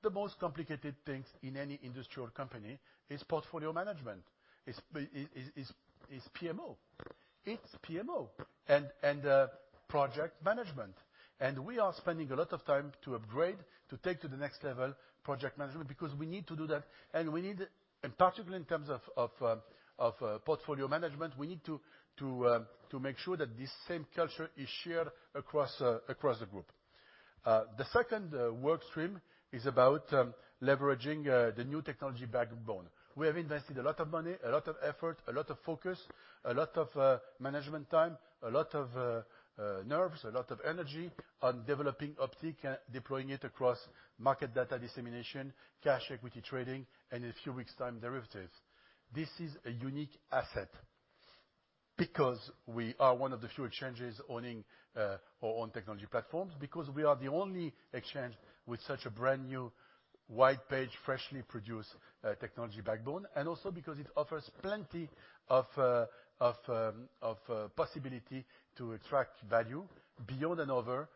The most complicated things in any industrial company is portfolio management. It's PMO. It's PMO and project management. We are spending a lot of time to upgrade, to take to the next level project management, because we need to do that. Particularly in terms of portfolio management, we need to make sure that this same culture is shared across the group. The second work stream is about leveraging the new technology backbone. We have invested a lot of money, a lot of effort, a lot of focus, a lot of management time, a lot of nerves, a lot of energy on developing Optiq and deploying it across market data dissemination, cash equity trading, and in a few weeks time, derivatives. This is a unique asset because we are one of the few exchanges owning our own technology platforms, because we are the only exchange with such a brand-new, white page, freshly produced technology backbone, and also because it offers plenty of possibility to attract value beyond and over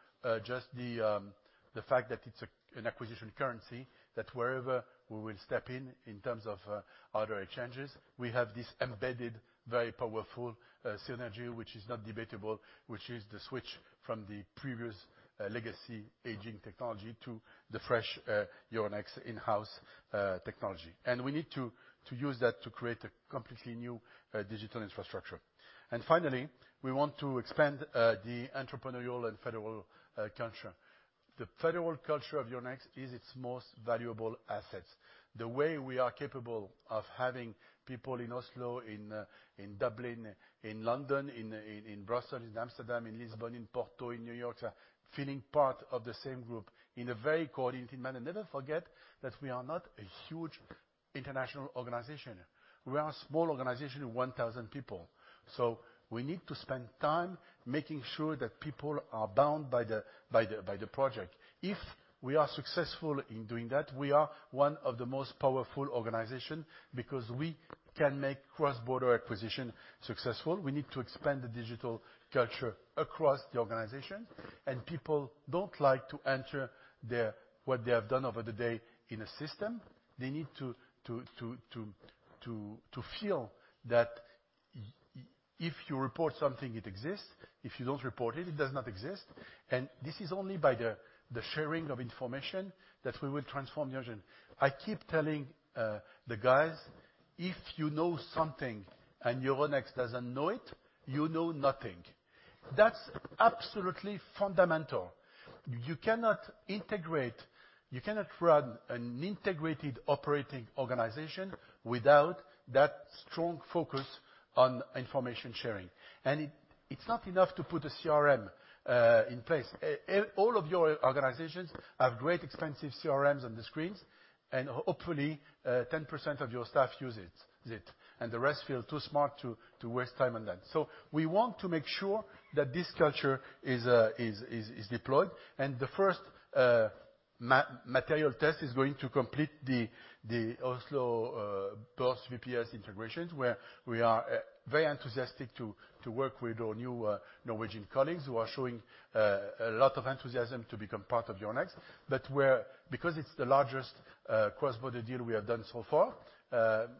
just the fact that it's an acquisition currency, that wherever we will step in terms of other exchanges, we have this embedded, very powerful synergy, which is not debatable, which is the switch from the previous legacy aging technology to the fresh Euronext in-house technology. We need to use that to create a completely new digital infrastructure. Finally, we want to expand the entrepreneurial and federal culture. The federal culture of Euronext is its most valuable asset. The way we are capable of having people in Oslo, in Dublin, in London, in Brussels, in Amsterdam, in Lisbon, in Porto, in New York, feeling part of the same group in a very coordinated manner. Never forget that we are not a huge international organization. We are a small organization of 1,000 people. We need to spend time making sure that people are bound by the project. If we are successful in doing that, we are one of the most powerful organization because we can make cross-border acquisition successful. We need to expand the digital culture across the organization, and people don't like to enter what they have done over the day in a system. They need to feel that if you report something, it exists. If you don't report it does not exist. This is only by the sharing of information that we will transform the organization. I keep telling the guys, "If you know something and Euronext doesn't know it, you know nothing." That's absolutely fundamental. You cannot run an integrated operating organization without that strong focus on information-sharing. It's not enough to put a CRM in place. All of your organizations have great expensive CRMs on the screens, and hopefully 10% of your staff uses it, and the rest feel too smart to waste time on that. We want to make sure that this culture is deployed. The first material test is going to complete the Oslo Børs VPS integrations, where we are very enthusiastic to work with our new Norwegian colleagues who are showing a lot of enthusiasm to become part of Euronext. Because it's the largest cross-border deal we have done so far,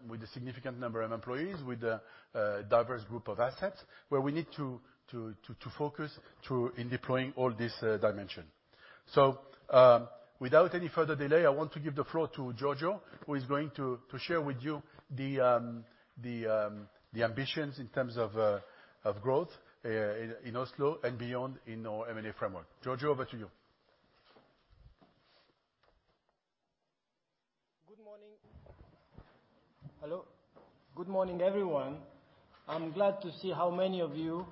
with a significant number of employees, with a diverse group of assets, where we need to focus in deploying all this dimension. Without any further delay, I want to give the floor to Giorgio, who is going to share with you the ambitions in terms of growth in Oslo and beyond in our M&A framework. Giorgio, over to you. Good morning. Hello. Good morning, everyone. I'm glad to see how many of you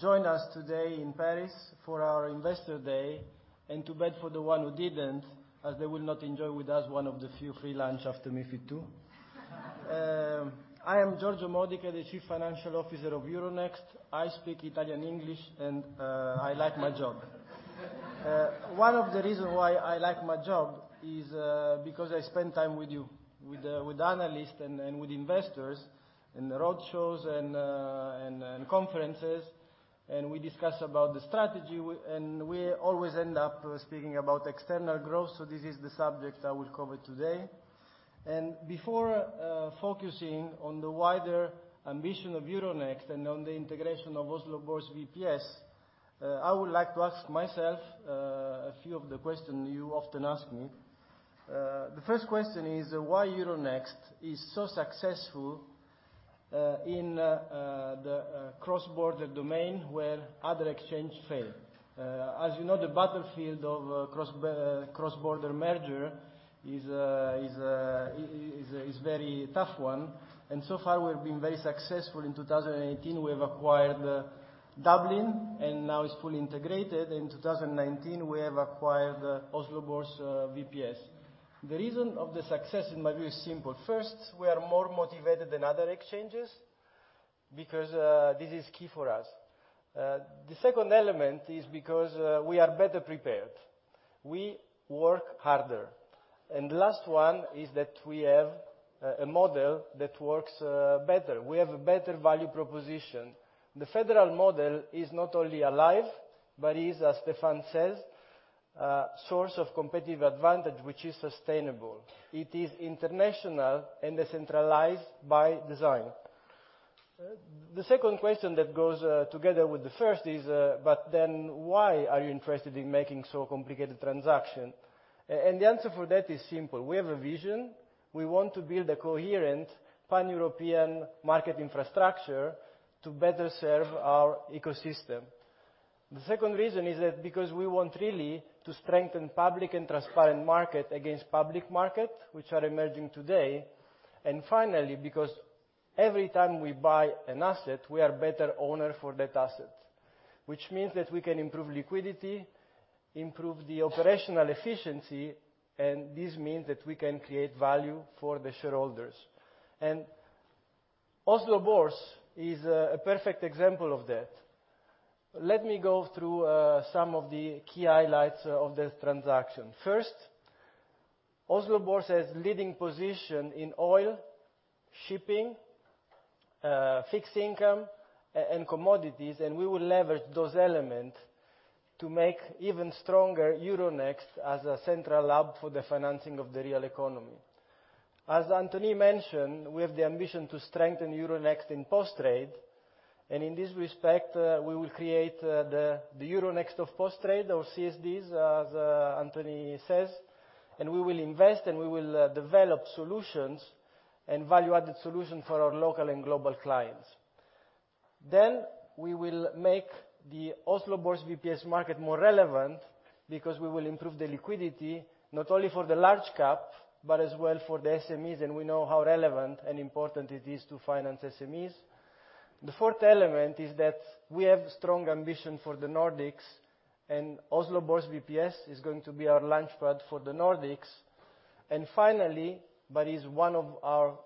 joined us today in Paris for our Investor Day, and too bad for the one who didn't, as they will not enjoy with us one of the few free lunch after MiFID II. I am Giorgio Modica, the Chief Financial Officer of Euronext. I speak Italian English, and I like my job. One of the reason why I like my job is because I spend time with you, with analysts and with investors in the roadshows and conferences, and we discuss about the strategy, and we always end up speaking about external growth, so this is the subject I will cover today. Before focusing on the wider ambition of Euronext and on the integration of Oslo Børs VPS, I would like to ask myself a few of the questions you often ask me. The first question is why Euronext is so successful in the cross-border domain where other exchanges fail. As you know, the battlefield of cross-border mergers is a very tough one. So far we've been very successful. In 2018, we have acquired Dublin. Now it's fully integrated. In 2019, we have acquired Oslo Børs VPS. The reason of the success in my view is simple. First, we are more motivated than other exchanges because this is key for us. The second element is because we are better prepared. We work harder. Last one is that we have a model that works better. We have a better value proposition. The federal model is not only alive, but is, as Stéphane says, a source of competitive advantage, which is sustainable. It is international and decentralized by design. The second question that goes together with the first is, why are you interested in making so complicated transaction? The answer for that is simple. We have a vision. We want to build a coherent pan-European market infrastructure to better serve our ecosystem. The second reason is that because we want really to strengthen public and transparent market against private market, which are emerging today. Finally, because every time we buy an asset, we are better owner for that asset, which means that we can improve liquidity, improve the operational efficiency, and this means that we can create value for the shareholders. Oslo Børs is a perfect example of that. Let me go through some of the key highlights of this transaction. Oslo Børs has leading position in oil, shipping, fixed income, and commodities, and we will leverage those elements to make even stronger Euronext as a central hub for the financing of the real economy. As Anthony mentioned, we have the ambition to strengthen Euronext in post-trade, and in this respect, we will create the Euronext of post-trade or CSDs, as Anthony says, and we will invest and we will develop solutions and value-added solutions for our local and global clients. We will make the Oslo Børs VPS market more relevant because we will improve the liquidity not only for the large cap, but as well for the SMEs, and we know how relevant and important it is to finance SMEs. The fourth element is that we have strong ambition for the Nordics and Oslo Børs VPS is going to be our launchpad for the Nordics. Finally, but is one of our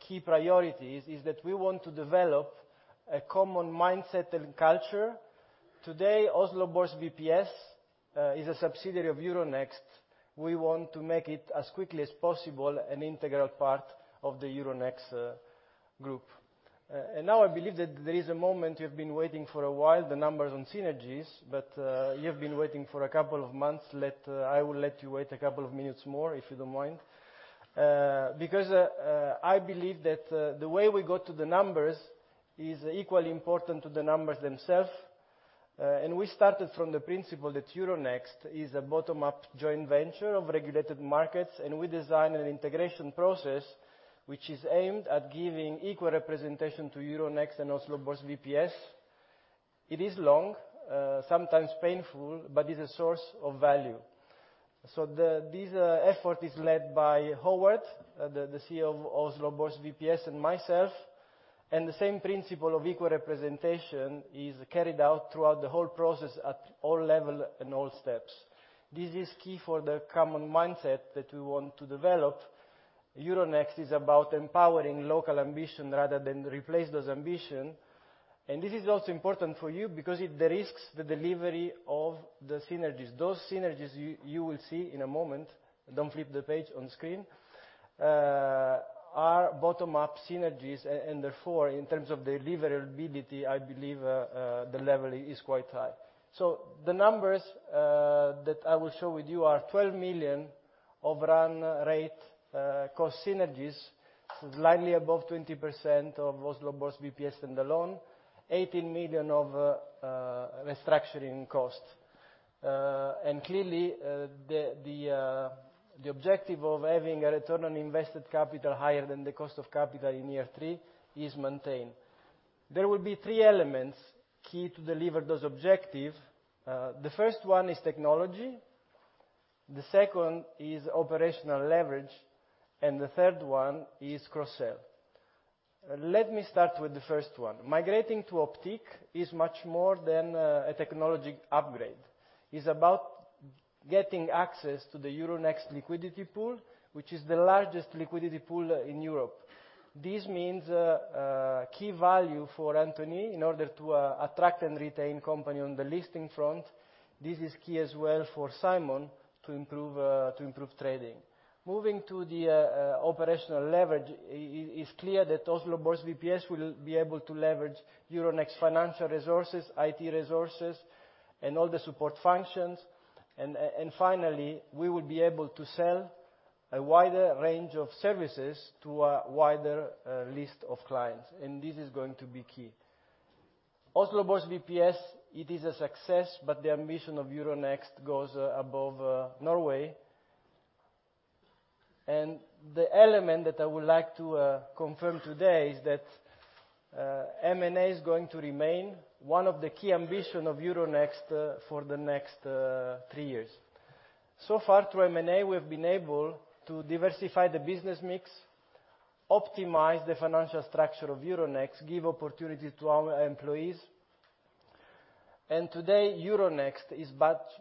key priorities, is that we want to develop a common mindset and culture. Today, Oslo Børs VPS is a subsidiary of Euronext. We want to make it as quickly as possible an integral part of the Euronext group. Now I believe that there is a moment you've been waiting for a while, the numbers on synergies, but you have been waiting for a couple of months. I will let you wait a couple of minutes more, if you don't mind. I believe that the way we got to the numbers is equally important to the numbers themselves. We started from the principle that Euronext is a bottom-up joint venture of regulated markets, and we design an integration process which is aimed at giving equal representation to Euronext and Oslo Børs VPS. It is long, sometimes painful, but is a source of value. This effort is led by Håvard, the CEO of Oslo Børs VPS, and myself, and the same principle of equal representation is carried out throughout the whole process at all level and all steps. This is key for the common mindset that we want to develop. Euronext is about empowering local ambition rather than replace those ambition. This is also important for you because it de-risks the delivery of the synergies. Those synergies you will see in a moment, don't flip the page on screen, are bottom-up synergies, and therefore, in terms of deliverability, I believe the level is quite high. The numbers that I will show with you are 12 million of run rate cost synergies, slightly above 20% of Oslo Børs VPS and the loan, 18 million of restructuring costs. Clearly, the objective of having a return on invested capital higher than the cost of capital in year three is maintained. There will be three elements key to deliver those objective. The first one is technology, the second is operational leverage, and the third one is cross-sell. Let me start with the first one. Migrating to Optiq is much more than a technology upgrade. It's about getting access to the Euronext liquidity pool, which is the largest liquidity pool in Europe. This means key value for Anthony in order to attract and retain company on the listing front. This is key as well for Simon to improve trading. Moving to the operational leverage, it's clear that Oslo Børs VPS will be able to leverage Euronext financial resources, IT resources, and all the support functions. Finally, we will be able to sell a wider range of services to a wider list of clients. This is going to be key. Oslo Børs VPS, it is a success. The ambition of Euronext goes above Norway. The element that I would like to confirm today is that M&A is going to remain one of the key ambition of Euronext for the next 3 years. So far, through M&A, we've been able to diversify the business mix, optimize the financial structure of Euronext, give opportunity to our employees. Today, Euronext is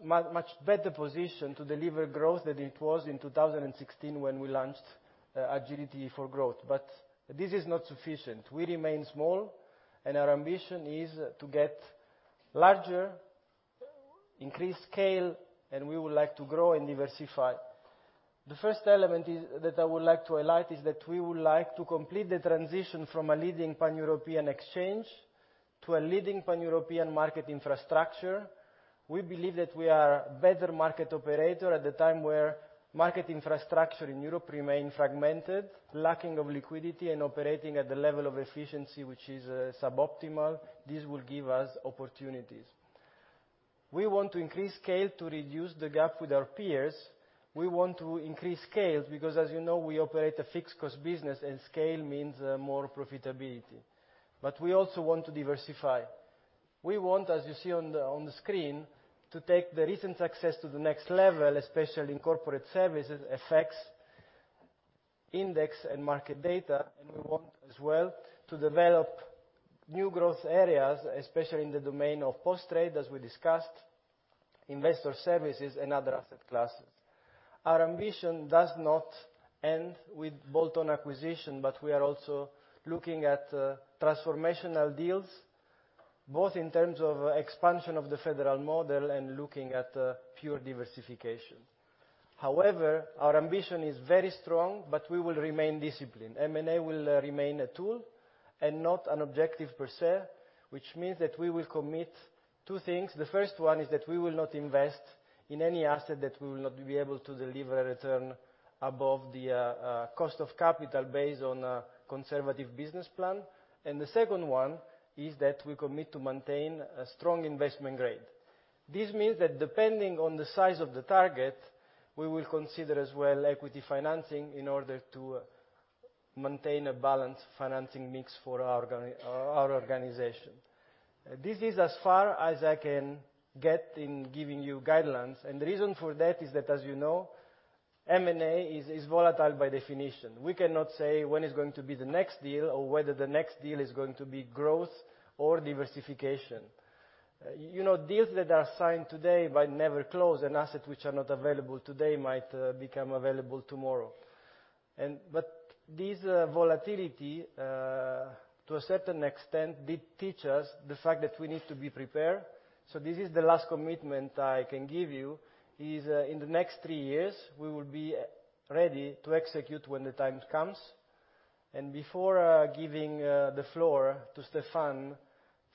much better position to deliver growth than it was in 2016 when we launched Agility for Growth. This is not sufficient. We remain small. Our ambition is to get larger, increase scale. We would like to grow and diversify. The first element that I would like to highlight is that we would like to complete the transition from a leading pan-European exchange to a leading pan-European market infrastructure. We believe that we are a better market operator at the time where market infrastructure in Europe remain fragmented, lacking of liquidity, and operating at the level of efficiency, which is suboptimal. This will give us opportunities. We want to increase scale to reduce the gap with our peers. We want to increase scale because, as you know, we operate a fixed cost business, and scale means more profitability. We also want to diversify. We want, as you see on the screen, to take the recent success to the next level, especially in corporate services, FX, index, and market data. We want as well to develop new growth areas, especially in the domain of post-trade, as we discussed, investor services, and other asset classes. Our ambition does not end with bolt-on acquisition, but we are also looking at transformational deals, both in terms of expansion of the federal model and looking at pure diversification. However, our ambition is very strong, but we will remain disciplined. M&A will remain a tool and not an objective per se, which means that we will commit two things. The first one is that we will not invest in any asset that we will not be able to deliver a return above the cost of capital based on a conservative business plan. The second one is that we commit to maintain a strong investment grade. This means that depending on the size of the target, we will consider as well equity financing in order to maintain a balanced financing mix for our organization. This is as far as I can get in giving you guidelines. The reason for that is that, as you know, M&A is volatile by definition. We cannot say when is going to be the next deal or whether the next deal is going to be growth or diversification. Deals that are signed today might never close. Assets which are not available today might become available tomorrow. This volatility, to a certain extent, did teach us the fact that we need to be prepared. This is the last commitment I can give you, is in the next three years, we will be ready to execute when the time comes. Before giving the floor to Stéphane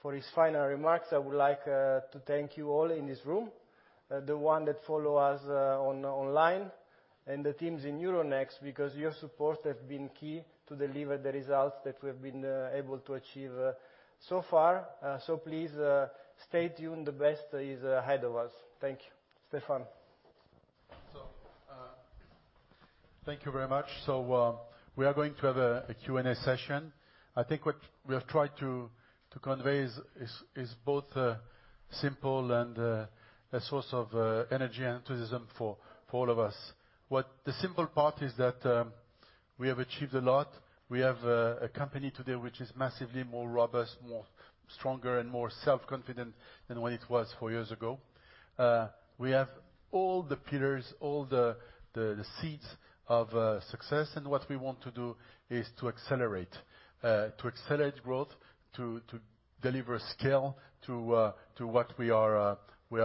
for his final remarks, I would like to thank you all in this room, the one that follow us online, and the teams in Euronext, because your support has been key to deliver the results that we've been able to achieve so far. Please stay tuned. The best is ahead of us. Thank you. Stéphane. Thank you very much. We are going to have a Q&A session. I think what we have tried to convey is both simple and a source of energy and enthusiasm for all of us. The simple part is that we have achieved a lot. We have a company today which is massively more robust, more stronger, and more self-confident than what it was four years ago. We have all the pillars, all the seeds of success, and what we want to do is to accelerate. To accelerate growth, to deliver scale to what we are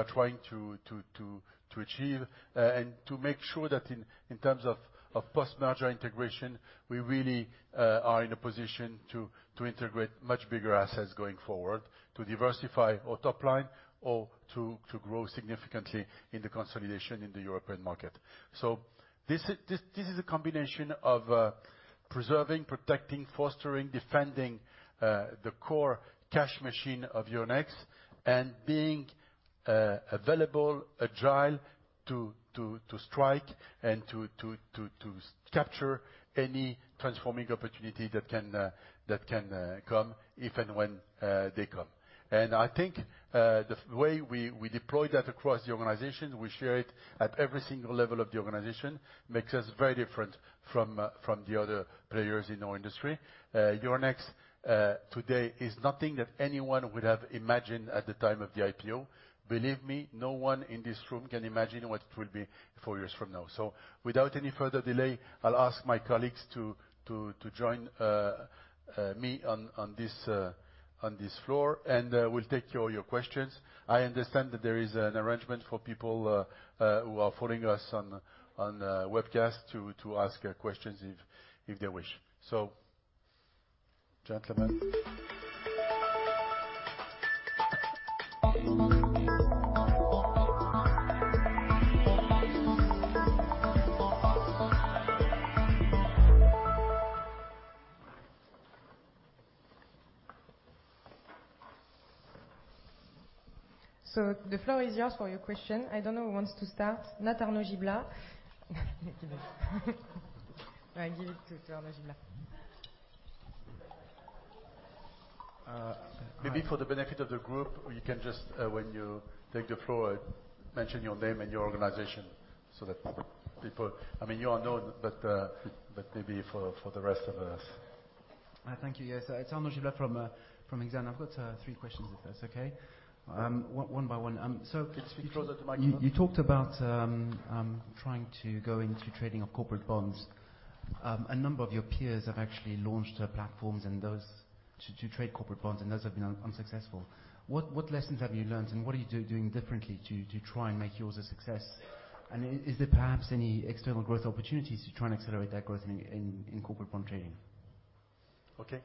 trying to achieve, and to make sure that in terms of post-merger integration, we really are in a position to integrate much bigger assets going forward, to diversify our top line, or to grow significantly in the consolidation in the European market. This is a combination of preserving, protecting, fostering, defending the core cash machine of Euronext and being available, agile to strike and to capture any transforming opportunity that can come if and when they come. I think the way we deploy that across the organization, we share it at every single level of the organization, makes us very different from the other players in our industry. Euronext today is nothing that anyone would have imagined at the time of the IPO. Believe me, no one in this room can imagine what it will be four years from now. Without any further delay, I'll ask my colleagues to join me on this floor, and we'll take all your questions. I understand that there is an arrangement for people who are following us on webcast to ask questions if they wish. Gentlemen. The floor is yours for your question. I don't know who wants to start. Not Arnaud Giblain. Give it. All right, give it to Arnaud Giblain. Maybe for the benefit of the group, you can just, when you take the floor, mention your name and your organization so that people You all know, but maybe for the rest of us. Thank you. Yes. It's Arnaud Giblain from Exane. I've got three questions if that's okay. One by one. Can you speak closer to the microphone? You talked about trying to go into trading of corporate bonds. A number of your peers have actually launched platforms to trade corporate bonds, and those have been unsuccessful. What lessons have you learned, and what are you doing differently to try and make yours a success? Is there perhaps any external growth opportunities to try and accelerate that growth in corporate bond trading? Okay.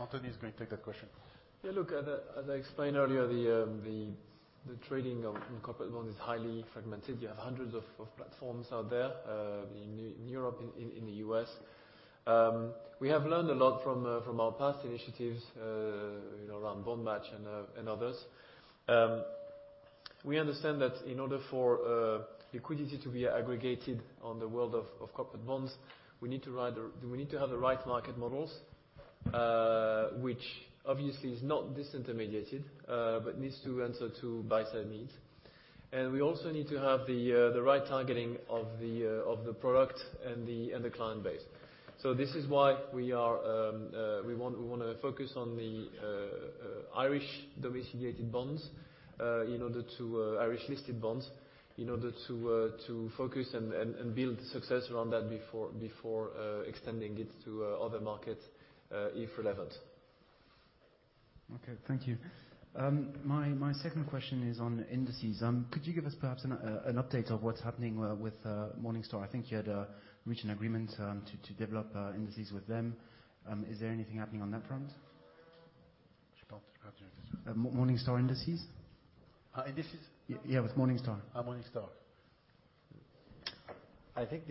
Anthony is going to take that question. As I explained earlier, the trading of corporate bonds is highly fragmented. You have hundreds of platforms out there, in Europe, in the U.S. We have learned a lot from our past initiatives around BondMatch and others. We understand that in order for liquidity to be aggregated on the world of corporate bonds, we need to have the right market models, which obviously is not disintermediated, but needs to answer to buy-side needs. We also need to have the right targeting of the product and the client base. This is why we want to focus on the Irish listed bonds in order to focus and build success around that before extending it to other markets if relevant. Okay, thank you. My second question is on indices. Could you give us perhaps an update of what's happening with Morningstar? I think you had reached an agreement to develop indices with them. Is there anything happening on that front? Which part? Morningstar Indices. Indices? Yeah, with Morningstar. Morningstar. I think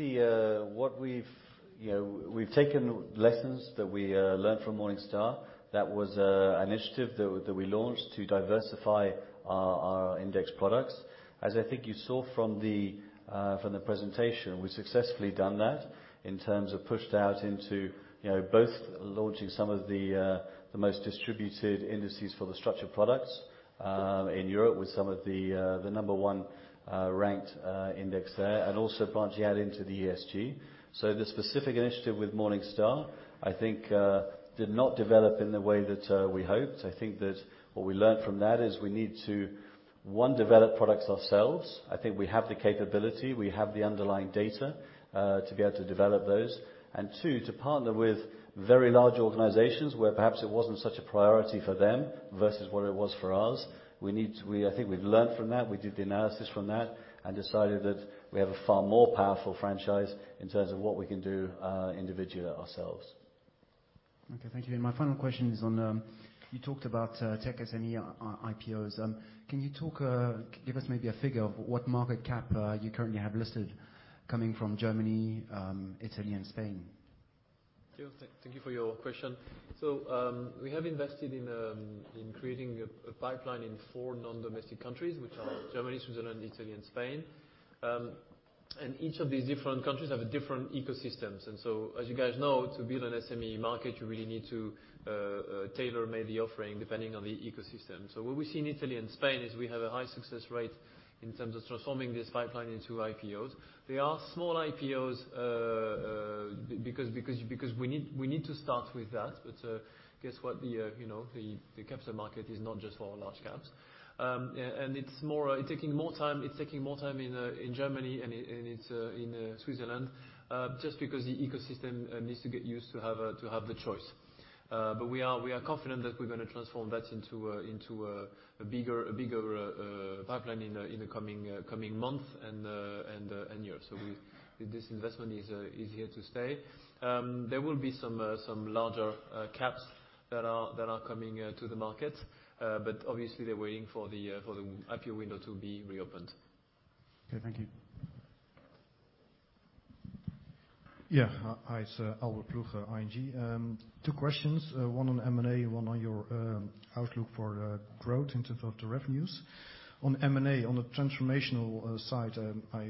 we've taken lessons that we learned from Morningstar. That was an initiative that we launched to diversify our index products. As I think you saw from the presentation, we've successfully done that in terms of pushed out into both launching some of the most distributed indices for the structured products in Europe with some of the number 1 ranked index there, and also branching out into the ESG. The specific initiative with Morningstar, I think did not develop in the way that we hoped. I think that what we learned from that is we need to, one, develop products ourselves. I think we have the capability, we have the underlying data to be able to develop those. Two, to partner with very large organizations where perhaps it wasn't such a priority for them versus what it was for us. I think we've learned from that. We did the analysis from that and decided that we have a far more powerful franchise in terms of what we can do individually ourselves. Okay, thank you. My final question is on. You talked about tech SME IPOs. Can you give us maybe a figure of what market cap you currently have listed coming from Germany, Italy, and Spain? Sure. Thank you for your question. We have invested in creating a pipeline in four non-domestic countries, which are Germany, Switzerland, Italy and Spain. Each of these different countries have different ecosystems. As you guys know, to build an SME market, you really need to tailor maybe offering depending on the ecosystem. What we see in Italy and Spain is we have a high success rate in terms of transforming this pipeline into IPOs. They are small IPOs because we need to start with that. Guess what, the capital market is not just for large caps. It's taking more time in Germany and in Switzerland, just because the ecosystem needs to get used to have the choice. We are confident that we're going to transform that into a bigger pipeline in the coming month and year. This investment is here to stay. There will be some larger caps that are coming to the market. Obviously they're waiting for the IPO window to be reopened. Okay, thank you. Yeah. Hi. It's Albert Ploegh, ING. Two questions, one on M&A, one on your outlook for growth in terms of the revenues. On M&A, on the transformational side, I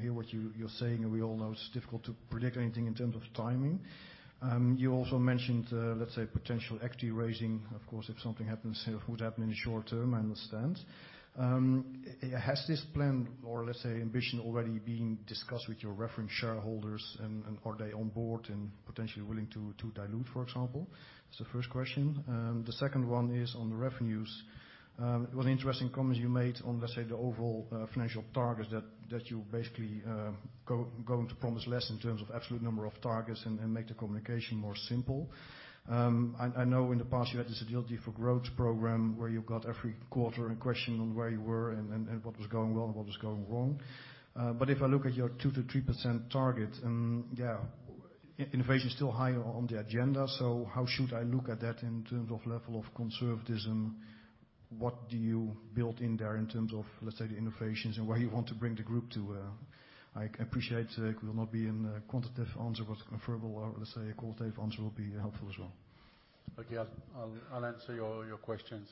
hear what you're saying, and we all know it's difficult to predict anything in terms of timing. You also mentioned, let's say, potential equity raising. Of course, if something happens, it would happen in the short term, I understand. Has this plan or, let's say, ambition already been discussed with your reference shareholders and are they on board and potentially willing to dilute, for example? That's the first question. The second one is on the revenues. One interesting comment you made on, let's say, the overall financial targets that you basically going to promise less in terms of absolute number of targets and make the communication more simple. I know in the past you had this Agility for Growth program where you got every quarter a question on where you were and what was going well and what was going wrong. If I look at your 2%-3% target, and Innovation is still high on the agenda, so how should I look at that in terms of level of conservatism? What do you build in there in terms of, let's say, the innovations and where you want to bring the group to? I appreciate it will not be a quantitative answer, but a preferable or, let's say, a qualitative answer will be helpful as well. Okay. I'll answer all your questions.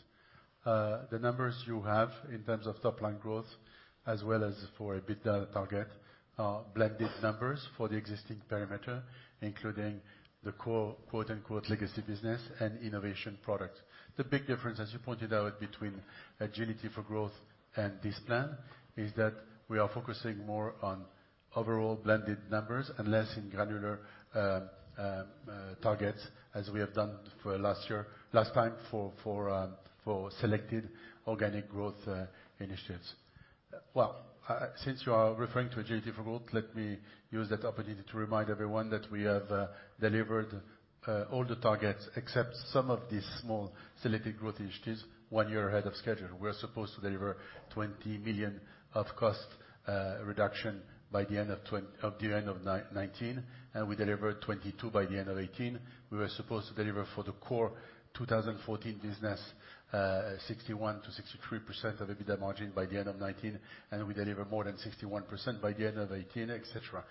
The numbers you have in terms of top-line growth as well as for EBITDA target are blended numbers for the existing perimeter, including the quote, unquote "legacy business" and innovation products. The big difference, as you pointed out between Agility for Growth and this plan, is that we are focusing more on overall blended numbers and less in granular targets as we have done for last time for selected organic growth initiatives. Well, since you are referring to Agility for Growth, let me use that opportunity to remind everyone that we have delivered all the targets except some of these small selected growth initiatives one year ahead of schedule. We're supposed to deliver 20 million of cost reduction by the end of 2019, and we delivered 22 by the end of 2018. We were supposed to deliver for the core 2014 business, 61%-63% of EBITDA margin by the end of 2019, and we delivered more than 61% by the end of 2018, et cetera.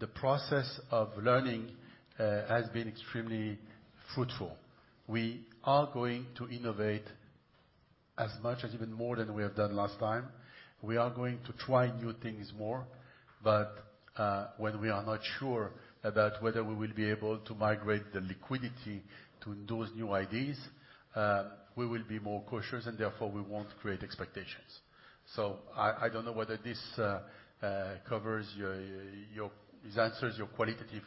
The process of learning has been extremely fruitful. We are going to innovate as much as even more than we have done last time. We are going to try new things more, but when we are not sure about whether we will be able to migrate the liquidity to those new ideas, we will be more cautious and therefore we won't create expectations. I don't know whether this answers your qualitative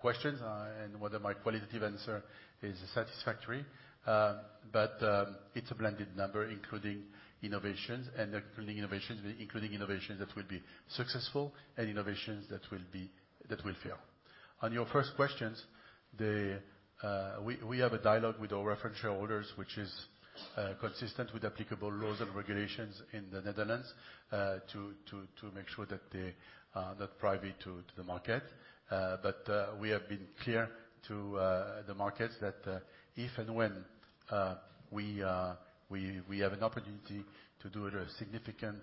questions, and whether my qualitative answer is satisfactory. It's a blended number including innovations, and including innovations that will be successful and innovations that will fail. On your first questions, we have a dialogue with our reference shareholders, which is consistent with applicable laws and regulations in the Netherlands, to make sure that they are not private to the market. We have been clear to the markets that if and when we have an opportunity to do a significant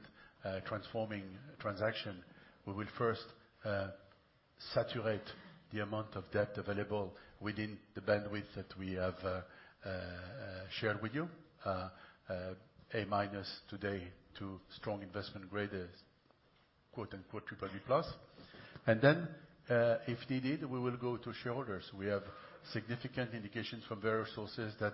transforming transaction, we will first saturate the amount of debt available within the bandwidth that we have shared with you. Today to strong investment grade quote, unquote "BBB+." Then, if needed, we will go to shareholders. We have significant indications from various sources that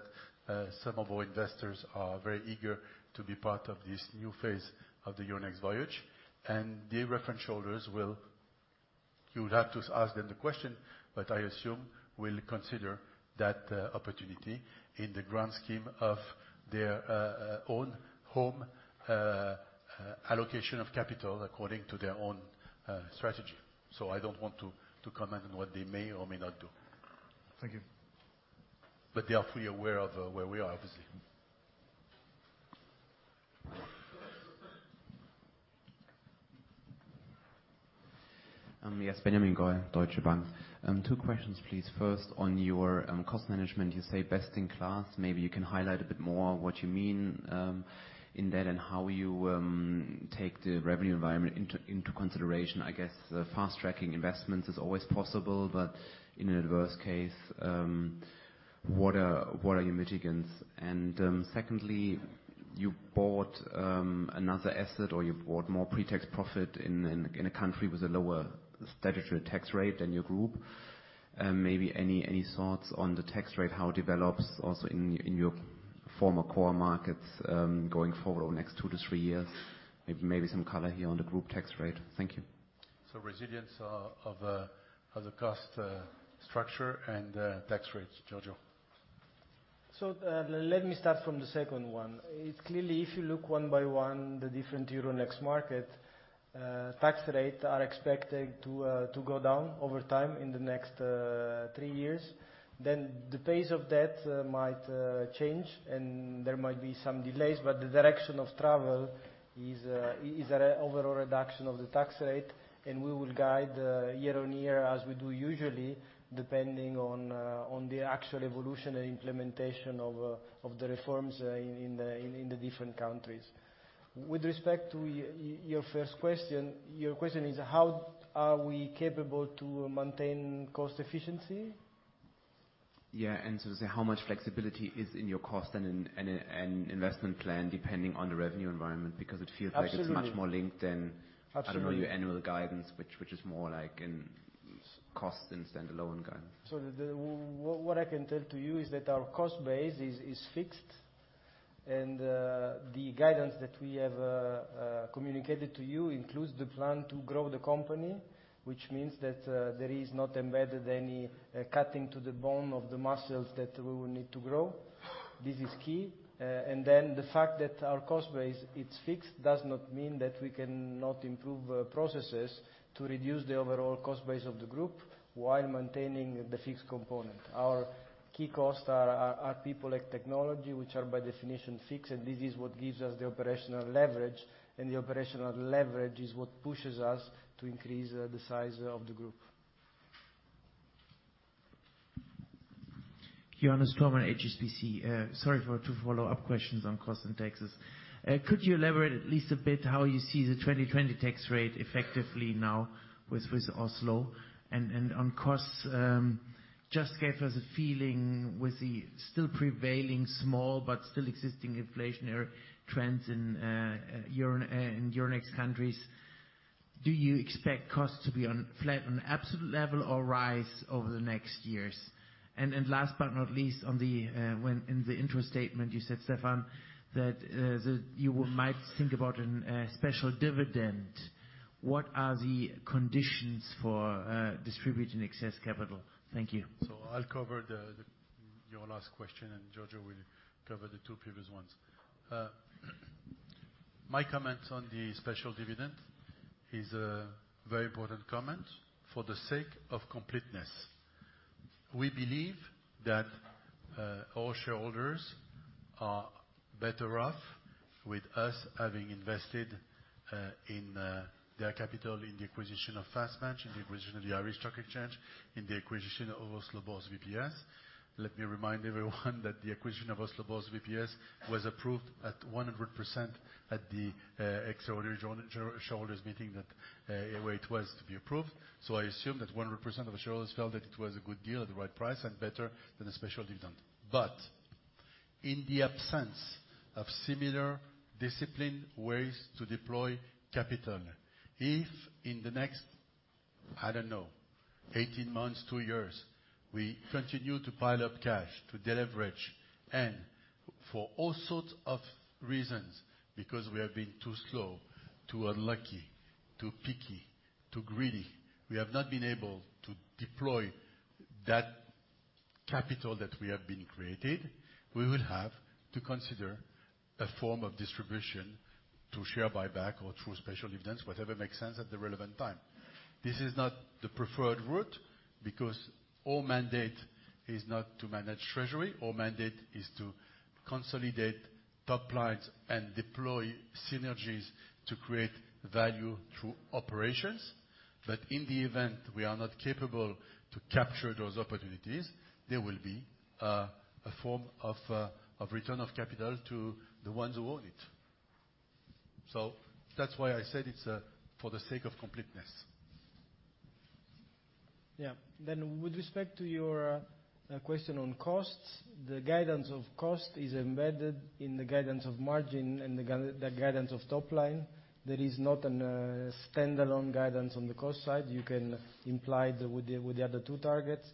some of our investors are very eager to be part of this new phase of the Euronext voyage. The reference shareholders You'll have to ask them the question, I assume will consider that opportunity in the grand scheme of their own home allocation of capital according to their own strategy. I don't want to comment on what they may or may not do. Thank you. They are fully aware of where we are, obviously. Yes. Benjamin Goy, Deutsche Bank. Two questions, please. First, on your cost management, you say best in class. Maybe you can highlight a bit more what you mean in that and how you take the revenue environment into consideration. I guess fast-tracking investments is always possible, but in an adverse case, what are your mitigants? Secondly, you bought another asset, or you bought more pre-tax profit in a country with a lower statutory tax rate than your group. Maybe any thoughts on the tax rate, how it develops also in your former core markets, going forward over the next two to three years? Maybe some color here on the group tax rate. Thank you. resilience of the cost structure and tax rates. Giorgio. Let me start from the second one. Clearly, if you look one by one, the different Euronext market, tax rates are expected to go down over time in the next three years. The pace of that might change and there might be some delays, but the direction of travel is an overall reduction of the tax rate, and we will guide year on year as we do usually, depending on the actual evolution and implementation of the reforms in the different countries. With respect to your first question, your question is how are we capable to maintain cost efficiency? Yeah. To say how much flexibility is in your cost and investment plan depending on the revenue environment, because it feels like. Absolutely it's much more linked than- Absolutely I don't know, your annual guidance, which is more like in cost in standalone guidance. What I can tell you is that our cost base is fixed, and the guidance that we have communicated to you includes the plan to grow the company, which means that there is not embedded any cutting to the bone of the muscles that we will need to grow. This is key. The fact that our cost base, it's fixed, does not mean that we cannot improve processes to reduce the overall cost base of the group while maintaining the fixed component. Our key costs are people like technology, which are by definition fixed, and this is what gives us the operational leverage, and the operational leverage is what pushes us to increase the size of the group. Johannes Thormann at HSBC. Sorry for two follow-up questions on costs and taxes. Could you elaborate at least a bit how you see the 2020 tax rate effectively now with Oslo? On costs, just give us a feeling with the still prevailing small but still existing inflationary trends in Euronext countries, do you expect costs to be on absolute level or rise over the next years? Last but not least, in the intro statement, you said, Stéphane, that you might think about a special dividend. What are the conditions for distributing excess capital? Thank you. I'll cover your last question, and Giorgio will cover the two previous ones. My comments on the special dividend is a very important comment for the sake of completeness. We believe that our shareholders are better off with us having invested their capital in the acquisition of FastMatch, in the acquisition of the Irish Stock Exchange, in the acquisition of Oslo Børs VPS. Let me remind everyone that the acquisition of Oslo Børs VPS was approved at 100% at the extraordinary shareholders meeting that it was to be approved. I assume that 100% of the shareholders felt that it was a good deal at the right price and better than a special dividend. In the absence of similar disciplined ways to deploy capital, if in the next, I don't know, 18 months, two years, we continue to pile up cash to deleverage and for all sorts of reasons, because we have been too slow, too unlucky, too picky, too greedy, we have not been able to deploy that capital that we have been created, we will have to consider a form of distribution through share buyback or through special dividends, whatever makes sense at the relevant time. This is not the preferred route because our mandate is not to manage treasury. Our mandate is to consolidate top lines and deploy synergies to create value through operations. In the event we are not capable to capture those opportunities, there will be a form of return of capital to the ones who own it. That's why I said it's for the sake of completeness. Yeah. With respect to your question on costs, the guidance of cost is embedded in the guidance of margin and the guidance of top line. There is not a standalone guidance on the cost side. You can imply with the other two targets.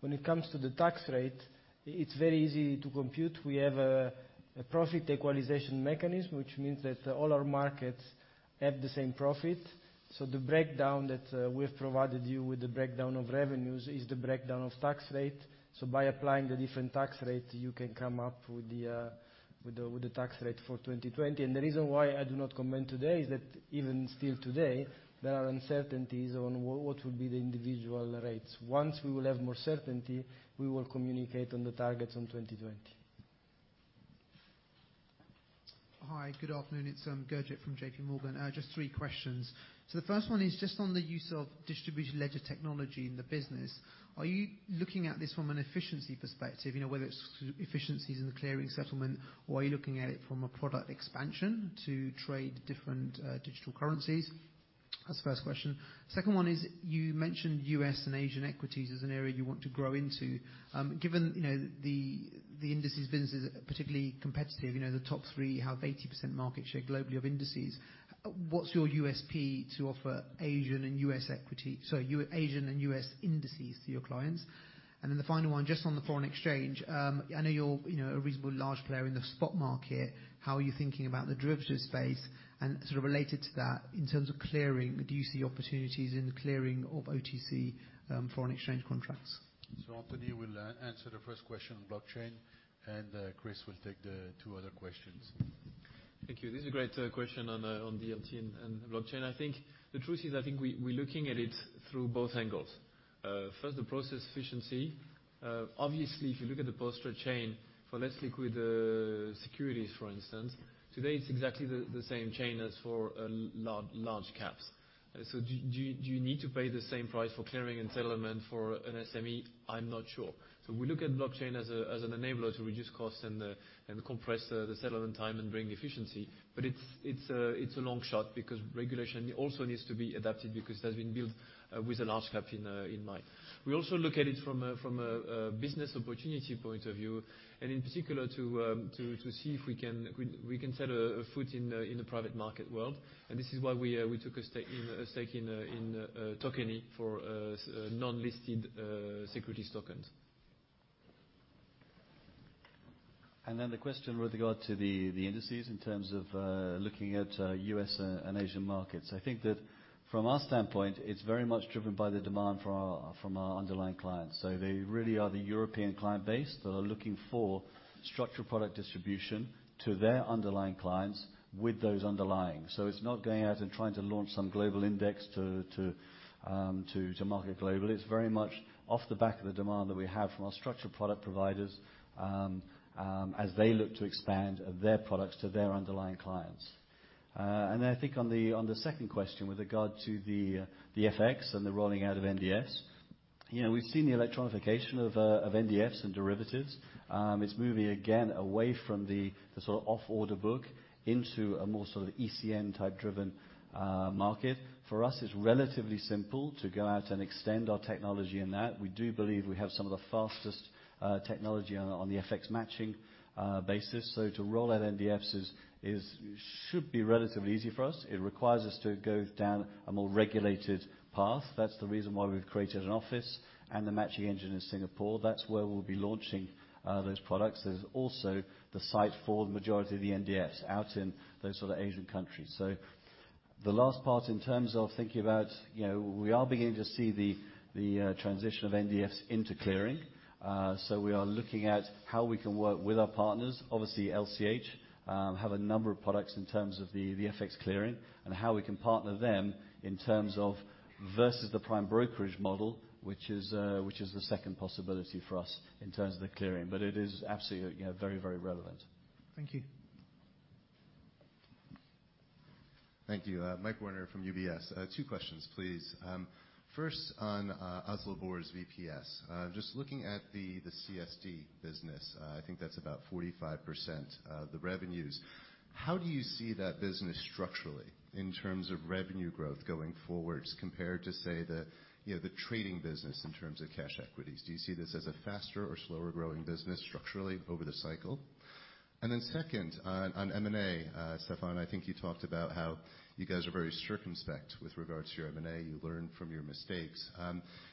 When it comes to the tax rate, it's very easy to compute. We have a profit equalization mechanism, which means that all our markets have the same profit. The breakdown that we've provided you with the breakdown of revenues is the breakdown of tax rate. By applying the different tax rate, you can come up with the tax rate for 2020. The reason why I do not comment today is that even still today, there are uncertainties on what would be the individual rates. Once we will have more certainty, we will communicate on the targets on 2020. Hi, good afternoon. It's Gurjit from JPMorgan. Just three questions. The first one is just on the use of distributed ledger technology in the business. Are you looking at this from an efficiency perspective, whether it's efficiencies in the clearing settlement, or are you looking at it from a product expansion to trade different digital currencies? That's the first question. Second one is you mentioned U.S. and Asian equities as an area you want to grow into. Given the indices business is particularly competitive, the top three have 80% market share globally of indices. What's your USP to offer Asian and U.S. indices to your clients? The final one, just on the foreign exchange. I know you're a reasonably large player in the spot market. How are you thinking about the derivatives space? Sort of related to that, in terms of clearing, do you see opportunities in the clearing of OTC foreign exchange contracts? Anthony will answer the first question on blockchain, and Chris will take the two other questions. Thank you. This is a great question on DLT and blockchain. I think the truth is, I think we're looking at it through both angles. First, the process efficiency. Obviously, if you look at the post trade chain for less liquid securities, for instance, today it's exactly the same chain as for large caps. Do you need to pay the same price for clearing and settlement for an SME? I'm not sure. We look at blockchain as an enabler to reduce costs and compress the settlement time and bring efficiency. It's a long shot because regulation also needs to be adapted because it has been built with a large cap in mind. We also look at it from a business opportunity point of view, and in particular, to see if we can set a foot in the private market world. This is why we took a stake in Tokeny for non-listed securities tokens. The question with regard to the indices in terms of looking at U.S. and Asian markets. I think that from our standpoint, it's very much driven by the demand from our underlying clients. They really are the European client base that are looking for structural product distribution to their underlying clients with those underlying. It's not going out and trying to launch some global index to market globally. It's very much off the back of the demand that we have from our structural product providers as they look to expand their products to their underlying clients. I think on the second question with regard to the FX and the rolling out of NDFs. We've seen the electronification of NDFs and derivatives. It's moving again away from the sort of off-order book into a more sort of ECN type driven market. For us, it's relatively simple to go out and extend our technology in that. We do believe we have some of the fastest technology on the FX matching basis. To roll out NDFs should be relatively easy for us. It requires us to go down a more regulated path. That's the reason why we've created an office and the matching engine in Singapore. That's where we'll be launching those products. There's also the site for the majority of the NDFs out in those sort of Asian countries. The last part in terms of thinking about, we are beginning to see the transition of NDFs into clearing. We are looking at how we can work with our partners. LCH have a number of products in terms of the FX clearing and how we can partner them in terms of versus the prime brokerage model, which is the second possibility for us in terms of the clearing. It is absolutely very relevant. Thank you. Thank you. Mike Werner from UBS. Two questions, please. First on Oslo Børs VPS. Just looking at the CSD business, I think that's about 45% of the revenues. How do you see that business structurally in terms of revenue growth going forward compared to, say, the trading business in terms of cash equities? Do you see this as a faster or slower growing business structurally over the cycle? Second, on M&A, Stéphane, I think you talked about how you guys are very circumspect with regards to your M&A. You learn from your mistakes.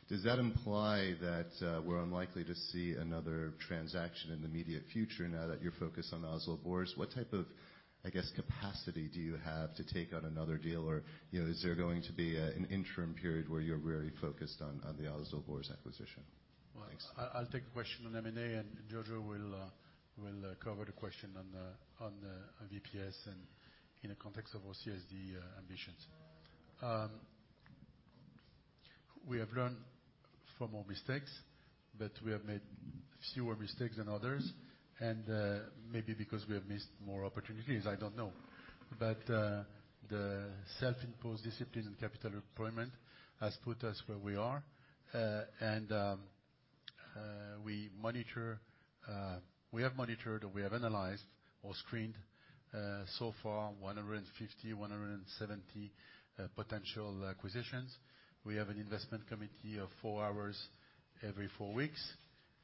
Does that imply that we're unlikely to see another transaction in the immediate future now that you're focused on Oslo Børs? What type of, I guess, capacity do you have to take on another deal? Is there going to be an interim period where you're very focused on the Oslo Børs acquisition? Thanks. Well, I'll take the question on M&A. Giorgio will cover the question on VPS and in the context of our CSD ambitions. We have learned from our mistakes, we have made fewer mistakes than others and maybe because we have missed more opportunities, I don't know. The self-imposed discipline and capital deployment has put us where we are. We have monitored, we have analyzed or screened so far 150, 170 potential acquisitions. We have an investment committee of four hours every four weeks.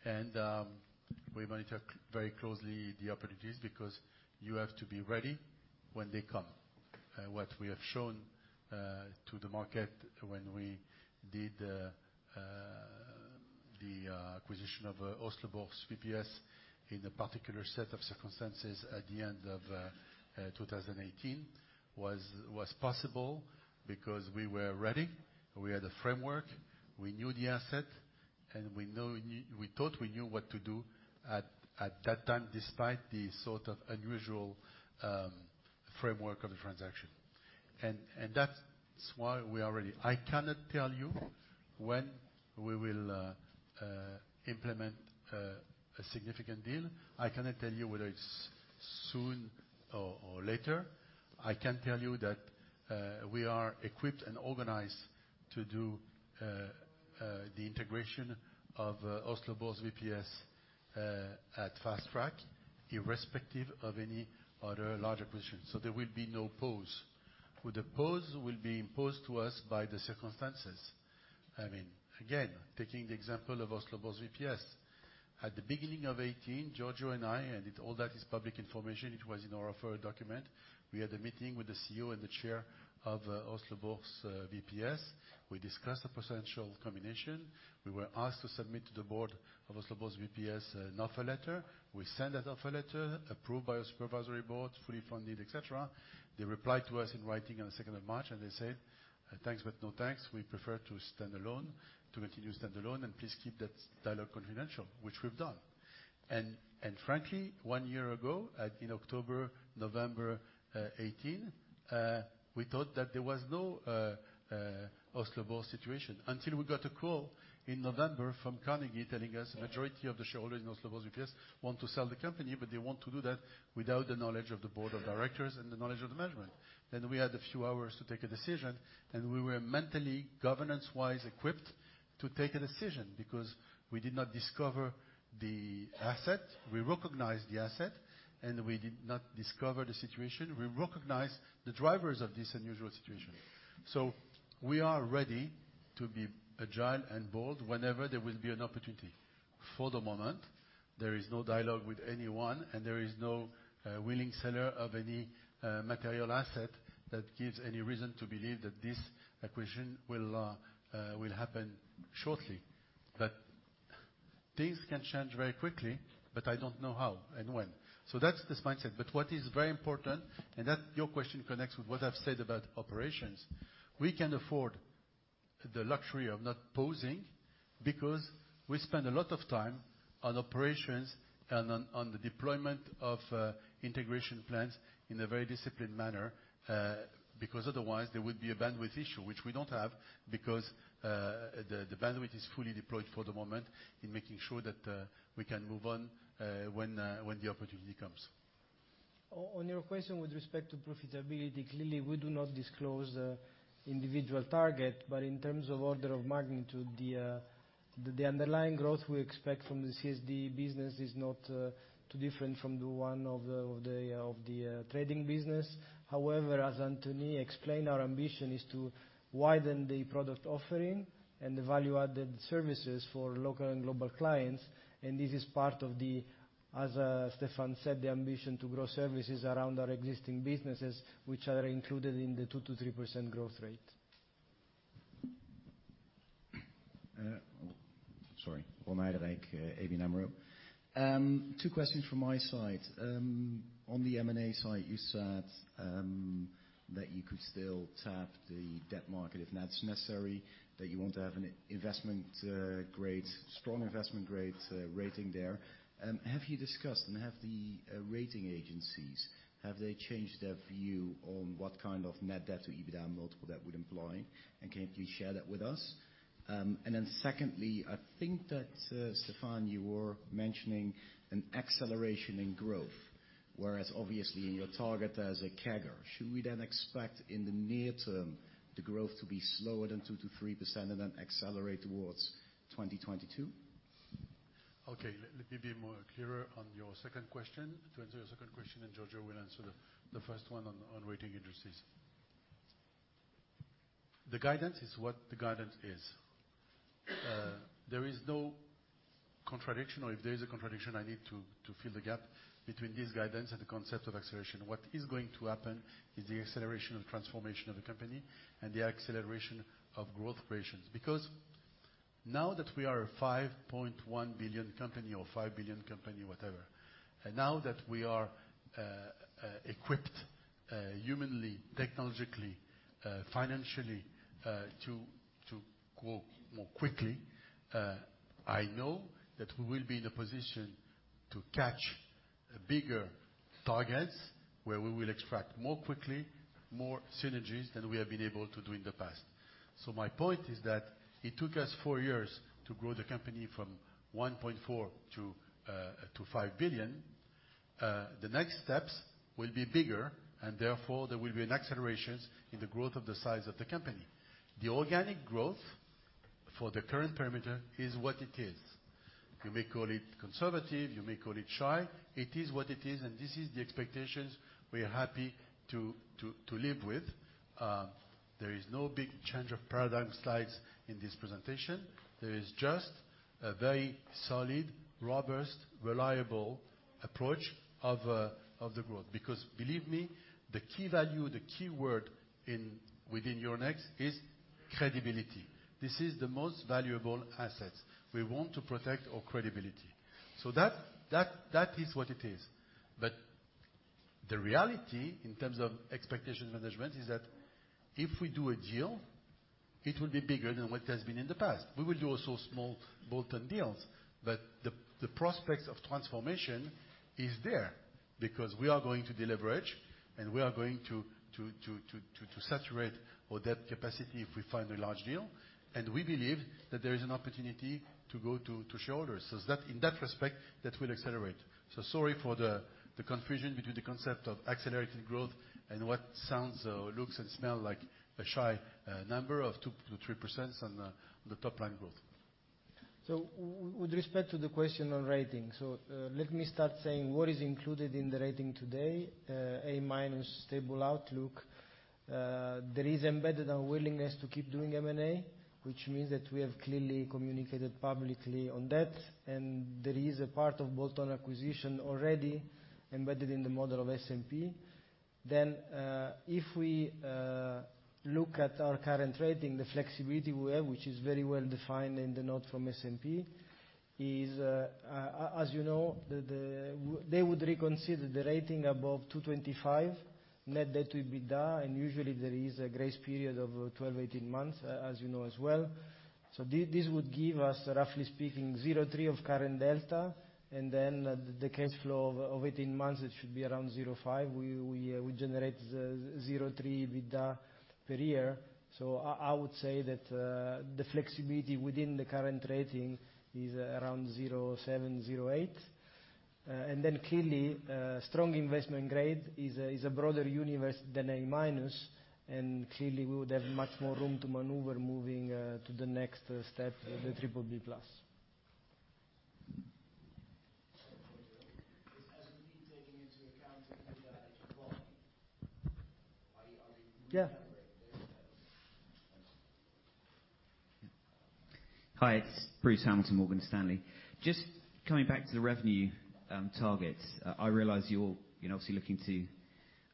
We monitor very closely the opportunities because you have to be ready when they come. What we have shown to the market when we did the acquisition of Oslo Børs VPS in a particular set of circumstances at the end of 2018 was possible because we were ready, we had a framework, we knew the asset, and we thought we knew what to do at that time, despite the sort of unusual framework of the transaction. That's why we are ready. I cannot tell you when we will implement a significant deal. I cannot tell you whether it's soon or later. I can tell you that we are equipped and organized to do the integration of Oslo Børs VPS at fast track, irrespective of any other large acquisition. There will be no pause. With a pause will be imposed to us by the circumstances. Again, taking the example of Oslo Børs VPS. At the beginning of 2018, Giorgio and I, and all that is public information, it was in our offer document. We had a meeting with the CEO and the chair of Oslo Børs VPS. We discussed the potential combination. We were asked to submit to the board of Oslo Børs VPS an offer letter. We sent that offer letter, approved by a supervisory board, fully funded, et cetera. They replied to us in writing on the 2nd of March. They said, "Thanks, but no thanks. We prefer to stand alone, to continue to stand alone and please keep that dialogue confidential," which we've done. Frankly, one year ago, in October, November 2018, we thought that there was no Oslo Børs situation until we got a call in November from Carnegie telling us the majority of the shareholders in Oslo Børs VPS want to sell the company, but they want to do that without the knowledge of the board of directors and the knowledge of the management. We had a few hours to take a decision. We were mentally, governance-wise equipped to take a decision because we did not discover the asset. We recognized the asset. We did not discover the situation. We recognized the drivers of this unusual situation. We are ready to be agile and bold whenever there will be an opportunity. For the moment, there is no dialogue with anyone, and there is no willing seller of any material asset that gives any reason to believe that this acquisition will happen shortly. Things can change very quickly, but I don't know how and when. That's this mindset. What is very important, and your question connects with what I've said about operations. We can afford the luxury of not pausing because we spend a lot of time on operations and on the deployment of integration plans in a very disciplined manner. Because otherwise, there would be a bandwidth issue, which we don't have because the bandwidth is fully deployed for the moment in making sure that we can move on when the opportunity comes. On your question with respect to profitability, clearly, we do not disclose the individual target. In terms of order of magnitude, the underlying growth we expect from the CSD business is not too different from the one of the trading business. However, as Anthony explained, our ambition is to widen the product offering and the value-added services for local and global clients. This is part of the, as Stéphane said, the ambition to grow services around our existing businesses, which are included in the 2%-3% growth rate. Wouter Vijver, ABN AMRO. Two questions from my side. On the M&A side, you said that you could still tap the debt market if that's necessary, that you want to have a strong investment-grade rating there. Have you discussed, have the rating agencies, have they changed their view on what kind of net debt to EBITDA multiple that would employ? Can you share that with us? Secondly, I think that, Stéphane, you were mentioning an acceleration in growth, whereas obviously in your target as a CAGR. Should we then expect in the near term the growth to be slower than 2% to 3% and then accelerate towards 2022? Okay. Let me be more clearer on your second question. To answer your second question, and Giorgio will answer the first one on rating agencies. The guidance is what the guidance is. There is no contradiction, or if there is a contradiction, I need to fill the gap between this guidance and the concept of acceleration. What is going to happen is the acceleration of transformation of the company and the acceleration of growth operations. Now that we are a 5.1 billion company or 5 billion company, whatever, and now that we are equipped humanly, technologically, financially, to grow more quickly, I know that we will be in a position to catch bigger targets where we will extract more quickly, more synergies than we have been able to do in the past. My point is that it took us four years to grow the company from 1.4 billion to 5 billion. The next steps will be bigger, therefore, there will be an acceleration in the growth of the size of the company. The organic growth for the current perimeter is what it is. You may call it conservative, you may call it shy. It is what it is, this is the expectations we are happy to live with. There is no big change of paradigm slides in this presentation. There is just a very solid, robust, reliable approach of the growth. Believe me, the key value, the key word within Euronext is credibility. This is the most valuable asset. We want to protect our credibility. That is what it is. The reality in terms of expectation management is that if we do a deal, it will be bigger than what has been in the past. We will do also small bolt-on deals, but the prospects of transformation is there because we are going to deleverage, and we are going to saturate our debt capacity if we find a large deal, and we believe that there is an opportunity to go to shareholders. In that respect, that will accelerate. Sorry for the confusion between the concept of accelerated growth and what sounds or looks and smell like a shy number of 2% to 3% on the top line growth. With respect to the question on rating, let me start saying what is included in the rating today, A minus, stable outlook. There is embedded our willingness to keep doing M&A, which means that we have clearly communicated publicly on that, and there is a part of bolt-on acquisition already embedded in the model of S&P. If we look at our current rating, the flexibility we have, which is very well defined in the note from S&P, is, as you know, they would reconsider the rating above 225 net debt to EBITDA, and usually there is a grace period of 12, 18 months, as you know as well. This would give us, roughly speaking, 0.3 of current delta, and then the cash flow of 18 months, it should be around 0.5. We generate 0.3 EBITDA per year. I would say that the flexibility within the current rating is around 0.7, 0.8. Clearly, strong investment grade is a broader universe than A minus, and clearly, we would have much more room to maneuver moving to the next step, the BBB+. Is S&P taking into account the EBITDA in 12? Yeah remembering this? Thanks. Hi, it's Bruce Hamilton, Morgan Stanley. Just coming back to the revenue target. I realize you're obviously looking to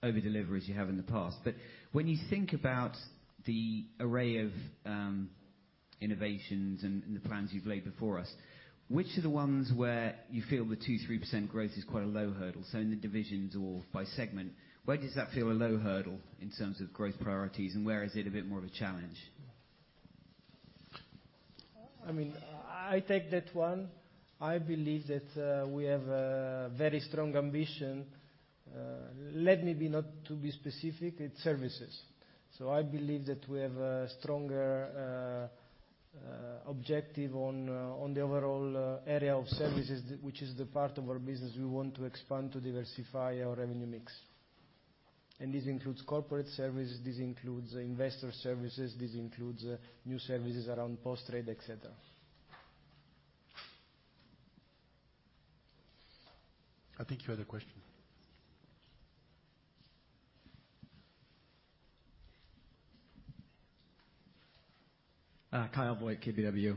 over-deliver as you have in the past. When you think about the array of innovations and the plans you've laid before us, which are the ones where you feel the 2%, 3% growth is quite a low hurdle? In the divisions or by segment, where does that feel a low hurdle in terms of growth priorities, and where is it a bit more of a challenge? I take that one. I believe that we have a very strong ambition. Let me not to be specific, it's services. I believe that we have a stronger objective on the overall area of services, which is the part of our business we want to expand to diversify our revenue mix. This includes corporate services, this includes investor services, this includes new services around post-trade, et cetera. I think you had a question. Kyle Voigt, KBW.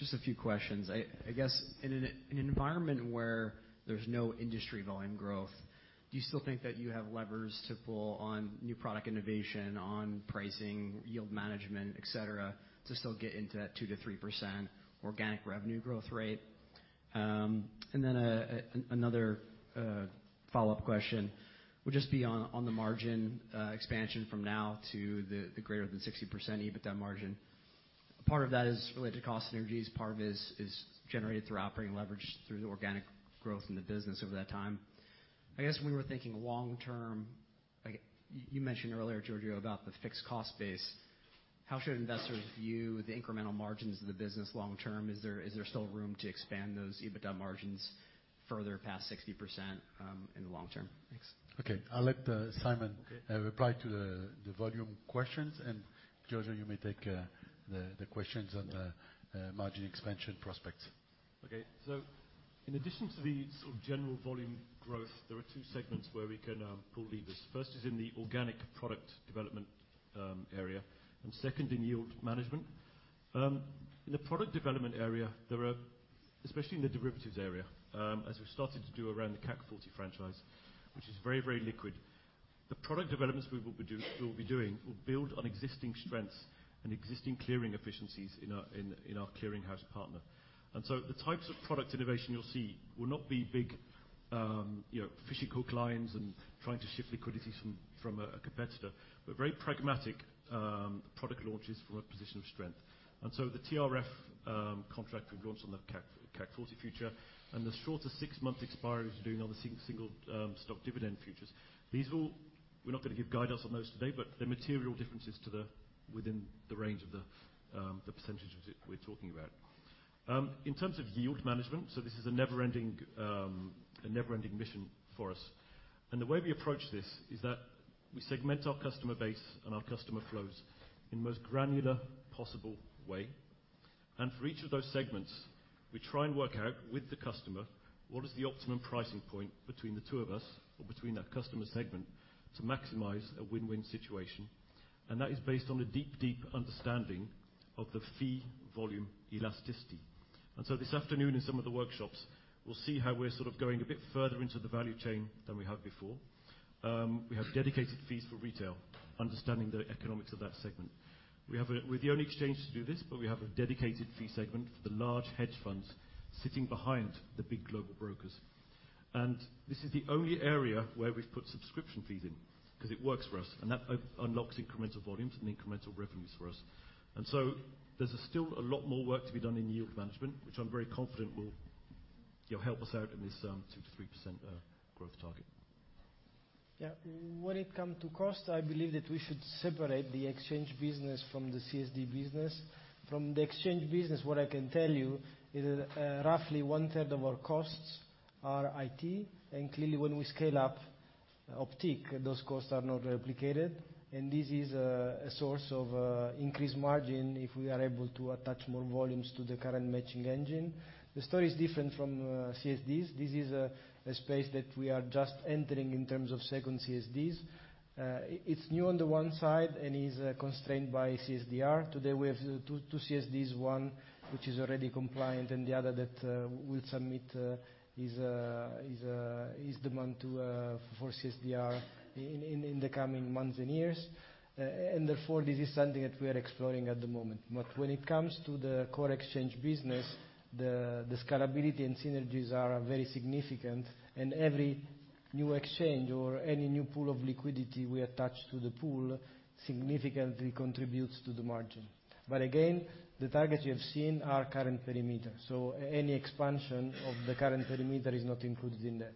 Just a few questions. In an environment where there's no industry volume growth, do you still think that you have levers to pull on new product innovation, on pricing, yield management, et cetera, to still get into that 2%-3% organic revenue growth rate? Another follow-up question would just be on the margin expansion from now to the greater than 60% EBITDA margin. Part of that is related to cost synergies, part of is generated through operating leverage through the organic growth in the business over that time. When we're thinking long-term, you mentioned earlier, Giorgio, about the fixed cost base. How should investors view the incremental margins of the business long term? Is there still room to expand those EBITDA margins further past 60% in the long term? Thanks. Okay. I'll let Simon reply to the volume questions, and Giorgio, you may take the questions on the margin expansion prospects. In addition to the general volume growth, there are two segments where we can pull levers. First is in the organic product development area, and second in yield management. In the product development area, especially in the derivatives area, as we've started to do around the CAC 40 franchise, which is very liquid, the product developments we will be doing will build on existing strengths and existing clearing efficiencies in our clearing house partner. The types of product innovation you'll see will not be big fishing hook lines and trying to shift liquidity from a competitor, but very pragmatic product launches from a position of strength. The TRF contract we've launched on the CAC 40 future and the shorter six-month expiries we're doing on the Single Stock Dividend Futures. We're not going to give guidance on those today, but they're material differences within the range of the percentages that we're talking about. In terms of yield management, this is a never-ending mission for us. The way we approach this is that we segment our customer base and our customer flows in the most granular possible way. For each of those segments, we try and work out with the customer what is the optimum pricing point between the two of us or between that customer segment to maximize a win-win situation. That is based on a deep understanding of the fee volume elasticity. This afternoon in some of the workshops, we'll see how we're going a bit further into the value chain than we have before. We have dedicated fees for retail, understanding the economics of that segment. We're the only exchange to do this, but we have a dedicated fee segment for the large hedge funds sitting behind the big global brokers. This is the only area where we've put subscription fees in because it works for us, and that unlocks incremental volumes and incremental revenues for us. There's still a lot more work to be done in yield management, which I'm very confident will help us out in this 2%-3% growth target. Yeah. When it come to cost, I believe that we should separate the exchange business from the CSD business. From the exchange business, what I can tell you is that roughly one third of our costs are IT. Clearly, when we scale up Optiq, those costs are not replicated. This is a source of increased margin if we are able to attach more volumes to the current matching engine. The story is different from CSDs. This is a space that we are just entering in terms of second CSDs. It's new on the one side and is constrained by CSDR. Today, we have two CSDs, one which is already compliant and the other that we'll submit his demand for CSDR in the coming months and years. Therefore, this is something that we are exploring at the moment. When it comes to the core exchange business, the scalability and synergies are very significant, and every new exchange or any new pool of liquidity we attach to the pool significantly contributes to the margin. Again, the targets you have seen are current perimeter. Any expansion of the current perimeter is not included in that.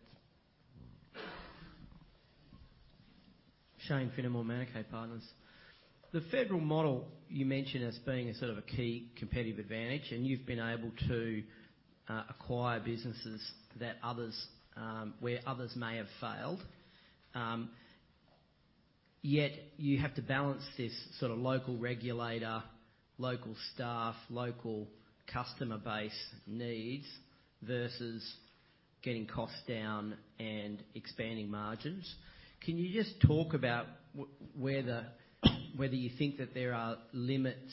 Shane Finimore, Manikay Partners. The federal model you mentioned as being a sort of a key competitive advantage, and you've been able to acquire businesses where others may have failed. Yet you have to balance this local regulator, local staff, local customer base needs versus getting costs down and expanding margins. Can you just talk about whether you think that there are limits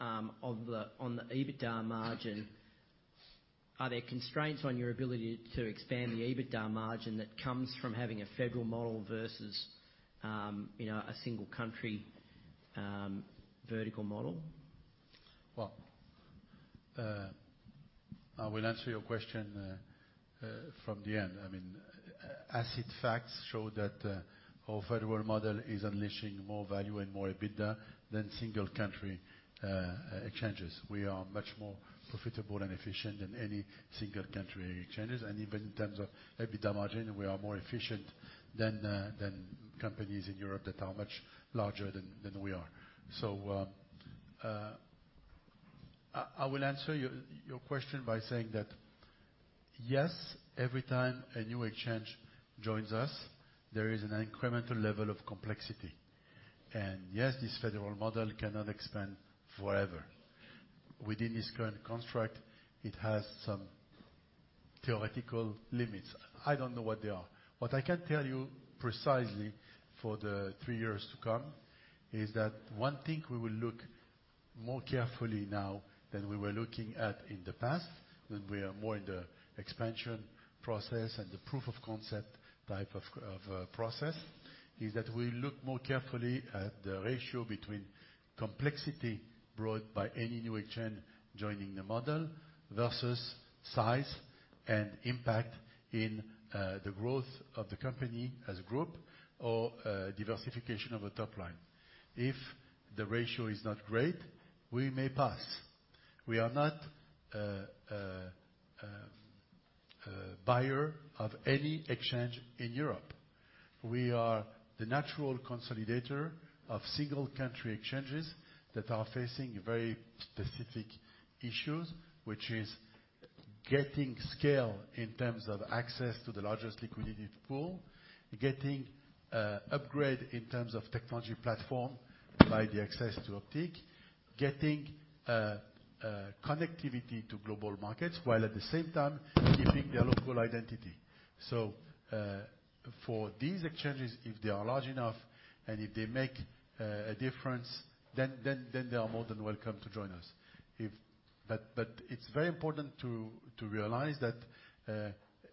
on the EBITDA margin? Are there constraints on your ability to expand the EBITDA margin that comes from having a federal model versus a single country vertical model? I will answer your question from the end. Asset facts show that our federal model is unleashing more value and more EBITDA than single country exchanges. We are much more profitable and efficient than any single country exchanges. Even in terms of EBITDA margin, we are more efficient than companies in Europe that are much larger than we are. I will answer your question by saying that, yes, every time a new exchange joins us, there is an incremental level of complexity. Yes, this federal model cannot expand forever. Within this current construct, it has some theoretical limits. I don't know what they are. What I can tell you precisely for the three years to come, is that one thing we will look more carefully now than we were looking at in the past, when we are more in the expansion process and the proof of concept type of process, is that we look more carefully at the ratio between complexity brought by any new exchange joining the model versus size and impact in the growth of the company as a group or diversification of a top line. If the ratio is not great, we may pass. We are not a buyer of any exchange in Europe. We are the natural consolidator of single country exchanges that are facing very specific issues, which is getting scale in terms of access to the largest liquidity pool, getting upgrade in terms of technology platform by the access to Optiq, getting connectivity to global markets, while at the same time keeping their local identity. For these exchanges, if they are large enough and if they make a difference, then they are more than welcome to join us. It's very important to realize that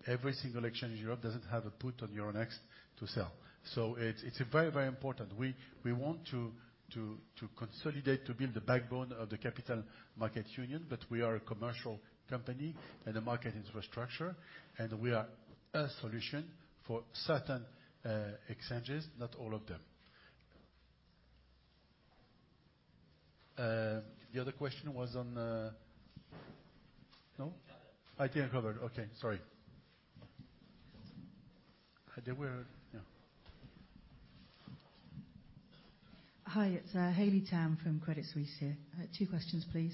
every single exchange in Europe doesn't have a put on Euronext to sell. It's very important. We want to consolidate, to build the backbone of the capital markets union, but we are a commercial company and a market infrastructure, and we are a solution for certain exchanges, not all of them. The other question was on No? You covered. I think I covered. Okay. Sorry. Hi, it's Haley Tam from Credit Suisse here. Two questions, please.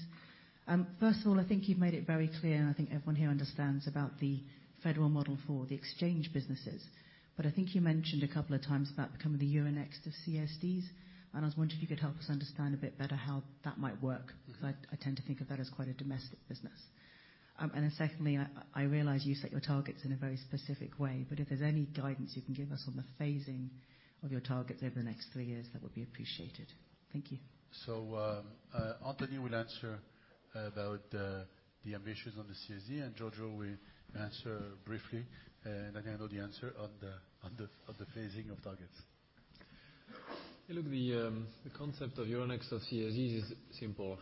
First of all, I think you've made it very clear, and I think everyone here understands about the federal model for the exchange businesses. I think you mentioned a couple of times about becoming the Euronext of CSDs, and I was wondering if you could help us understand a bit better how that might work, because I tend to think of that as quite a domestic business. Secondly, I realize you set your targets in a very specific way, but if there's any guidance you can give us on the phasing of your targets over the next 3 years, that would be appreciated. Thank you. Anthony will answer about the ambitions on the CSD, and Giorgio will answer briefly. I know the answer on the phasing of targets. Look, the concept of Euronext or CSD is simple.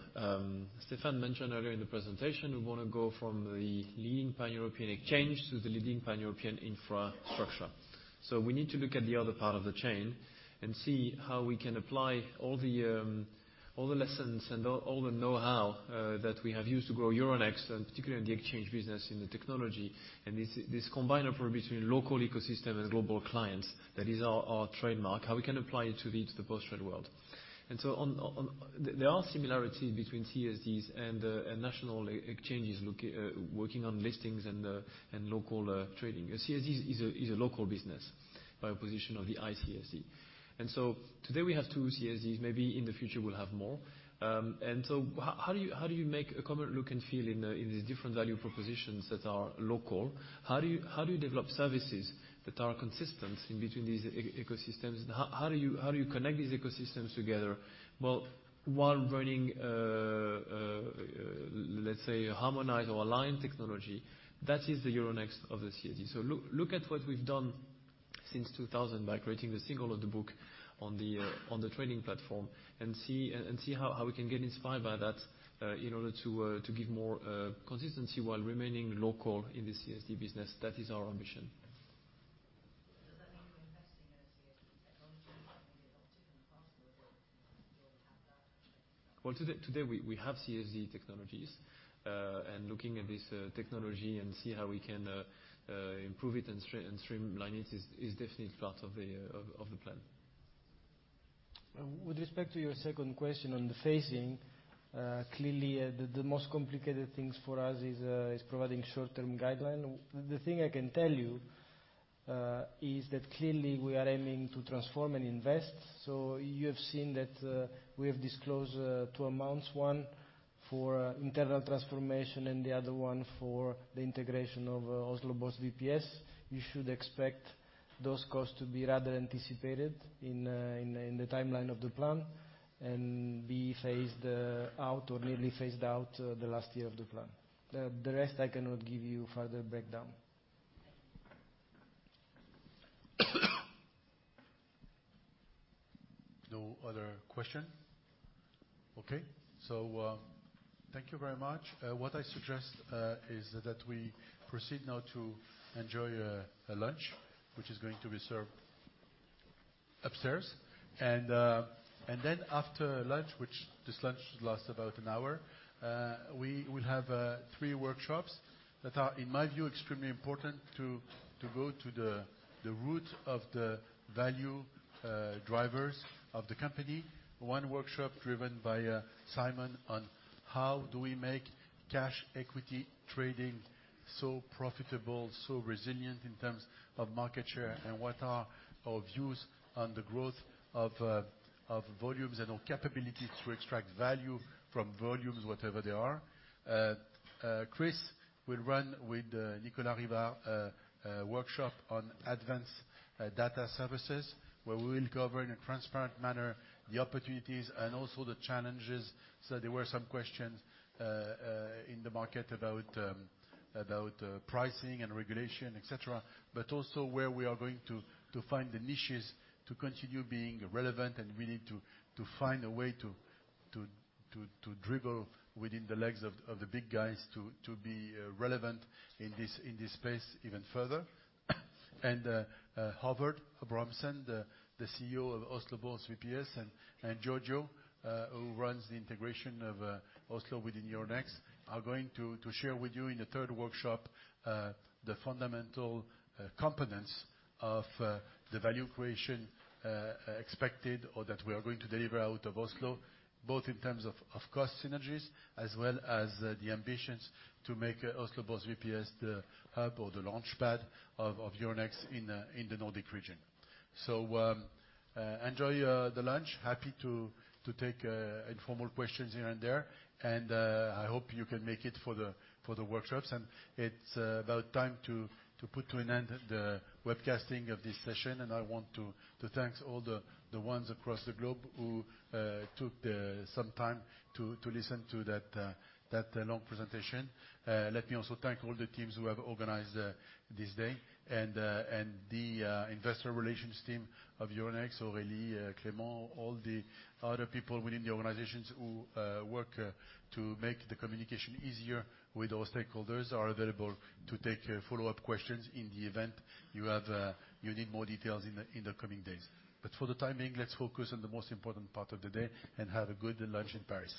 Stéphane mentioned earlier in the presentation, we want to go from the lean pan-European exchange to the leading pan-European infrastructure. We need to look at the other part of the chain and see how we can apply all the lessons and all the know-how that we have used to grow Euronext, and particularly in the exchange business in the technology. This combiner for between local ecosystem and global clients, that is our trademark, how we can apply it to the post-trade world. There are similarities between CSDs and national exchanges working on listings and local trading. A CSD is a local business by a position of the ICSD. Today we have two CSDs, maybe in the future we'll have more. How do you make a common look and feel in these different value propositions that are local? How do you develop services that are consistent in between these ecosystems? How do you connect these ecosystems together? Well, while running a, let's say, harmonized or aligned technology, that is the Euronext of the CSD. Look at what we've done since 2000 by creating the single of the book on the training platform and see how we can get inspired by that, in order to give more consistency while remaining local in the CSD business. That is our ambition. Does that mean you're investing in a CSD technology Optiq in the past or have that? Well, today we have CSD technologies. Looking at this technology and see how we can improve it and streamline it is definitely part of the plan. With respect to your second question on the phasing, clearly, the most complicated things for us is providing short-term guideline. The thing I can tell you is that clearly we are aiming to transform and invest. You have seen that we have disclosed two amounts, one for internal transformation and the other one for the integration of Oslo Børs VPS. You should expect those costs to be rather anticipated in the timeline of the plan and be phased out or nearly phased out the last year of the plan. The rest, I cannot give you further breakdown. No other question? Okay. Thank you very much. What I suggest is that we proceed now to enjoy a lunch, which is going to be served upstairs. After lunch, which this lunch lasts about an hour, we will have three workshops that are, in my view, extremely important to go to the root of the value drivers of the company. One workshop driven by Simon on how do we make cash equity trading so profitable, so resilient in terms of market share, and what are our views on the growth of volumes and our capability to extract value from volumes, whatever they are. Chris will run, with Nicolas Rivard, a workshop on Advanced Data Services, where we will cover, in a transparent manner, the opportunities and also the challenges. There were some questions in the market about pricing and regulation, et cetera, but also where we are going to find the niches to continue being relevant and really to find a way to dribble within the legs of the big guys to be relevant in this space even further. Håvard Abrahamsen, the CEO of Oslo Børs VPS, and Giorgio, who runs the integration of Oslo within Euronext, are going to share with you in the third workshop, the fundamental components of the value creation expected or that we are going to deliver out of Oslo, both in terms of cost synergies, as well as the ambitions to make Oslo Børs VPS the hub or the launch pad of Euronext in the Nordic region. Enjoy the lunch. Happy to take informal questions here and there, and I hope you can make it for the workshops. It's about time to put to an end the webcasting of this session. I want to thank all the ones across the globe who took some time to listen to that long presentation. Let me also thank all the teams who have organized this day and the investor relations team of Euronext, Aurélie, Clément, all the other people within the organizations who work to make the communication easier with our stakeholders are available to take follow-up questions in the event you need more details in the coming days. For the time being, let's focus on the most important part of the day and have a good lunch in Paris.